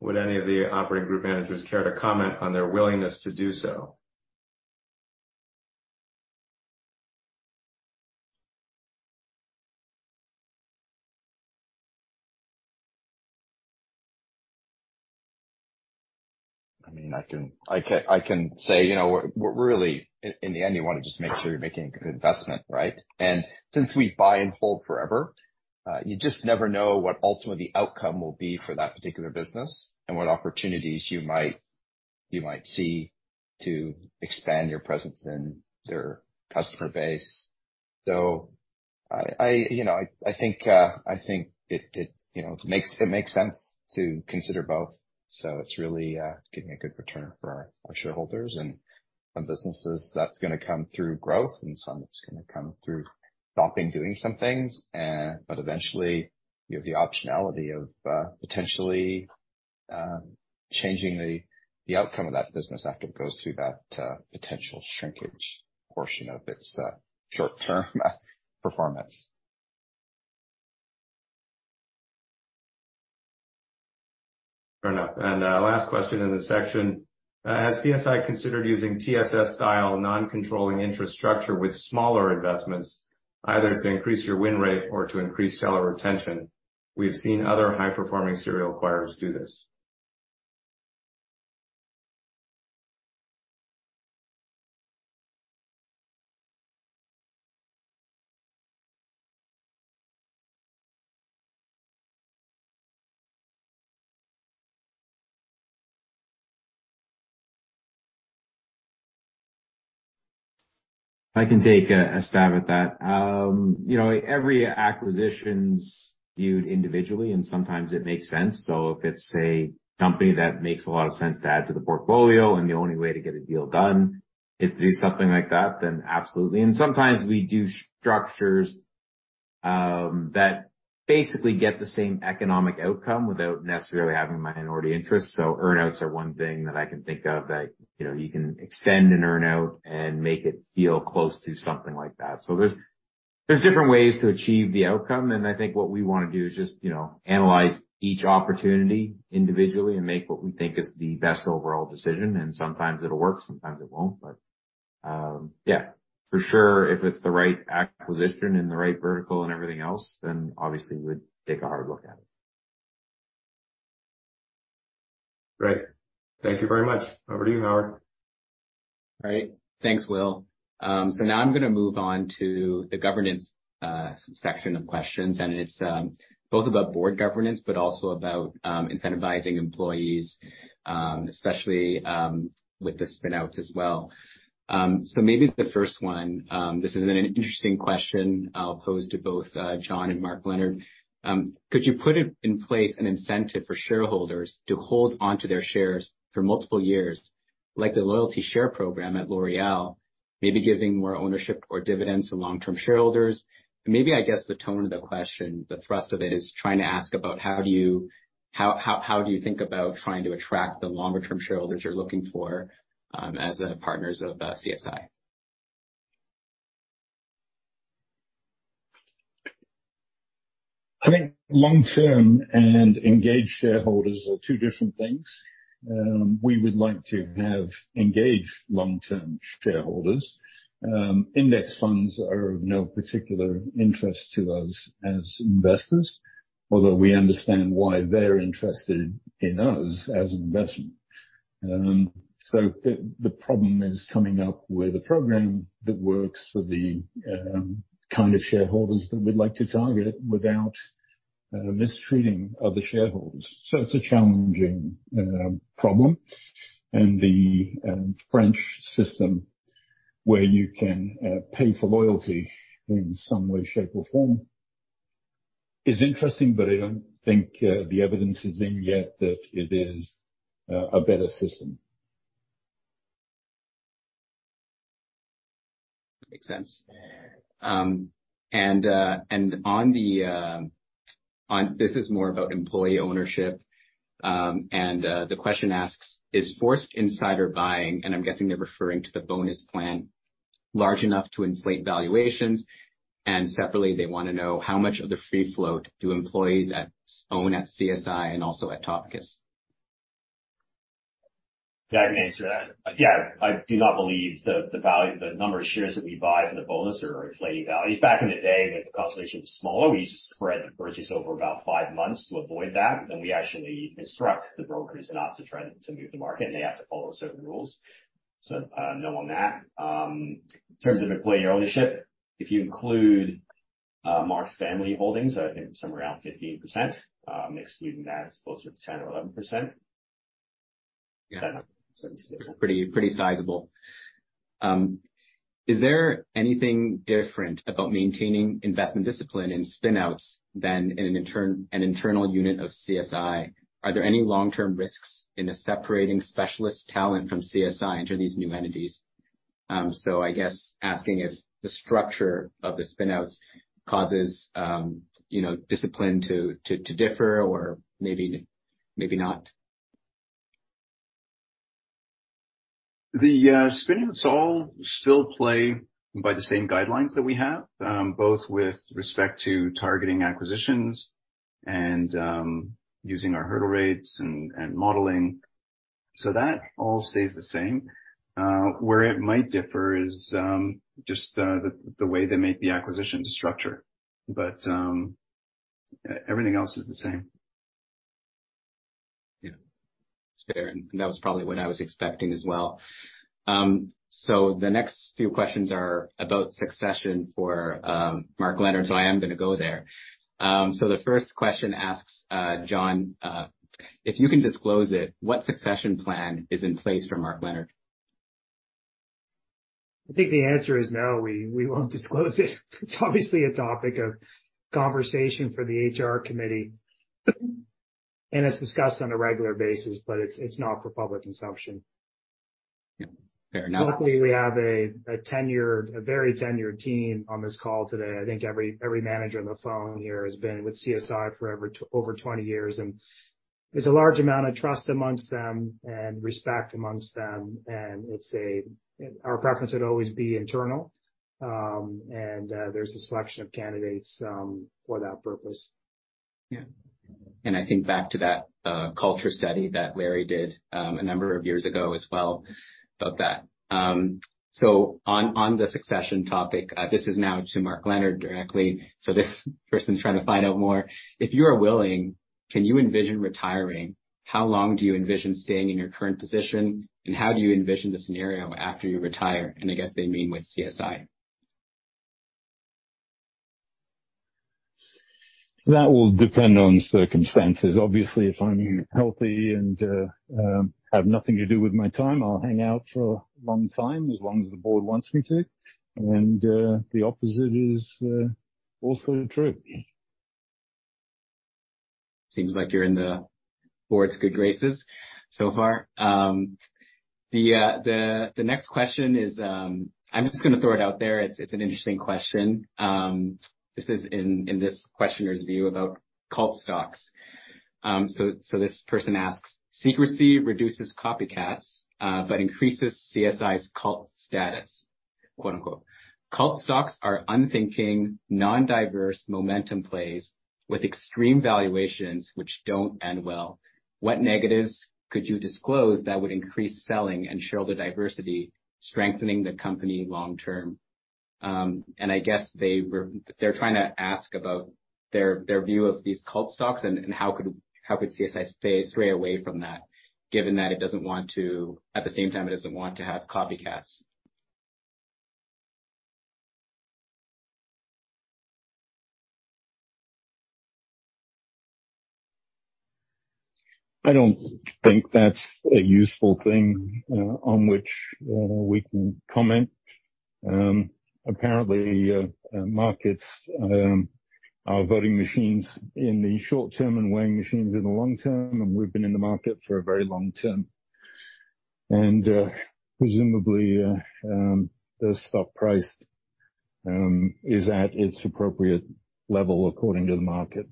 Would any of the operating group managers care to comment on their willingness to do so? I mean, I can say, you know, we're really. In the end, you wanna just make sure you're making a good investment, right? Since we buy and hold forever, you just never know what ultimately outcome will be for that particular business and what opportunities you might see to expand your presence in their customer base. I, you know, I think it, you know, it makes sense to consider both. It's really giving a good return for our shareholders and some businesses that's gonna come through growth, and some it's gonna come through stopping doing some things. Eventually, you have the optionality of potentially changing the outcome of that business after it goes through that potential shrinkage portion of its short-term performance. Fair enough. Last question in this section. Has CSI considered using TSS-style non-controlling interest structure with smaller investments, either to increase your win rate or to increase seller retention? We've seen other high-performing serial acquirers do this. I can take a stab at that. You know, every acquisition's viewed individually, sometimes it makes sense. If it's a company that makes a lot of sense to add to the portfolio, the only way to get a deal done is to do something like that, absolutely. Sometimes we do structures that basically get the same economic outcome without necessarily having minority interest. Earn-outs are one thing that I can think of that, you know, you can extend an earn-out and make it feel close to something like that. There's. There's different ways to achieve the outcome, and I think what we wanna do is just, you know, analyze each opportunity individually and make what we think is the best overall decision. Sometimes it'll work, sometimes it won't. Yeah, for sure, if it's the right acquisition in the right vertical and everything else, then obviously we'd take a h ard look at it. Great. Thank you very much. Over to you, Howard. All right. Thanks, Will. Now I'm gonna move on to the governance section of questions, and it's both about board governance, but also about incentivizing employees, especially with the spin-outs as well. Maybe the first one, this is an interesting question I'll pose to both John and Mark Leonard. Could you put it in place an incentive for shareholders to hold onto their shares for multiple years, like the loyalty share program at L'Oréal, maybe giving more ownership or dividends to long-term shareholders? Maybe, I guess the tone of the question, the thrust of it is trying to ask about how do you think about trying to attract the longer term shareholders you're looking for as the partners of CSI? I think long-term and engaged shareholders are two different things. We would like to have engaged long-term shareholders. Index funds are of no particular interest to us as investors, although we understand why they're interested in us as an investment. The problem is coming up with a program that works for the kind of shareholders that we'd like to target without mistreating other shareholders. It's a challenging problem. The French system, where you can pay for loyalty in some way, shape, or form is interesting, but I don't think the evidence is in yet that it is a better system. Makes sense. On the, this is more about employee ownership. The question asks, is forced insider buying, and I'm guessing they're referring to the bonus plan, large enough to inflate valuations? Separately, they wanna know how much of the free float do employees own at CSI and also at Topicus. Yeah, I can answer that. Again, I do not believe the number of shares that we buy for the bonus are inflating values. Back in the day, when Constellation was smaller, we used to spread the purchase over about five months to avoid that, and we actually instruct the brokers not to try to move the market, and they have to follow certain rules. No on that. In terms of employee ownership, if you include Mark's family holdings, I think somewhere around 15%, excluding that, it's closer to 10% or 11%. Yeah. Pretty sizable. Is there anything different about maintaining investment discipline in spin-outs than in an internal unit of CSI? Are there any long-term risks in separating specialist talent from CSI into these new entities? I guess asking if the structure of the spin-outs causes, you know, discipline to differ or maybe not. The spin-outs all still play by the same guidelines that we have, both with respect to targeting acquisitions and using our hurdle rates and modeling. That all stays the same. Where it might differ is, just the way they make the acquisitions structure. Everything else is the same. Yeah. That's fair, and that was probably what I was expecting as well. The next few questions are about succession for Mark Leonard, so I am gonna go there. The first question asks, John, if you can disclose it, what succession plan is in place for Mark Leonard? I think the answer is no, we won't disclose it. It's obviously a topic of conversation for the HR committee, it's discussed on a regular basis, but it's not for public consumption. Yeah. Fair enough. Luckily, we have a very tenured team on this call today. I think every manager on the phone here has been with CSI for over 20 years, and there's a large amount of trust amongst them and respect amongst them. Our preference would always be internal, and there's a selection of candidates for that purpose. Yeah. I think back to that culture study that Larry did a number of years ago as well about that. On, on the succession topic, this is now to Mark Leonard directly. This person is trying to find out more. If you are willing, can you envision retiring? How long do you envision staying in your current position, and how do you envision the scenario after you retire? I guess they mean with CSI. That will depend on circumstances. Obviously, if I'm healthy and have nothing to do with my time, I'll hang out for a long time, as long as the board wants me to. The opposite is also true. Seems like you're in the board's good graces so far. The next question is, I'm just gonna throw it out there. It's an interesting question. This is in this questioner's view about cult stocks. This person asks, Secrecy reduces copycats, but increases CSI's cult status. Quote unquote. Cult stocks are unthinking, non-diverse momentum plays with extreme valuations which don't end well. What negatives could you disclose that would increase selling and show the diversity, strengthening the company long term? I guess they're trying to ask about their view of these cult stocks and how could CSI stray away from that, given that it doesn't want to at the same time, it doesn't want to have copycats. I don't think that's a useful thing on which we can comment. Apparently, markets are voting machines in the short term and weighing machines in the long term, and we've been in the market for a very long term. Presumably, the stock price is at its appropriate level according to the market.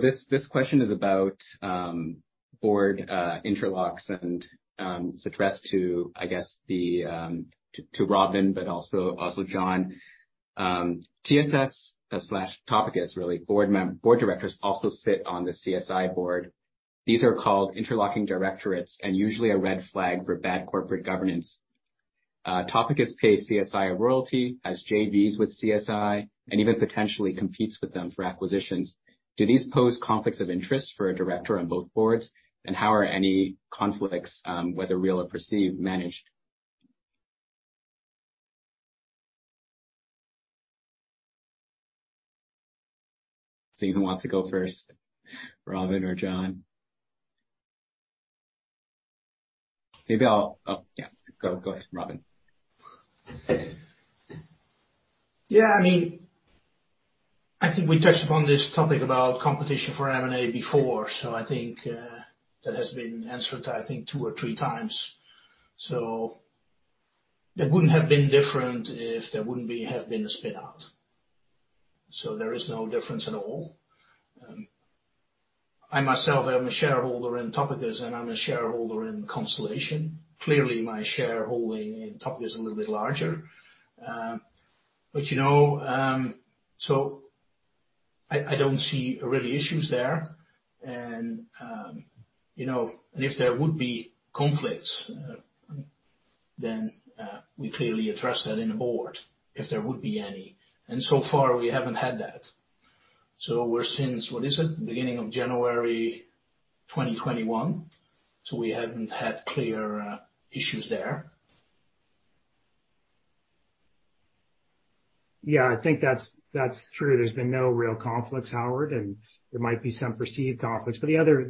This question is about board interlocks and it's addressed to, I guess, Robin, but also John. TSS/Topicus, really, board directors also sit on the CSI board. These are called interlocking directorates and usually a red flag for bad corporate governance. Topicus pays CSI a royalty, has JVs with CSI, and even potentially competes with them for acquisitions. Do these pose conflicts of interest for a director on both boards? How are any conflicts, whether real or perceived, managed? Seeing who wants to go first, Robin or John. Oh, yeah, go ahead, Robin. Yeah, I mean, I think we touched upon this topic about competition for M&A before, I think that has been answered, I think, 2x or 3x. That wouldn't have been different if there wouldn't have been a spin out. There is no difference at all. I myself am a shareholder in Topicus, and I'm a shareholder in Constellation. Clearly, my shareholding in Topicus is a little bit larger. But, you know, I don't see really issues there. You know, if there would be conflicts, we clearly address that in the board if there would be any. So far, we haven't had that. We're since, what is it? Beginning of January 2021. We haven't had clear issues there. Yeah, I think that's true. There's been no real conflicts, Howard, and there might be some perceived conflicts. The other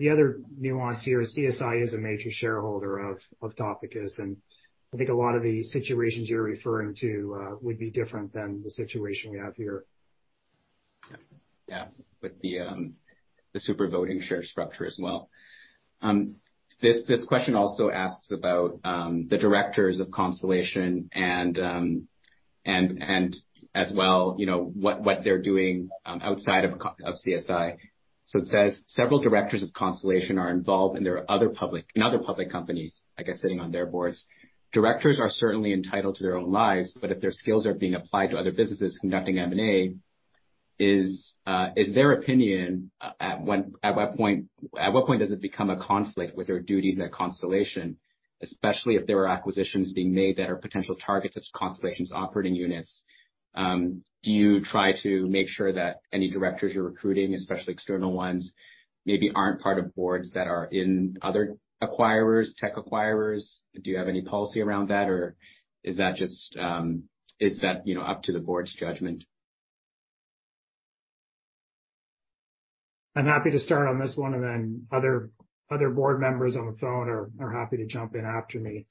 nuance here is CSI is a major shareholder of Topicus, and I think a lot of the situations you're referring to would be different than the situation we have here. Yeah. With the super voting share structure as well. This question also asks about the directors of Constellation and as well, you know, what they're doing outside of CSI. It says several directors of Constellation are involved in other public companies, I guess, sitting on their boards. Directors are certainly entitled to their own lives, if their skills are being applied to other businesses conducting M&A, is their opinion at what point does it become a conflict with their duties at Constellation, especially if there are acquisitions being made that are potential targets of Constellation's operating units? Do you try to make sure that any directors you're recruiting, especially external ones, maybe aren't part of boards that are in other acquirers, tech acquirers? Do you have any policy around that? Is that just, is that, you know, up to the board's judgment? I'm happy to start on this one, and then other board members on the phone are happy to jump in after me.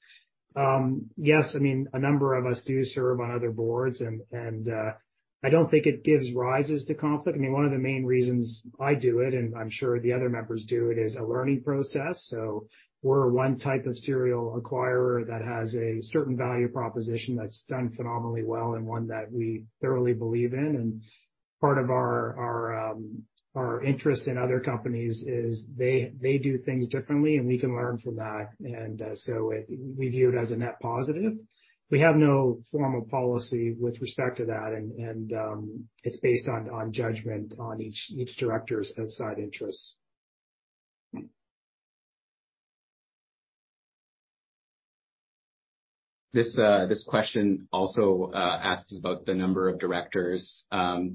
Yes, I mean, a number of us do serve on other boards, and, I don't think it gives rises to conflict. I mean, one of the main reasons I do it, and I'm sure the other members do it, is a learning process. We're one type of serial acquirer that has a certain value proposition that's done phenomenally well and one that we thoroughly believe in. Part of our interest in other companies is they do things differently, and we can learn from that. We view it as a net positive. We have no formal policy with respect to that. It's based on judgment on each director's outside interests. This question also asks about the number of directors. I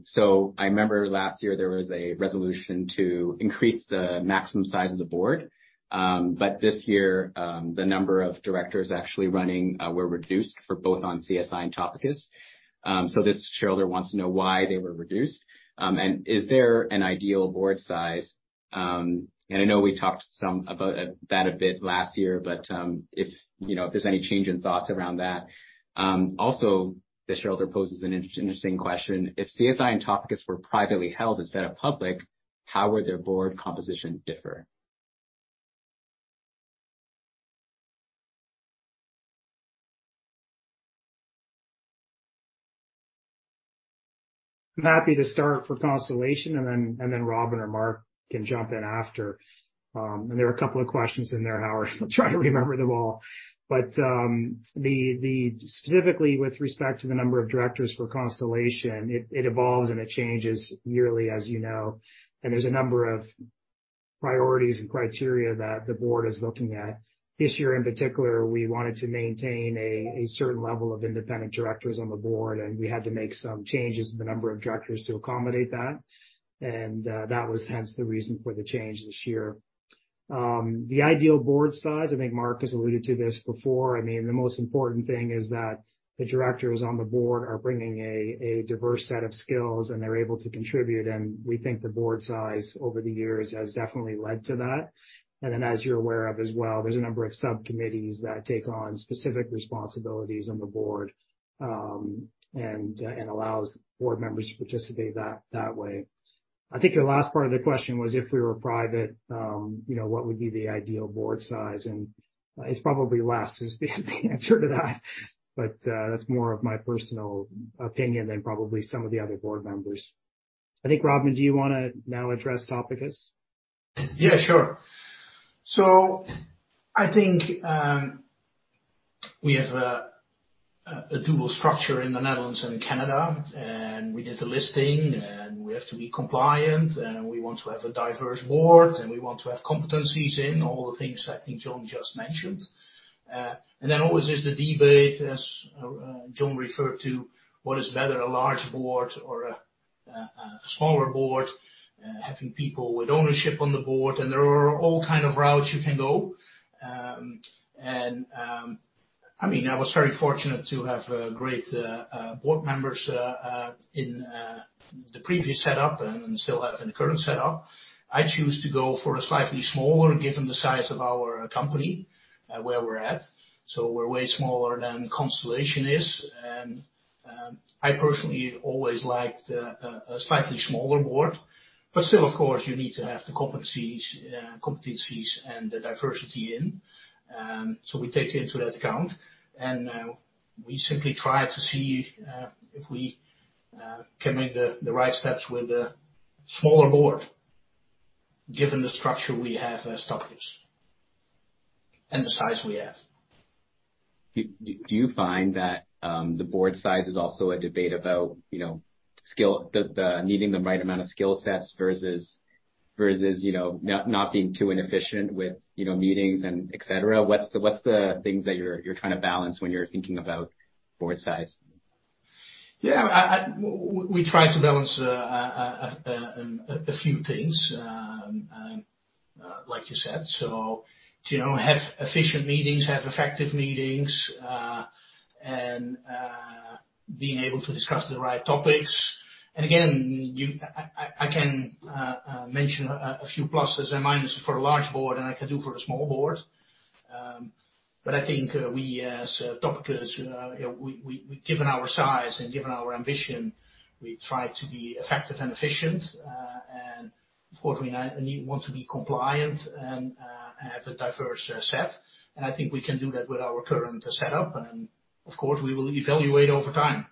remember last year there was a resolution to increase the maximum size of the board. This year, the number of directors actually running were reduced for both on CSI and Topicus. This shareholder wants to know why they were reduced. Is there an ideal board size? I know we talked some about that a bit last year, but, if, you know, if there's any change in thoughts around that. The shareholder poses an interesting question. If CSI and Topicus were privately held instead of public, how would their board composition differ? I'm happy to start for Constellation, and then Robin or Mark can jump in after. There are a couple of questions in there, Howard. I'll try to remember them all. Specifically with respect to the number of directors for Constellation, it evolves and it changes yearly, as you know, and there's a number of priorities and criteria that the board is looking at. This year in particular, we wanted to maintain a certain level of independent directors on the board, and we had to make some changes in the number of directors to accommodate that. That was hence the reason for the change this year. The ideal board size, I think Mark has alluded to this before. I mean, the most important thing is that the directors on the board are bringing a diverse set of skills, and they're able to contribute. We think the board size over the years has definitely led to that. As you're aware of as well, there's a number of subcommittees that take on specific responsibilities on the board, and allows board members to participate that way. I think the last part of the question was, if we were private, you know, what would be the ideal board size? It's probably less, is the answer to that. That's more of my personal opinion than probably some of the other board members. I think, Robin, do you wanna now address Topicus? Yeah, sure. I think we have a dual structure in the Netherlands and Canada, and we did the listing, and we have to be compliant, and we want to have a diverse board, and we want to have competencies in all the things I think John just mentioned. Always there's the debate, as John referred to, what is better, a large board or a smaller board? Having people with ownership on the board. There are all kind of routes you can go. I mean, I was very fortunate to have great board members in the previous setup and still have in the current setup. I choose to go for a slightly smaller, given the size of our company, where we're at, so we're way smaller than Constellation is. I personally always liked a slightly smaller board, but still, of course, you need to have the competencies and the diversity in, so we take into that account. We simply try to see if we can make the right steps with a smaller board, given the structure we have as Topicus and the size we have. Do you find that the board size is also a debate about, you know, the needing the right amount of skill sets versus, you know, not being too inefficient with, you know, meetings and et cetera? What's the things that you're trying to balance when you're thinking about board size? Yeah. We try to balance a few things, like you said. You know, have efficient meetings, have effective meetings, and being able to discuss the right topics. I can mention a few pluses and minuses for a large board than I can do for a small board. I think we as Topicus, you know, given our size and given our ambition, we try to be effective and efficient. We want to be compliant and have a diverse set. I think we can do that with our current setup. We will evaluate over time.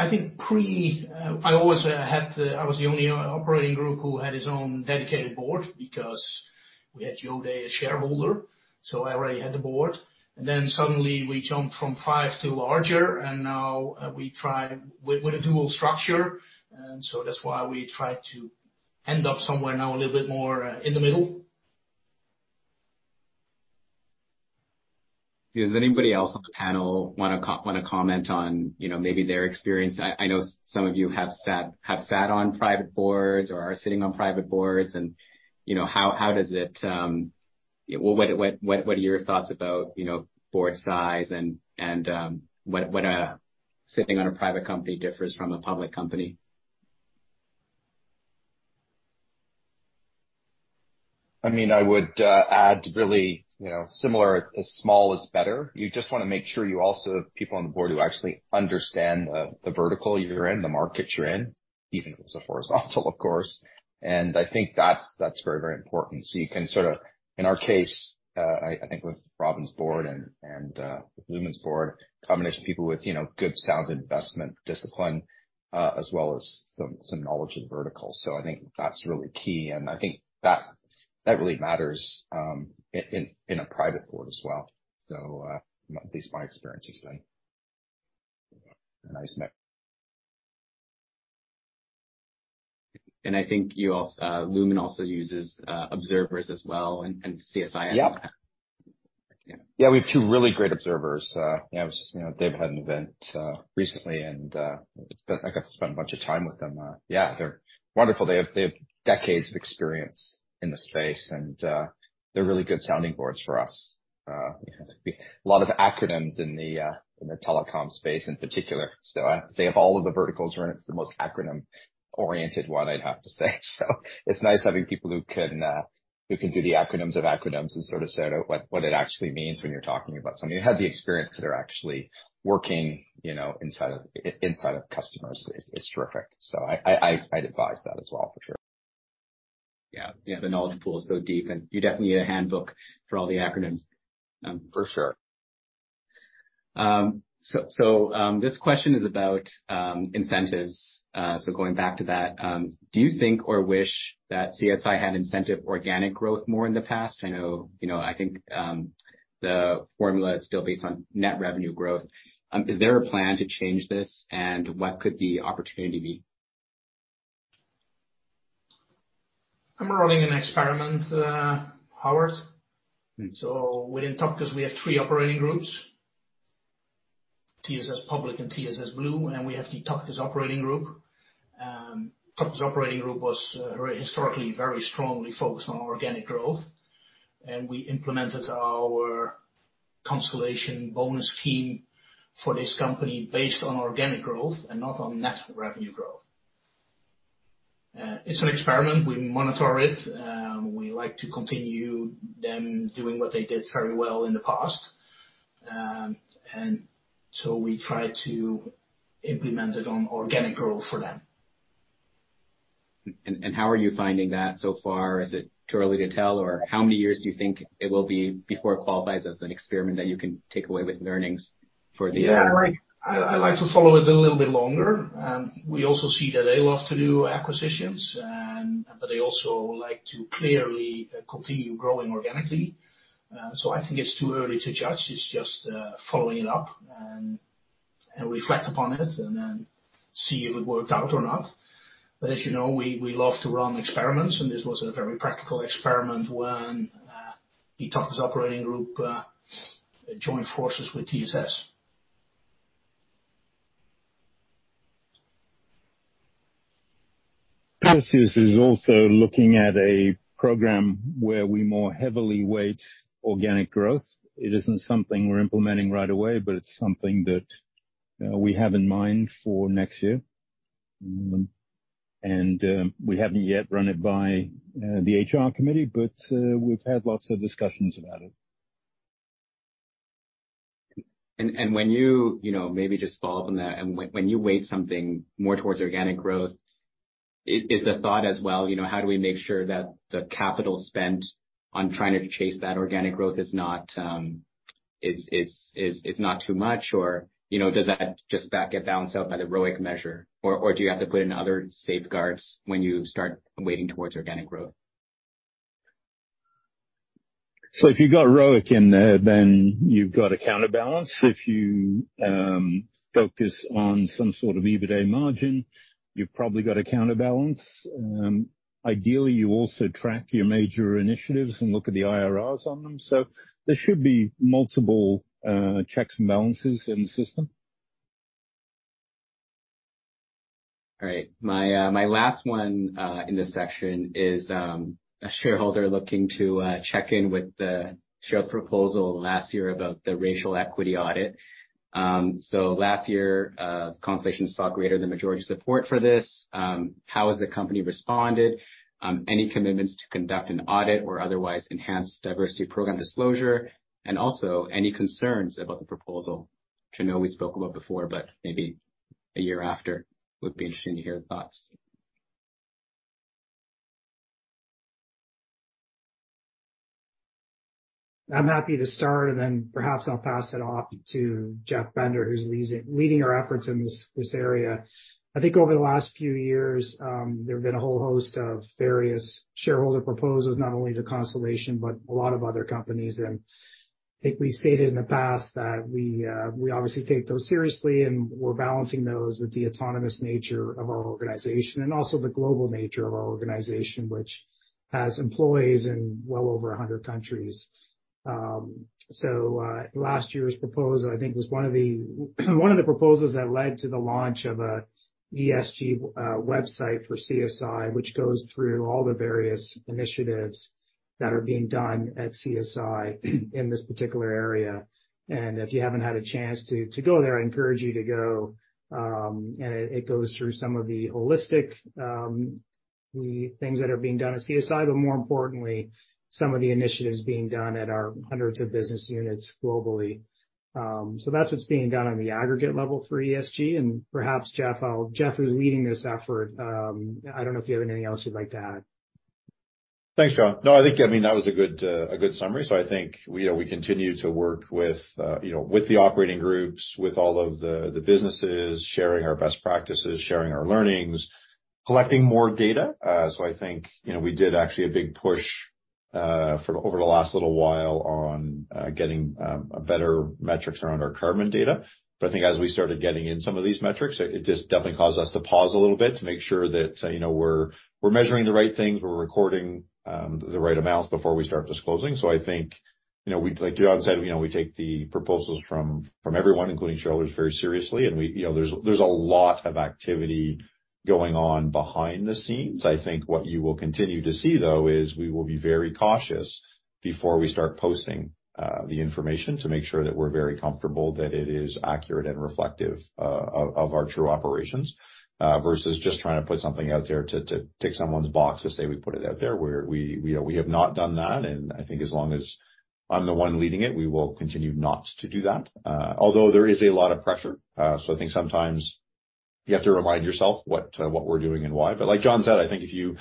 I think I always was the only operating group who had his own dedicated board because we had Jos Dik, a shareholder, so I already had the board. Then suddenly we jumped from five to larger, and now we try with a dual structure. That's why we try to end up somewhere now a little bit more in the middle. Does anybody else on the panel wanna comment on, you know, maybe their experience? I know some of you have sat on private boards or are sitting on private boards and, you know, how does it? What are your thoughts about, you know, board size and what a sitting on a private company differs from a public company? I mean, I would add really, you know, similar. A small is better. You just wanna make sure you also have people on the board who actually understand the vertical you're in, the market you're in, even if it's a horizontal, of course. I think that's very, very important. You can sort of. In our case, I think with Robin's board and Lumine's board, combination of people with, you know, good, sound investment discipline, as well as some knowledge of verticals. I think that's really key, and I think that really matters, in a private board as well. At least my experience has been. I just met I think Lumine also uses observers as well, and CSI. Yeah. Yeah. We have two really great observers. It was just, you know, they've had an event recently, I got to spend a bunch of time with them. They're wonderful. They have decades of experience in the space, they're really good sounding boards for us. A lot of acronyms in the telecom space in particular. I'd say of all of the verticals we're in, it's the most acronym-oriented one, I'd have to say. It's nice having people who can do the acronyms of acronyms and sort of say what it actually means when you're talking about something. You have the experience that are actually working, you know, inside of customers. It's terrific. I'd advise that as well for sure. Yeah, the knowledge pool is so deep, you definitely need a handbook for all the acronyms. For sure. This question is about incentives. Going back to that, do you think or wish that CSI had incentive organic growth more in the past? I know, you know, I think, the formula is still based on net revenue growth. Is there a plan to change this, and what could the opportunity be? I'm running an experiment, Howard. Mm-hmm. Within Topicus, we have three operating groups, TSS Public and TSS Blue, and we have the Topicus operating group. Topicus operating group was historically very strongly focused on organic growth. We implemented our Constellation bonus scheme for this company based on organic growth and not on net revenue growth. It's an experiment. We monitor it. We like to continue them doing what they did very well in the past. We try to implement it on organic growth for them. How are you finding that so far? Is it too early to tell, or how many years do you think it will be before it qualifies as an experiment that you can take away with learnings? Yeah. I like to follow it a little bit longer. We also see that they love to do acquisitions and, but they also like to clearly continue growing organically. I think it's too early to judge. It's just following it up and reflect upon it and then see if it worked out or not. As you know, we love to run experiments, and this was a very practical experiment when the Topicus operating group joined forces with TSS. Perseus is also looking at a program where we more heavily weight organic growth. It isn't something we're implementing right away, but it's something that we have in mind for next year. We haven't yet run it by the HR committee, but we've had lots of discussions about it. When you know, maybe just follow up on that. When you weight something more towards organic growth, is the thought as well, you know, how do we make sure that the capital spent on trying to chase that organic growth is not not too much? Or, you know, does that just get balanced out by the ROIC measure? Or do you have to put in other safeguards when you start weighting towards organic growth? If you've got ROIC in there, then you've got a counterbalance. If you focus on some sort of EBITDA margin, you've probably got a counterbalance. Ideally, you also track your major initiatives and look at the IRRs on them. There should be multiple checks and balances in the system. All right. My, my last one, in this section is, a shareholder looking to check in with the shareholder proposal last year about the racial equity audit. Last year, Constellation saw greater than majority support for this. How has the company responded? Any commitments to conduct an audit or otherwise enhance diversity program disclosure? Also, any concerns about the proposal? Which I know we spoke about before, but maybe a year after, would be interesting to hear your thoughts. I'm happy to start, then perhaps I'll pass it off to Jeff Bender, who's leading our efforts in this area. I think over the last few years, there have been a whole host of various shareholder proposals, not only to Constellation, but a lot of other companies. I think we stated in the past that we obviously take those seriously, and we're balancing those with the autonomous nature of our organization and also the global nature of our organization, which has employees in well over 100 countries. Last year's proposal, I think, was one of the proposals that led to the launch of a ESG website for CSI, which goes through all the various initiatives that are being done at CSI in this particular area. If you haven't had a chance to go there, I encourage you to go. It goes through some of the holistic, the things that are being done at CSI, but more importantly, some of the initiatives being done at our hundreds of business units globally. That's what's being done on the aggregate level for ESG. Perhaps, Jeff is leading this effort. I don't know if you have anything else you'd like to add. Thanks, John. No, I think, I mean, that was a good, a good summary. I think, you know, we continue to work with, you know, with the operating groups, with all of the businesses, sharing our best practices, sharing our learnings, collecting more data. I think, you know, we did actually a big push over the last little while on getting a better metrics around our carbon data. I think as we started getting in some of these metrics, it just definitely caused us to pause a little bit to make sure that, you know, we're measuring the right things, we're recording the right amounts before we start disclosing. I think, you know, like John said, you know, we take the proposals from everyone, including shareholders, very seriously. You know, there's a lot of activity going on behind the scenes. I think what you will continue to see, though, is we will be very cautious before we start posting the information to make sure that we're very comfortable that it is accurate and reflective of our true operations versus just trying to put something out there to tick someone's box to say we put it out there. We have not done that, and I think as long as I'm the one leading it, we will continue not to do that. Although there is a lot of pressure. So I think sometimes you have to remind yourself what we're doing and why. Like John said, I think if you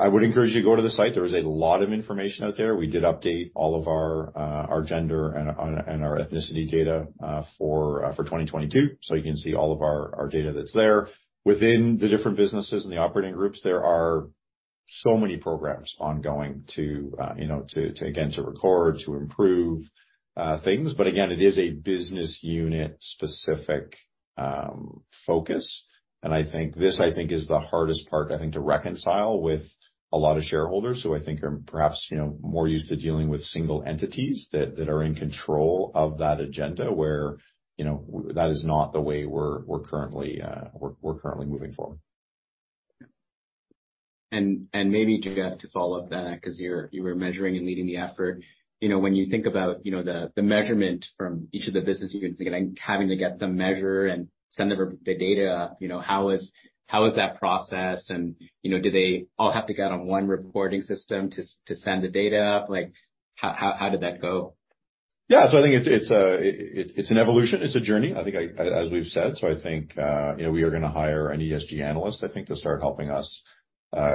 I would encourage you to go to the site. There is a lot of information out there. We did update all of our gender and our ethnicity data for 2022. You can see all of our data that's there. Within the different businesses and the operating groups, there are so many programs ongoing to, you know, to again, to record, to improve things. Again, it is a business unit specific focus. I think this is the hardest part, I think, to reconcile with a lot of shareholders who I think are perhaps, you know, more used to dealing with single entities that are in control of that agenda where, you know, that is not the way we're currently moving forward. Maybe, Jeff, to follow up that, 'cause you were measuring and leading the effort. You know, when you think about, you know, the measurement from each of the business units and, again, having to get the measure and send the data, you know, how is, how is that process? You know, do they all have to get on one reporting system to send the data? Like, how did that go? Yeah. I think it's an evolution. It's a journey. I think, as we've said. I think, you know, we are gonna hire an ESG analyst, I think, to start helping us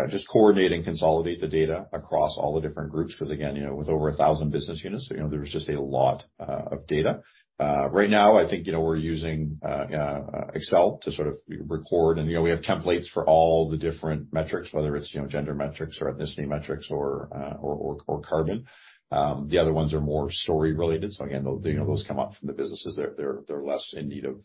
just coordinate and consolidate the data across all the different groups. 'Cause again, you know, with over 1,000 business units, you know, there is just a lot of data. Right now, I think, you know, we're using Excel to sort of record. And, you know, we have templates for all the different metrics, whether it's, you know, gender metrics or ethnicity metrics or carbon. The other ones are more story related. Again, they'll, you know, those come up from the businesses. They're less in need of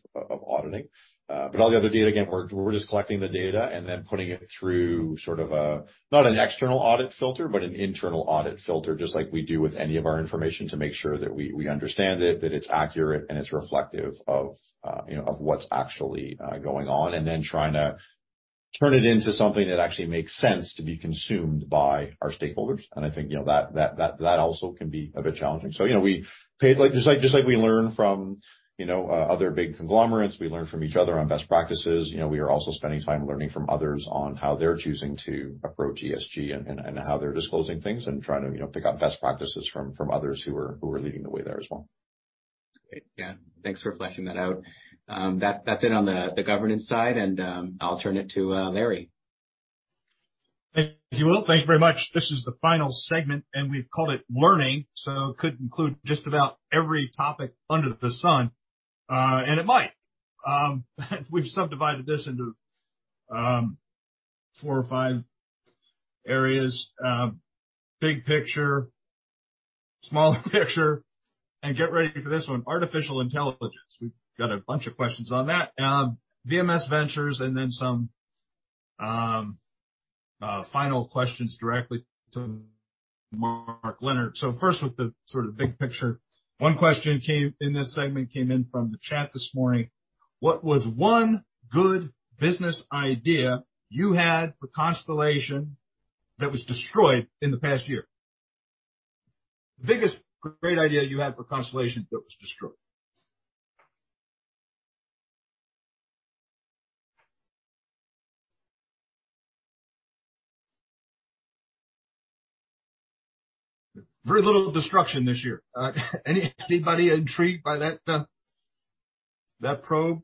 auditing. But all the other data, again, we're just collecting the data and then putting it through sort of a, not an external audit filter, but an internal audit filter, just like we do with any of our information, to make sure that we understand it, that it's accurate and it's reflective of, you know, of what's actually going on. Then trying to turn it into something that actually makes sense to be consumed by our stakeholders. I think, you know, that also can be a bit challenging. You know, like, just like we learn from, you know, other big conglomerates, we learn from each other on best practices. You know, we are also spending time learning from others on how they're choosing to approach ESG and how they're disclosing things and trying to, you know, pick up best practices from others who are leading the way there as well. Great. Yeah. Thanks for fleshing that out. That's it on the governance side, and I'll turn it to Larry. Thank you, Will. Thank you very much. This is the final segment, we've called it learning, so could include just about every topic under the sun. It might. We've subdivided this into four or five areas. Big picture, smaller picture, get ready for this one, artificial intelligence. We've got a bunch of questions on that. VMS Ventures, then some final questions directly to Mark Leonard. First with the sort of big picture. One question came, in this segment, came in from the chat this morning. What was one good business idea you had for Constellation that was destroyed in the past year? The biggest great idea you had for Constellation that was destroyed. Very little destruction this year. Anybody intrigued by that probe?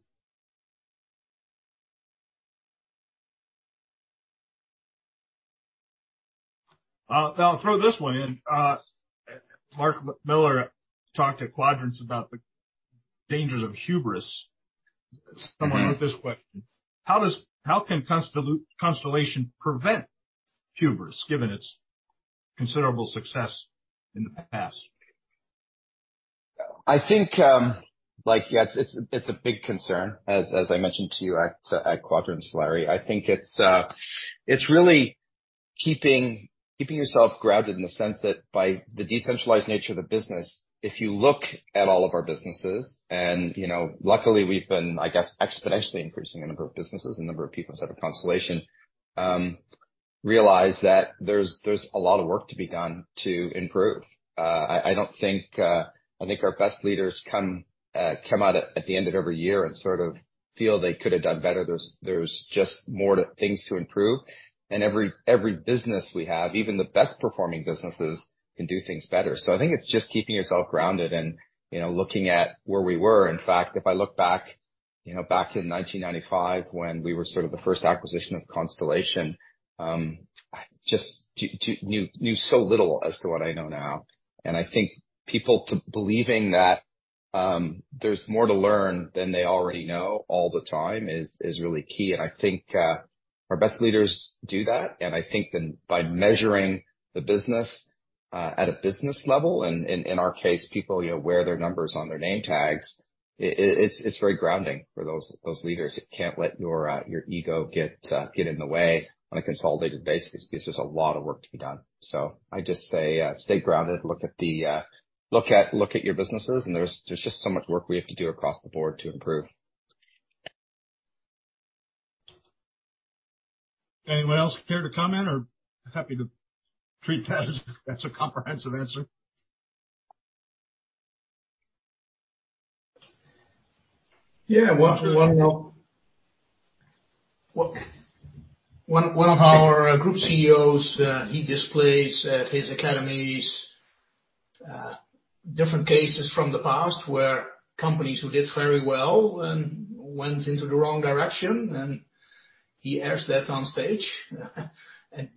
I'll throw this one in. Mark Miller talked at Quadrants about the dangers of hubris. Mm-hmm. Someone with this question: How can Constellation prevent hubris, given its considerable success in the past? I think, like, yes, it's a big concern. As I mentioned to you at Quadrants, Larry. I think it's really keeping yourself grounded in the sense that by the decentralized nature of the business, if you look at all of our businesses, and, you know, luckily, we've been, I guess, exponentially increasing the number of businesses, the number of people inside of Constellation, realize that there's a lot of work to be done to improve. I don't think I think our best leaders come out at the end of every year and sort of feel they could have done better. There's just more things to improve. Every business we have, even the best performing businesses, can do things better. I think it's just keeping yourself grounded and, you know, looking at where we were. In fact, if I look back, you know, back in 1995, when we were sort of the first acquisition of Constellation Software, just knew so little as to what I know now. I think people believing that there's more to learn than they already know all the time is really key. I think our best leaders do that. I think then by measuring the business at a business level, and in our case, people, you know, wear their numbers on their name tags, it's very grounding for those leaders. You can't let your ego get in the way on a consolidated basis because there's a lot of work to be done. I just say, stay grounded, look at your businesses, and there's just so much work we have to do across the board to improve. Anyone else care to comment or happy to treat that as? That's a comprehensive answer. Yeah. Well, one of our group CEOs, he displays at his academies- Different cases from the past where companies who did very well and went into the wrong direction, and he airs that on stage.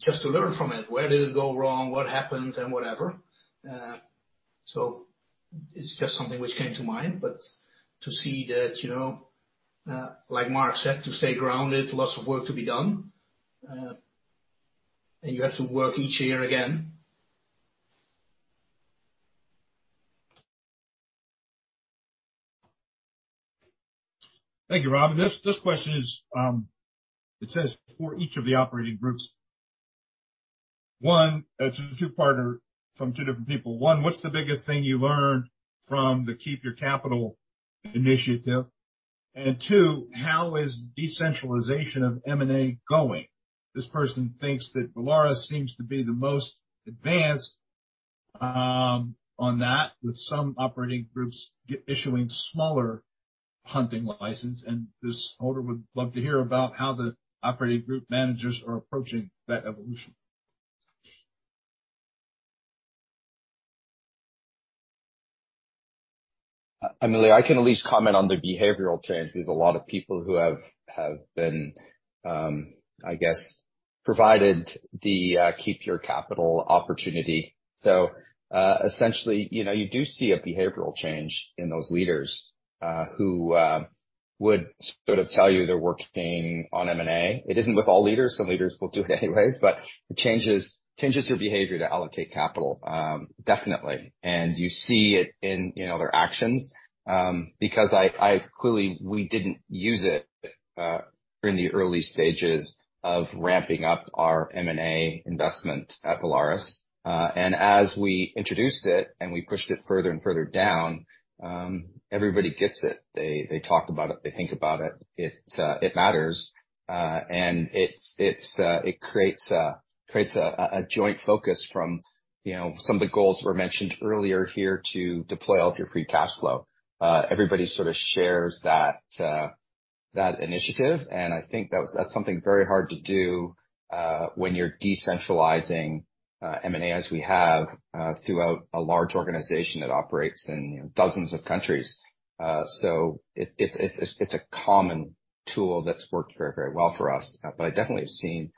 Just to learn from it, where did it go wrong? What happened, and whatever. It's just something which came to mind, but to see that, you know, like Mark said, to stay grounded, lots of work to be done, you have to work each year again. Thank you, Rob. This question is, it says for each of the operating groups. One, it's a two-parter from two different people. One, what's the biggest thing you learned from the Keep Your Capital initiative? Two, how is decentralization of M&A going? This person thinks that Volaris seems to be the most advanced on that, with some operating groups issuing smaller hunting license, and this holder would love to hear about how the operating group managers are approaching that evolution. Emily, I can at least comment on the behavioral change. There's a lot of people who have been, I guess, provided the Keep Your Capital opportunity. Essentially, you know, you do see a behavioral change in those leaders who would sort of tell you they're working on M&A. It isn't with all leaders. Some leaders will do it anyways, but it changes your behavior to allocate capital, definitely. You see it in other actions because I clearly we didn't use it in the early stages of ramping up our M&A investment at Volaris. As we introduced it, and we pushed it further and further down, everybody gets it. They talk about it, they think about it. It matters. It's, it creates a joint focus from, you know, some of the goals that were mentioned earlier here to deploy all of your free cash flow. Everybody sort of shares that initiative, and I think that's something very hard to do, when you're decentralizing M&A as we have, throughout a large organization that operates in dozens of countries. It's a common tool that's worked very, very well for us. I definitely have seen,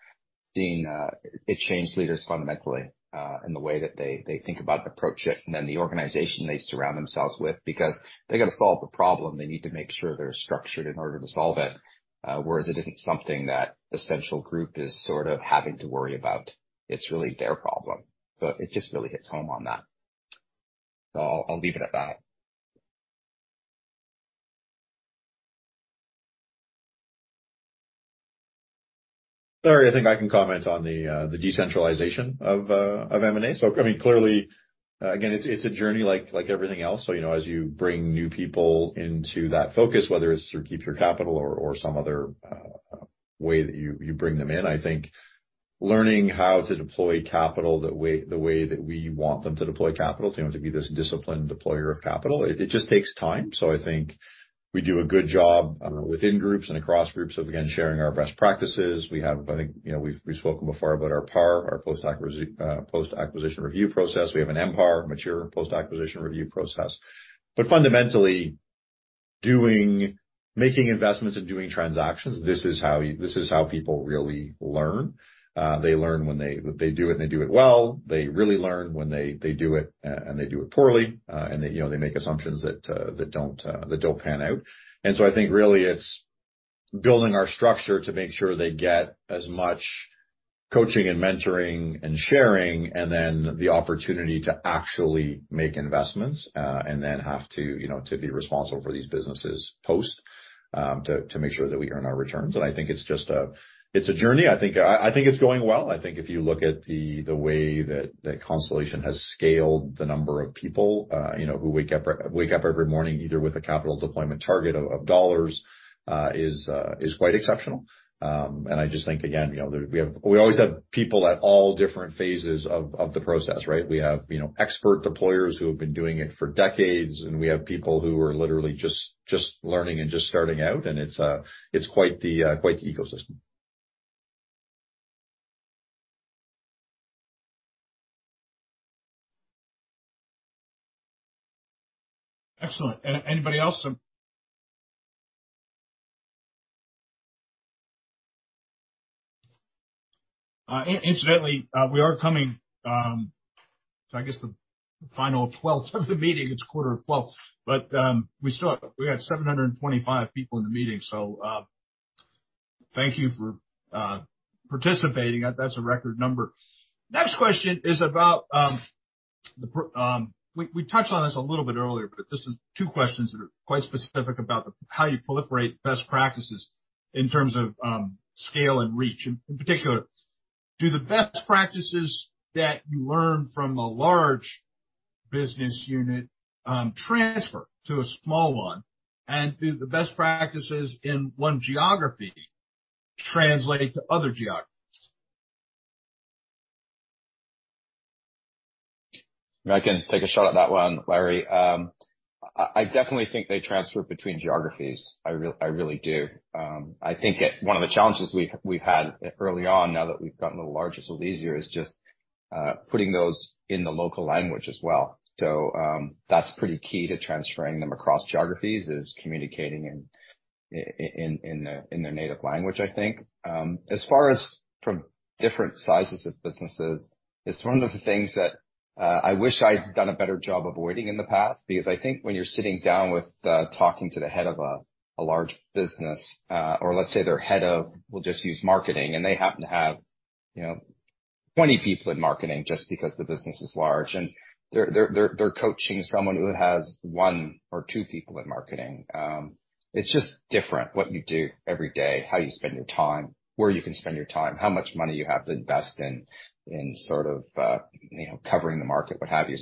it change leaders fundamentally, in the way that they think about and approach it, and then the organization they surround themselves with because they got to solve a problem. They need to make sure they're structured in order to solve it. Whereas it isn't something that the central group is sort of having to worry about. It's really their problem. It just really hits home on that. I'll leave it at that. Larry, I think I can comment on the decentralization of M&A. I mean, clearly, again, it's a journey like everything else. You know, as you bring new people into that focus, whether it's through Keep Your Capital or some other way that you bring them in, I think learning how to deploy capital the way that we want them to deploy capital, to be this disciplined deployer of capital, it just takes time. I think we do a good job within groups and across groups of, again, sharing our best practices. I think, you know, we've spoken before about our PAR, our post-acquisition review process. We have an MPAR, mature post-acquisition review process. Fundamentally, making investments and doing transactions, this is how people really learn. They learn when they do it, and they do it well. They really learn when they do it and they do it poorly. And they, you know, they make assumptions that don't pan out. I think really it's building our structure to make sure they get as much coaching and mentoring and sharing, and then the opportunity to actually make investments, and then have to, you know, to be responsible for these businesses post to make sure that we earn our returns. I think it's just a, it's a journey. I think it's going well. I think if you look at the way that Constellation has scaled the number of people, you know, who wake up every morning, either with a capital deployment target of dollars, is quite exceptional. I just think, again, you know, we always have people at all different phases of the process, right? We have, you know, expert deployers who have been doing it for decades, and we have people who are literally just learning and just starting out. It's quite the quite the ecosystem. Excellent. Anybody else? Incidentally, we are coming to, I guess, the final 12th of the meeting. It's quarter of 12. We still have 725 people in the meeting, so, thank you for participating. That's a record number. Next question is about the how you proliferate best practices in terms of scale and reach. In particular, do the best practices that you learn from a large business unit transfer to a small one? Do the best practices in one geography translate to other geographies? I can take a shot at that one, Larry. I definitely think they transfer between geographies. I really do. I think one of the challenges we've had early on now that we've gotten a little larger is a little easier, is just, putting those in the local language as well. That's pretty key to transferring them across geographies, is communicating in their native language, I think. As far as from different sizes of businesses, it's one of the things that, I wish I'd done a better job avoiding in the past, because I think when you're sitting down with, talking to the head of a large business, or let's say they're head of, we'll just use marketing, and they happen to have, you know, 20 people in marketing just because the business is large, and they're coaching someone who has 1 or 2 people in marketing. It's just different what you do every day, how you spend your time, where you can spend your time, how much money you have to invest in sort of, you know, covering the market, what have you.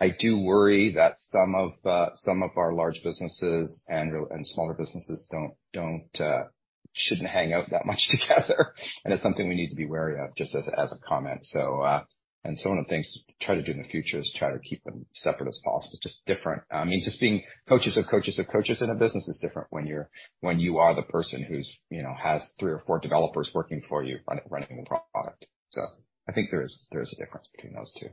I do worry that some of, some of our large businesses and smaller businesses shouldn't hang out that much together. It's something we need to be wary of, just as a comment. One of the things to try to do in the future is try to keep them separate as possible. Just different. I mean, just being coaches of coaches of coaches in a business is different when you are the person who's, you know, has three or four developers working for you running the product. I think there is, there is a difference between those two.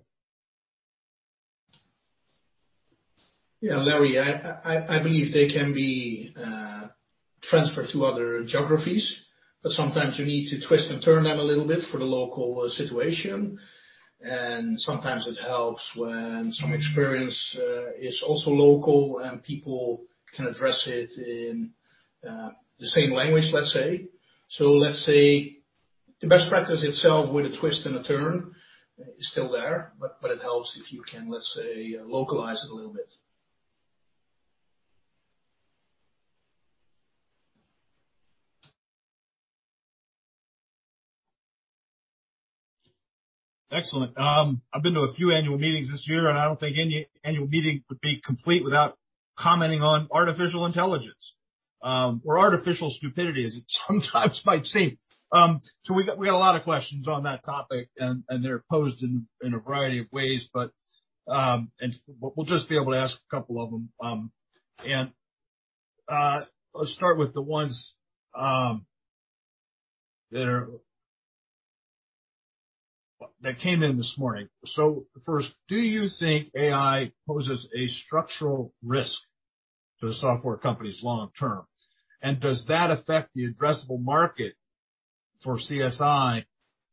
Yeah, Larry, I believe they can be transferred to other geographies, sometimes you need to twist and turn them a little bit for the local situation. Sometimes it helps when some experience is also local, and people can address it in the same language, let's say. Let's say the best practice itself with a twist and a turn is still there, but it helps if you can, let's say, localize it a little bit. Excellent. I've been to a few annual meetings this year, I don't think any annual meeting would be complete without commenting on artificial intelligence, or artificial stupidity, as it sometimes might seem. We got a lot of questions on that topic, and they're posed in a variety of ways. We'll just be able to ask a couple of them. Let's start with the ones that came in this morning. First, do you think AI poses a structural risk to the software companies long term? Does that affect the addressable market for CSI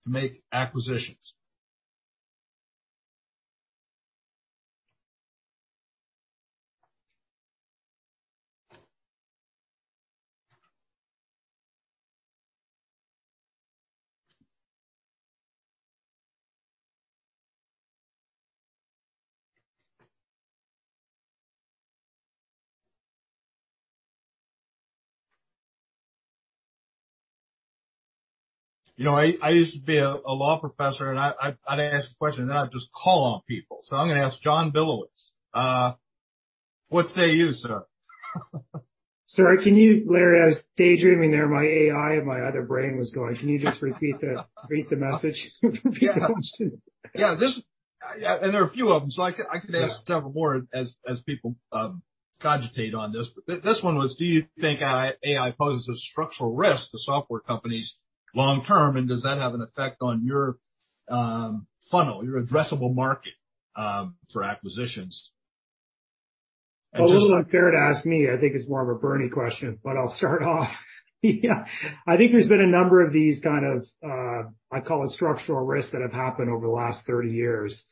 to make acquisitions? You know, I used to be a law professor, and I'd ask a question, and I'd just call on people. I'm gonna ask John Billowits, what say you, sir? Sorry, Larry, I was daydreaming there. My AI and my other brain was going. Can you just repeat the message? Repeat the question. Yeah. There are a few of them, so I can ask several more as people cogitate on this. This one was: Do you think AI poses a structural risk to software companies long term? Does that have an effect on your funnel, your addressable market, for acquisitions? A little unfair to ask me. I think it's more of a Bernie question, but I'll start off. Yeah. I think there's been a number of these kind of, I call it structural risks, that have happened over the last 30 years.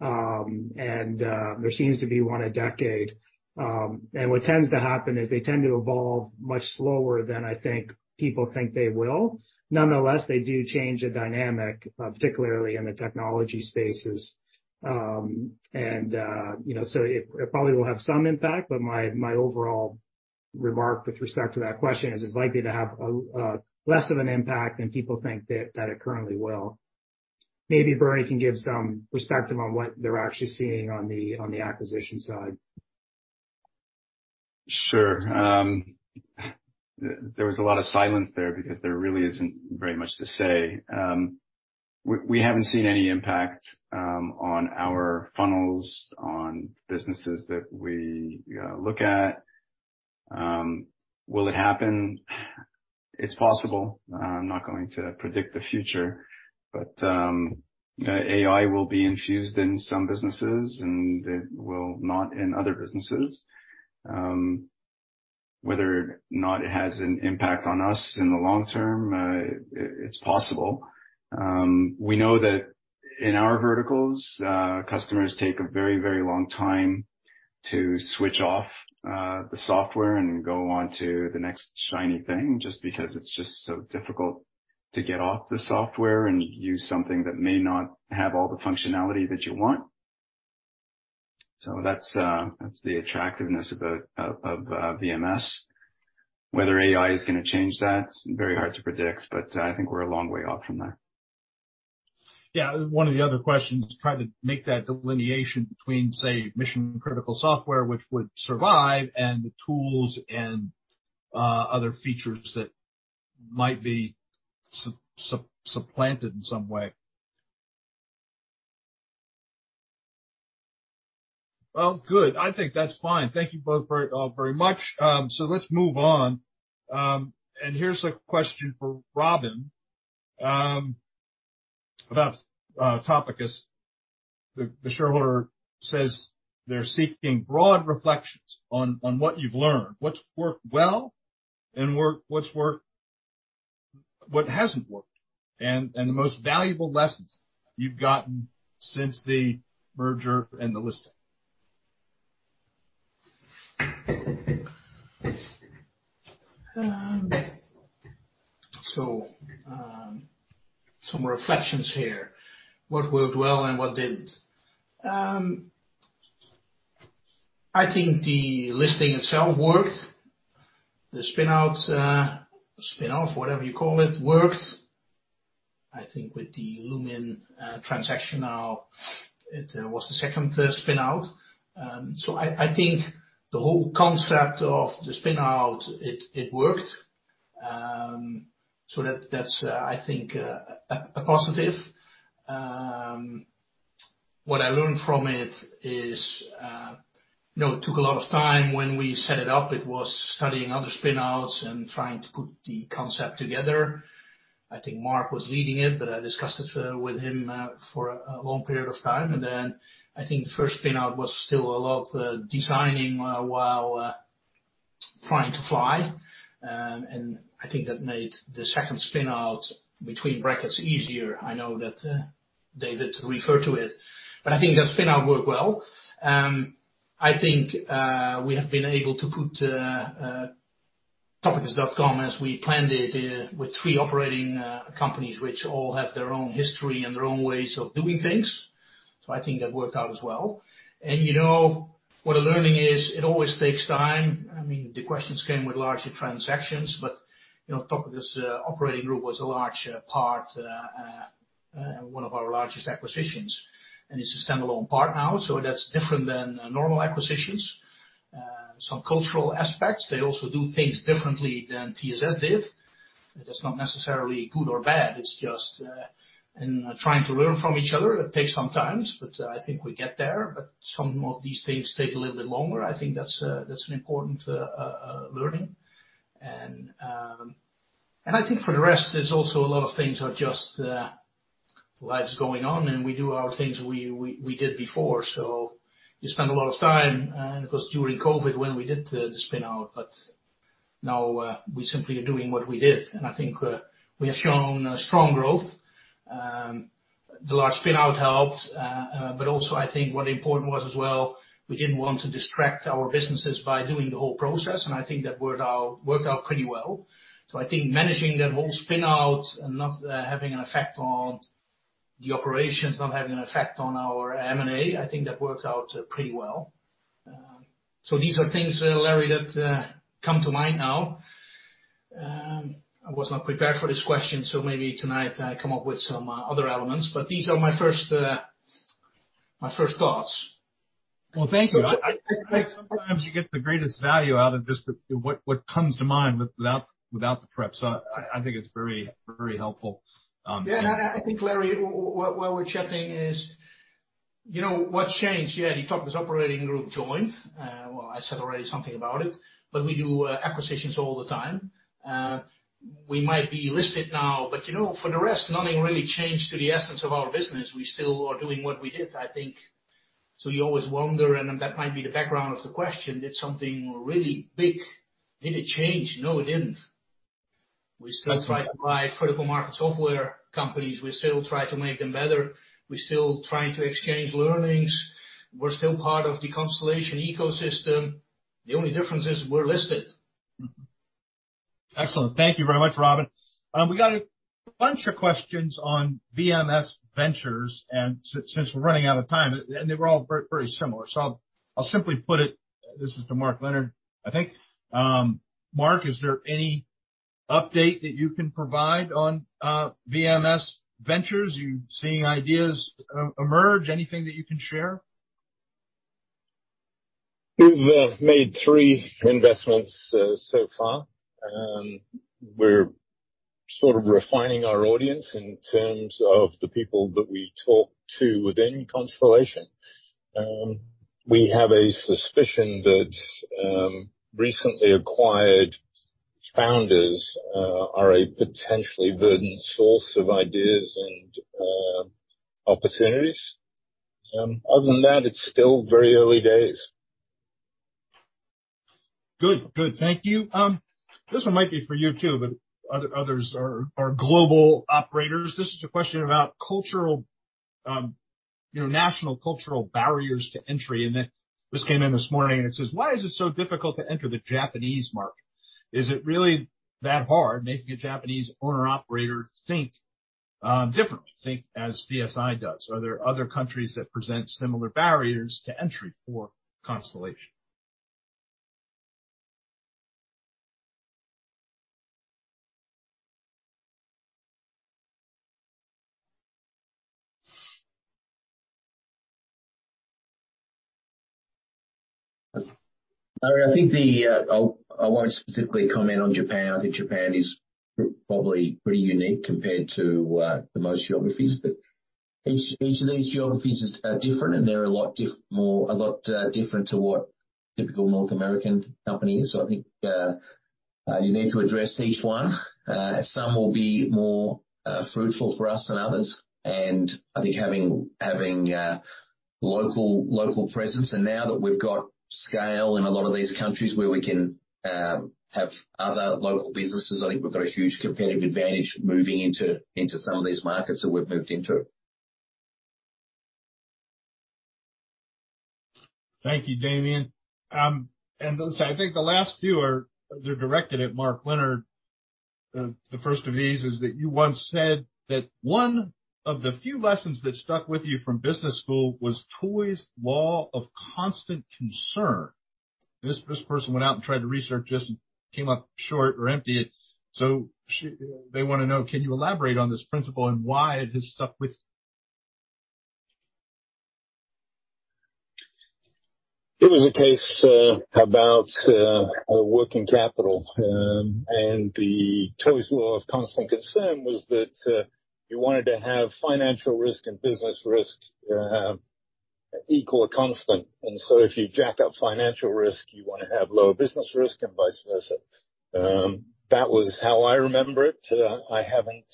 There seems to be one a decade. What tends to happen is they tend to evolve much slower than I think people think they will. Nonetheless, they do change the dynamic, particularly in the technology spaces. You know, so it probably will have some impact, but my overall remark with respect to that question is it's likely to have a less of an impact than people think it currently will. Maybe Bernie can give some perspective on what they're actually seeing on the acquisition side. Sure. There was a lot of silence there because there really isn't very much to say. We haven't seen any impact on our funnels, on businesses that we look at. Will it happen? It's possible. I'm not going to predict the future, but AI will be infused in some businesses, and it will not in other businesses. Whether or not it has an impact on us in the long term, it's possible. We know that in our verticals, customers take a very, very long time to switch off the software and go on to the next shiny thing, just because it's just so difficult to get off the software and use something that may not have all the functionality that you want. That's the attractiveness of VMS. Whether AI is gonna change that, very hard to predict, but I think we're a long way off from that. One of the other questions, try to make that delineation between, say, mission-critical software, which would survive, and the tools and other features that might be supplanted in some way. Well, good. I think that's fine. Thank you both very, very much. Let's move on. Here's a question for Robin about Topicus. The shareholder says they're seeking broad reflections on what you've learned, what's worked well and what's worked, what hasn't worked, and the most valuable lessons you've gotten since the merger and the listing. Some reflections here. What worked well and what didn't. I think the listing itself worked. The spinout, spinoff, whatever you call it, worked, I think, with the Lumine transaction now, it was the second spin out. I think the whole concept of the spinout, it worked. That's, I think, a positive. What I learned from it is, you know, it took a lot of time. When we set it up, it was studying other spinouts and trying to put the concept together. I think Mark Leonard was leading it, but I discussed it with him for a long period of time. I think the first spinout was still a lot of designing while trying to fly. I think that made the second spinout between brackets easier. I know that David referred to it, but I think that spinout worked well. I think we have been able to put Topicus.com as we planned it, with three operating companies, which all have their own history and their own ways of doing things. I think that worked out as well. You know what a learning is, it always takes time. I mean, the questions came with larger transactions, but, you know, Topicus operating group was a large part, one of our largest acquisitions, and it's a standalone part now, so that's different than normal acquisitions. Some cultural aspects. They also do things differently than TSS did. That's not necessarily good or bad, it's just trying to learn from each other. It takes some time, but I think we get there. Some of these things take a little bit longer. I think that's an important learning. I think for the rest, there's also a lot of things are just lives going on, and we do our things we did before, so you spend a lot of time. It was during COVID when we did the spinout, but now, we simply are doing what we did. I think, we have shown strong growth. The large spinout helped. But also I think what important was as well, we didn't want to distract our businesses by doing the whole process, and I think that worked out, worked out pretty well. I think managing that whole spinout and not having an effect on the operations, not having an effect on our M&A, I think that worked out pretty well. These are things, Larry, that come to mind now. I was not prepared for this question, so maybe tonight I come up with some other elements. These are my first thoughts. Thank you. I think sometimes you get the greatest value out of just the what comes to mind without the prep. I think it's very helpful. Yeah. I think, Larry, where we're chatting is, you know, what's changed? Yeah, the Topicus operating group joined. Well, I said already something about it, but we do acquisitions all the time. We might be listed now, you know, for the rest, nothing really changed to the essence of our business. We still are doing what we did, I think. You always wonder, and that might be the background of the question, did something really big, did it change? No, it didn't. We still try to buy critical market software companies. We still try to make them better. We're still trying to exchange learnings. We're still part of the Constellation ecosystem. The only difference is we're listed. Excellent. Thank you very much, Robin. We got a bunch of questions on VMS Ventures, and since we're running out of time, and they were all very similar. I'll simply put it, this is to Mark Leonard, I think. Mark, is there any update that you can provide on VMS Ventures? You seeing ideas emerge? Anything that you can share? We've made 3 investments so far. We're sort of refining our audience in terms of the people that we talk to within Constellation. We have a suspicion that recently acquired founders are a potentially verdant source of ideas and opportunities. Other than that, it's still very early days. Good. Good. Thank you. This one might be for you too, others are global operators. This is a question about cultural, you know, national cultural barriers to entry. This came in this morning, and it says, "Why is it so difficult to enter the Japanese market? Is it really that hard making a Japanese owner-operator think differently, think as CSI does? Are there other countries that present similar barriers to entry for Constellation? Larry, I think I won't specifically comment on Japan. I think Japan is probably pretty unique compared to the most geographies. Each of these geographies are different, and they're a lot different to what typical North American company is. I think you need to address each one. Some will be more fruitful for us than others. I think having local presence and now that we've got scale in a lot of these countries where we can have other local businesses, I think we've got a huge competitive advantage moving into some of these markets that we've moved into. Thank you, Damian. Listen, I think the last few are, they're directed at Mark Leonard. The first of these is that you once said that one of the few lessons that stuck with you from business school was Toy's law of constant concern. This person went out and tried to research this and came up short or empty. They wanna know, can you elaborate on this principle and why it has stuck with? It was a case, about, working capital. The Toy's law of constant concern was that, you wanted to have financial risk and business risk, equal or constant. If you jack up financial risk, you wanna have low business risk, and vice versa. That was how I remember it. I haven't,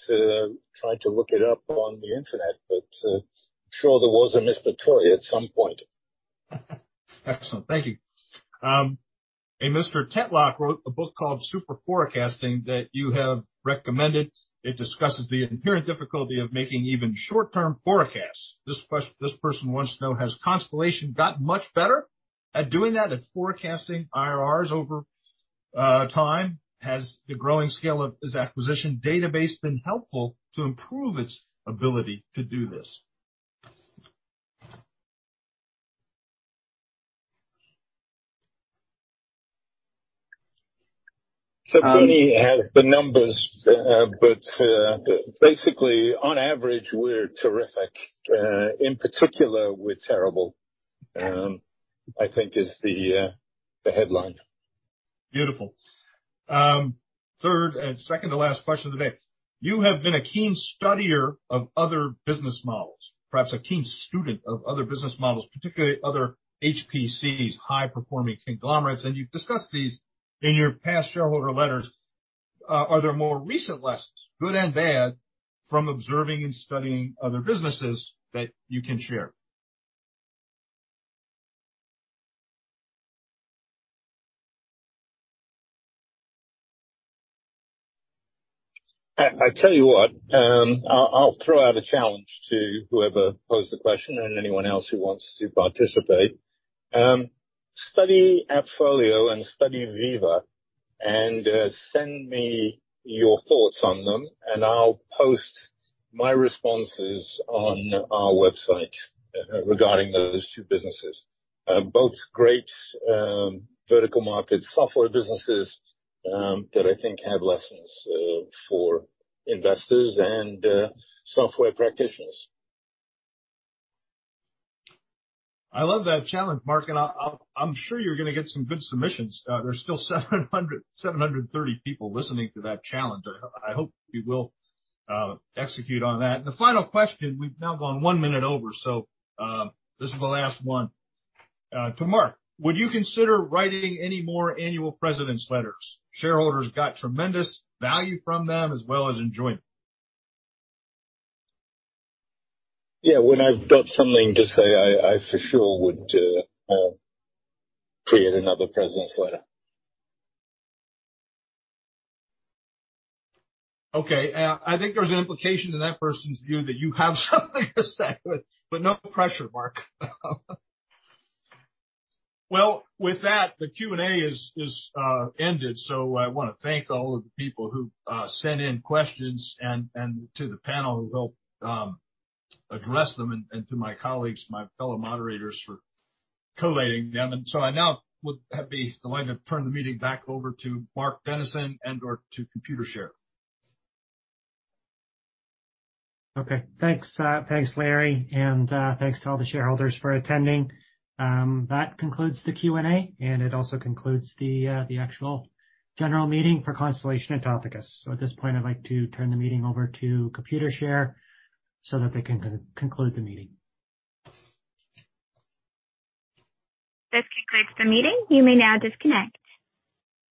tried to look it up on the internet, but, I'm sure there was a Mr. Toy at some point. Excellent. Thank you. A Mr. Tetlock wrote a book called Superforecasting that you have recommended. It discusses the inherent difficulty of making even short-term forecasts. This person wants to know, has Constellation gotten much better at doing that, at forecasting IRRs over time? Has the growing scale of its acquisition database been helpful to improve its ability to do this? Tony has the numbers, but basically, on average, we're terrific. In particular, we're terrible, I think is the headline. Beautiful. third and second to last question of the day. You have been a keen studier of other business models. Perhaps a keen student of other business models, particularly other HPCs, high performing conglomerates, and you've discussed these in your past shareholder letters. Are there more recent lessons, good and bad, from observing and stuying other businesses that you can share? I tell you what, I'll throw out a challenge to whoever posed the question and anyone else who wants to participate. Study AppFolio and study Veeva, and send me your thoughts on them, and I'll post my responses on our website regarding those two businesses. Both great vertical market software businesses that I think have lessons for investors and software practitioners. I love that challenge, Mark, I'm sure you're gonna get some good submissions. There's still 730 people listening to that challenge. I hope you will execute on that. The final question. We've now gone one minute over, this is the last one. To Mark. Would you consider writing any more annual President's letters? Shareholders got tremendous value from them as well as enjoyment. Yeah. When I've got something to say, I for sure would create another president's letter. Okay. I think there's an implication in that person's view that you have something to say, but no pressure, Mark. With that, the Q&A is ended. I wanna thank all of the people who sent in questions and to the panel who helped address them and to my colleagues, my fellow moderators, for collating them. I now would be delighted to turn meeting back over to Mark Dennison and/or to Computershare. Okay. Thanks, thanks, Larry, thanks to all the shareholders for attending. That concludes the Q&A, it also concludes the actual general meeting for Constellation and Topicus. At this point, I'd like to turn the meeting over to Computershare so that they can conclude the meeting. This concludes the meeting. You may now disconnect.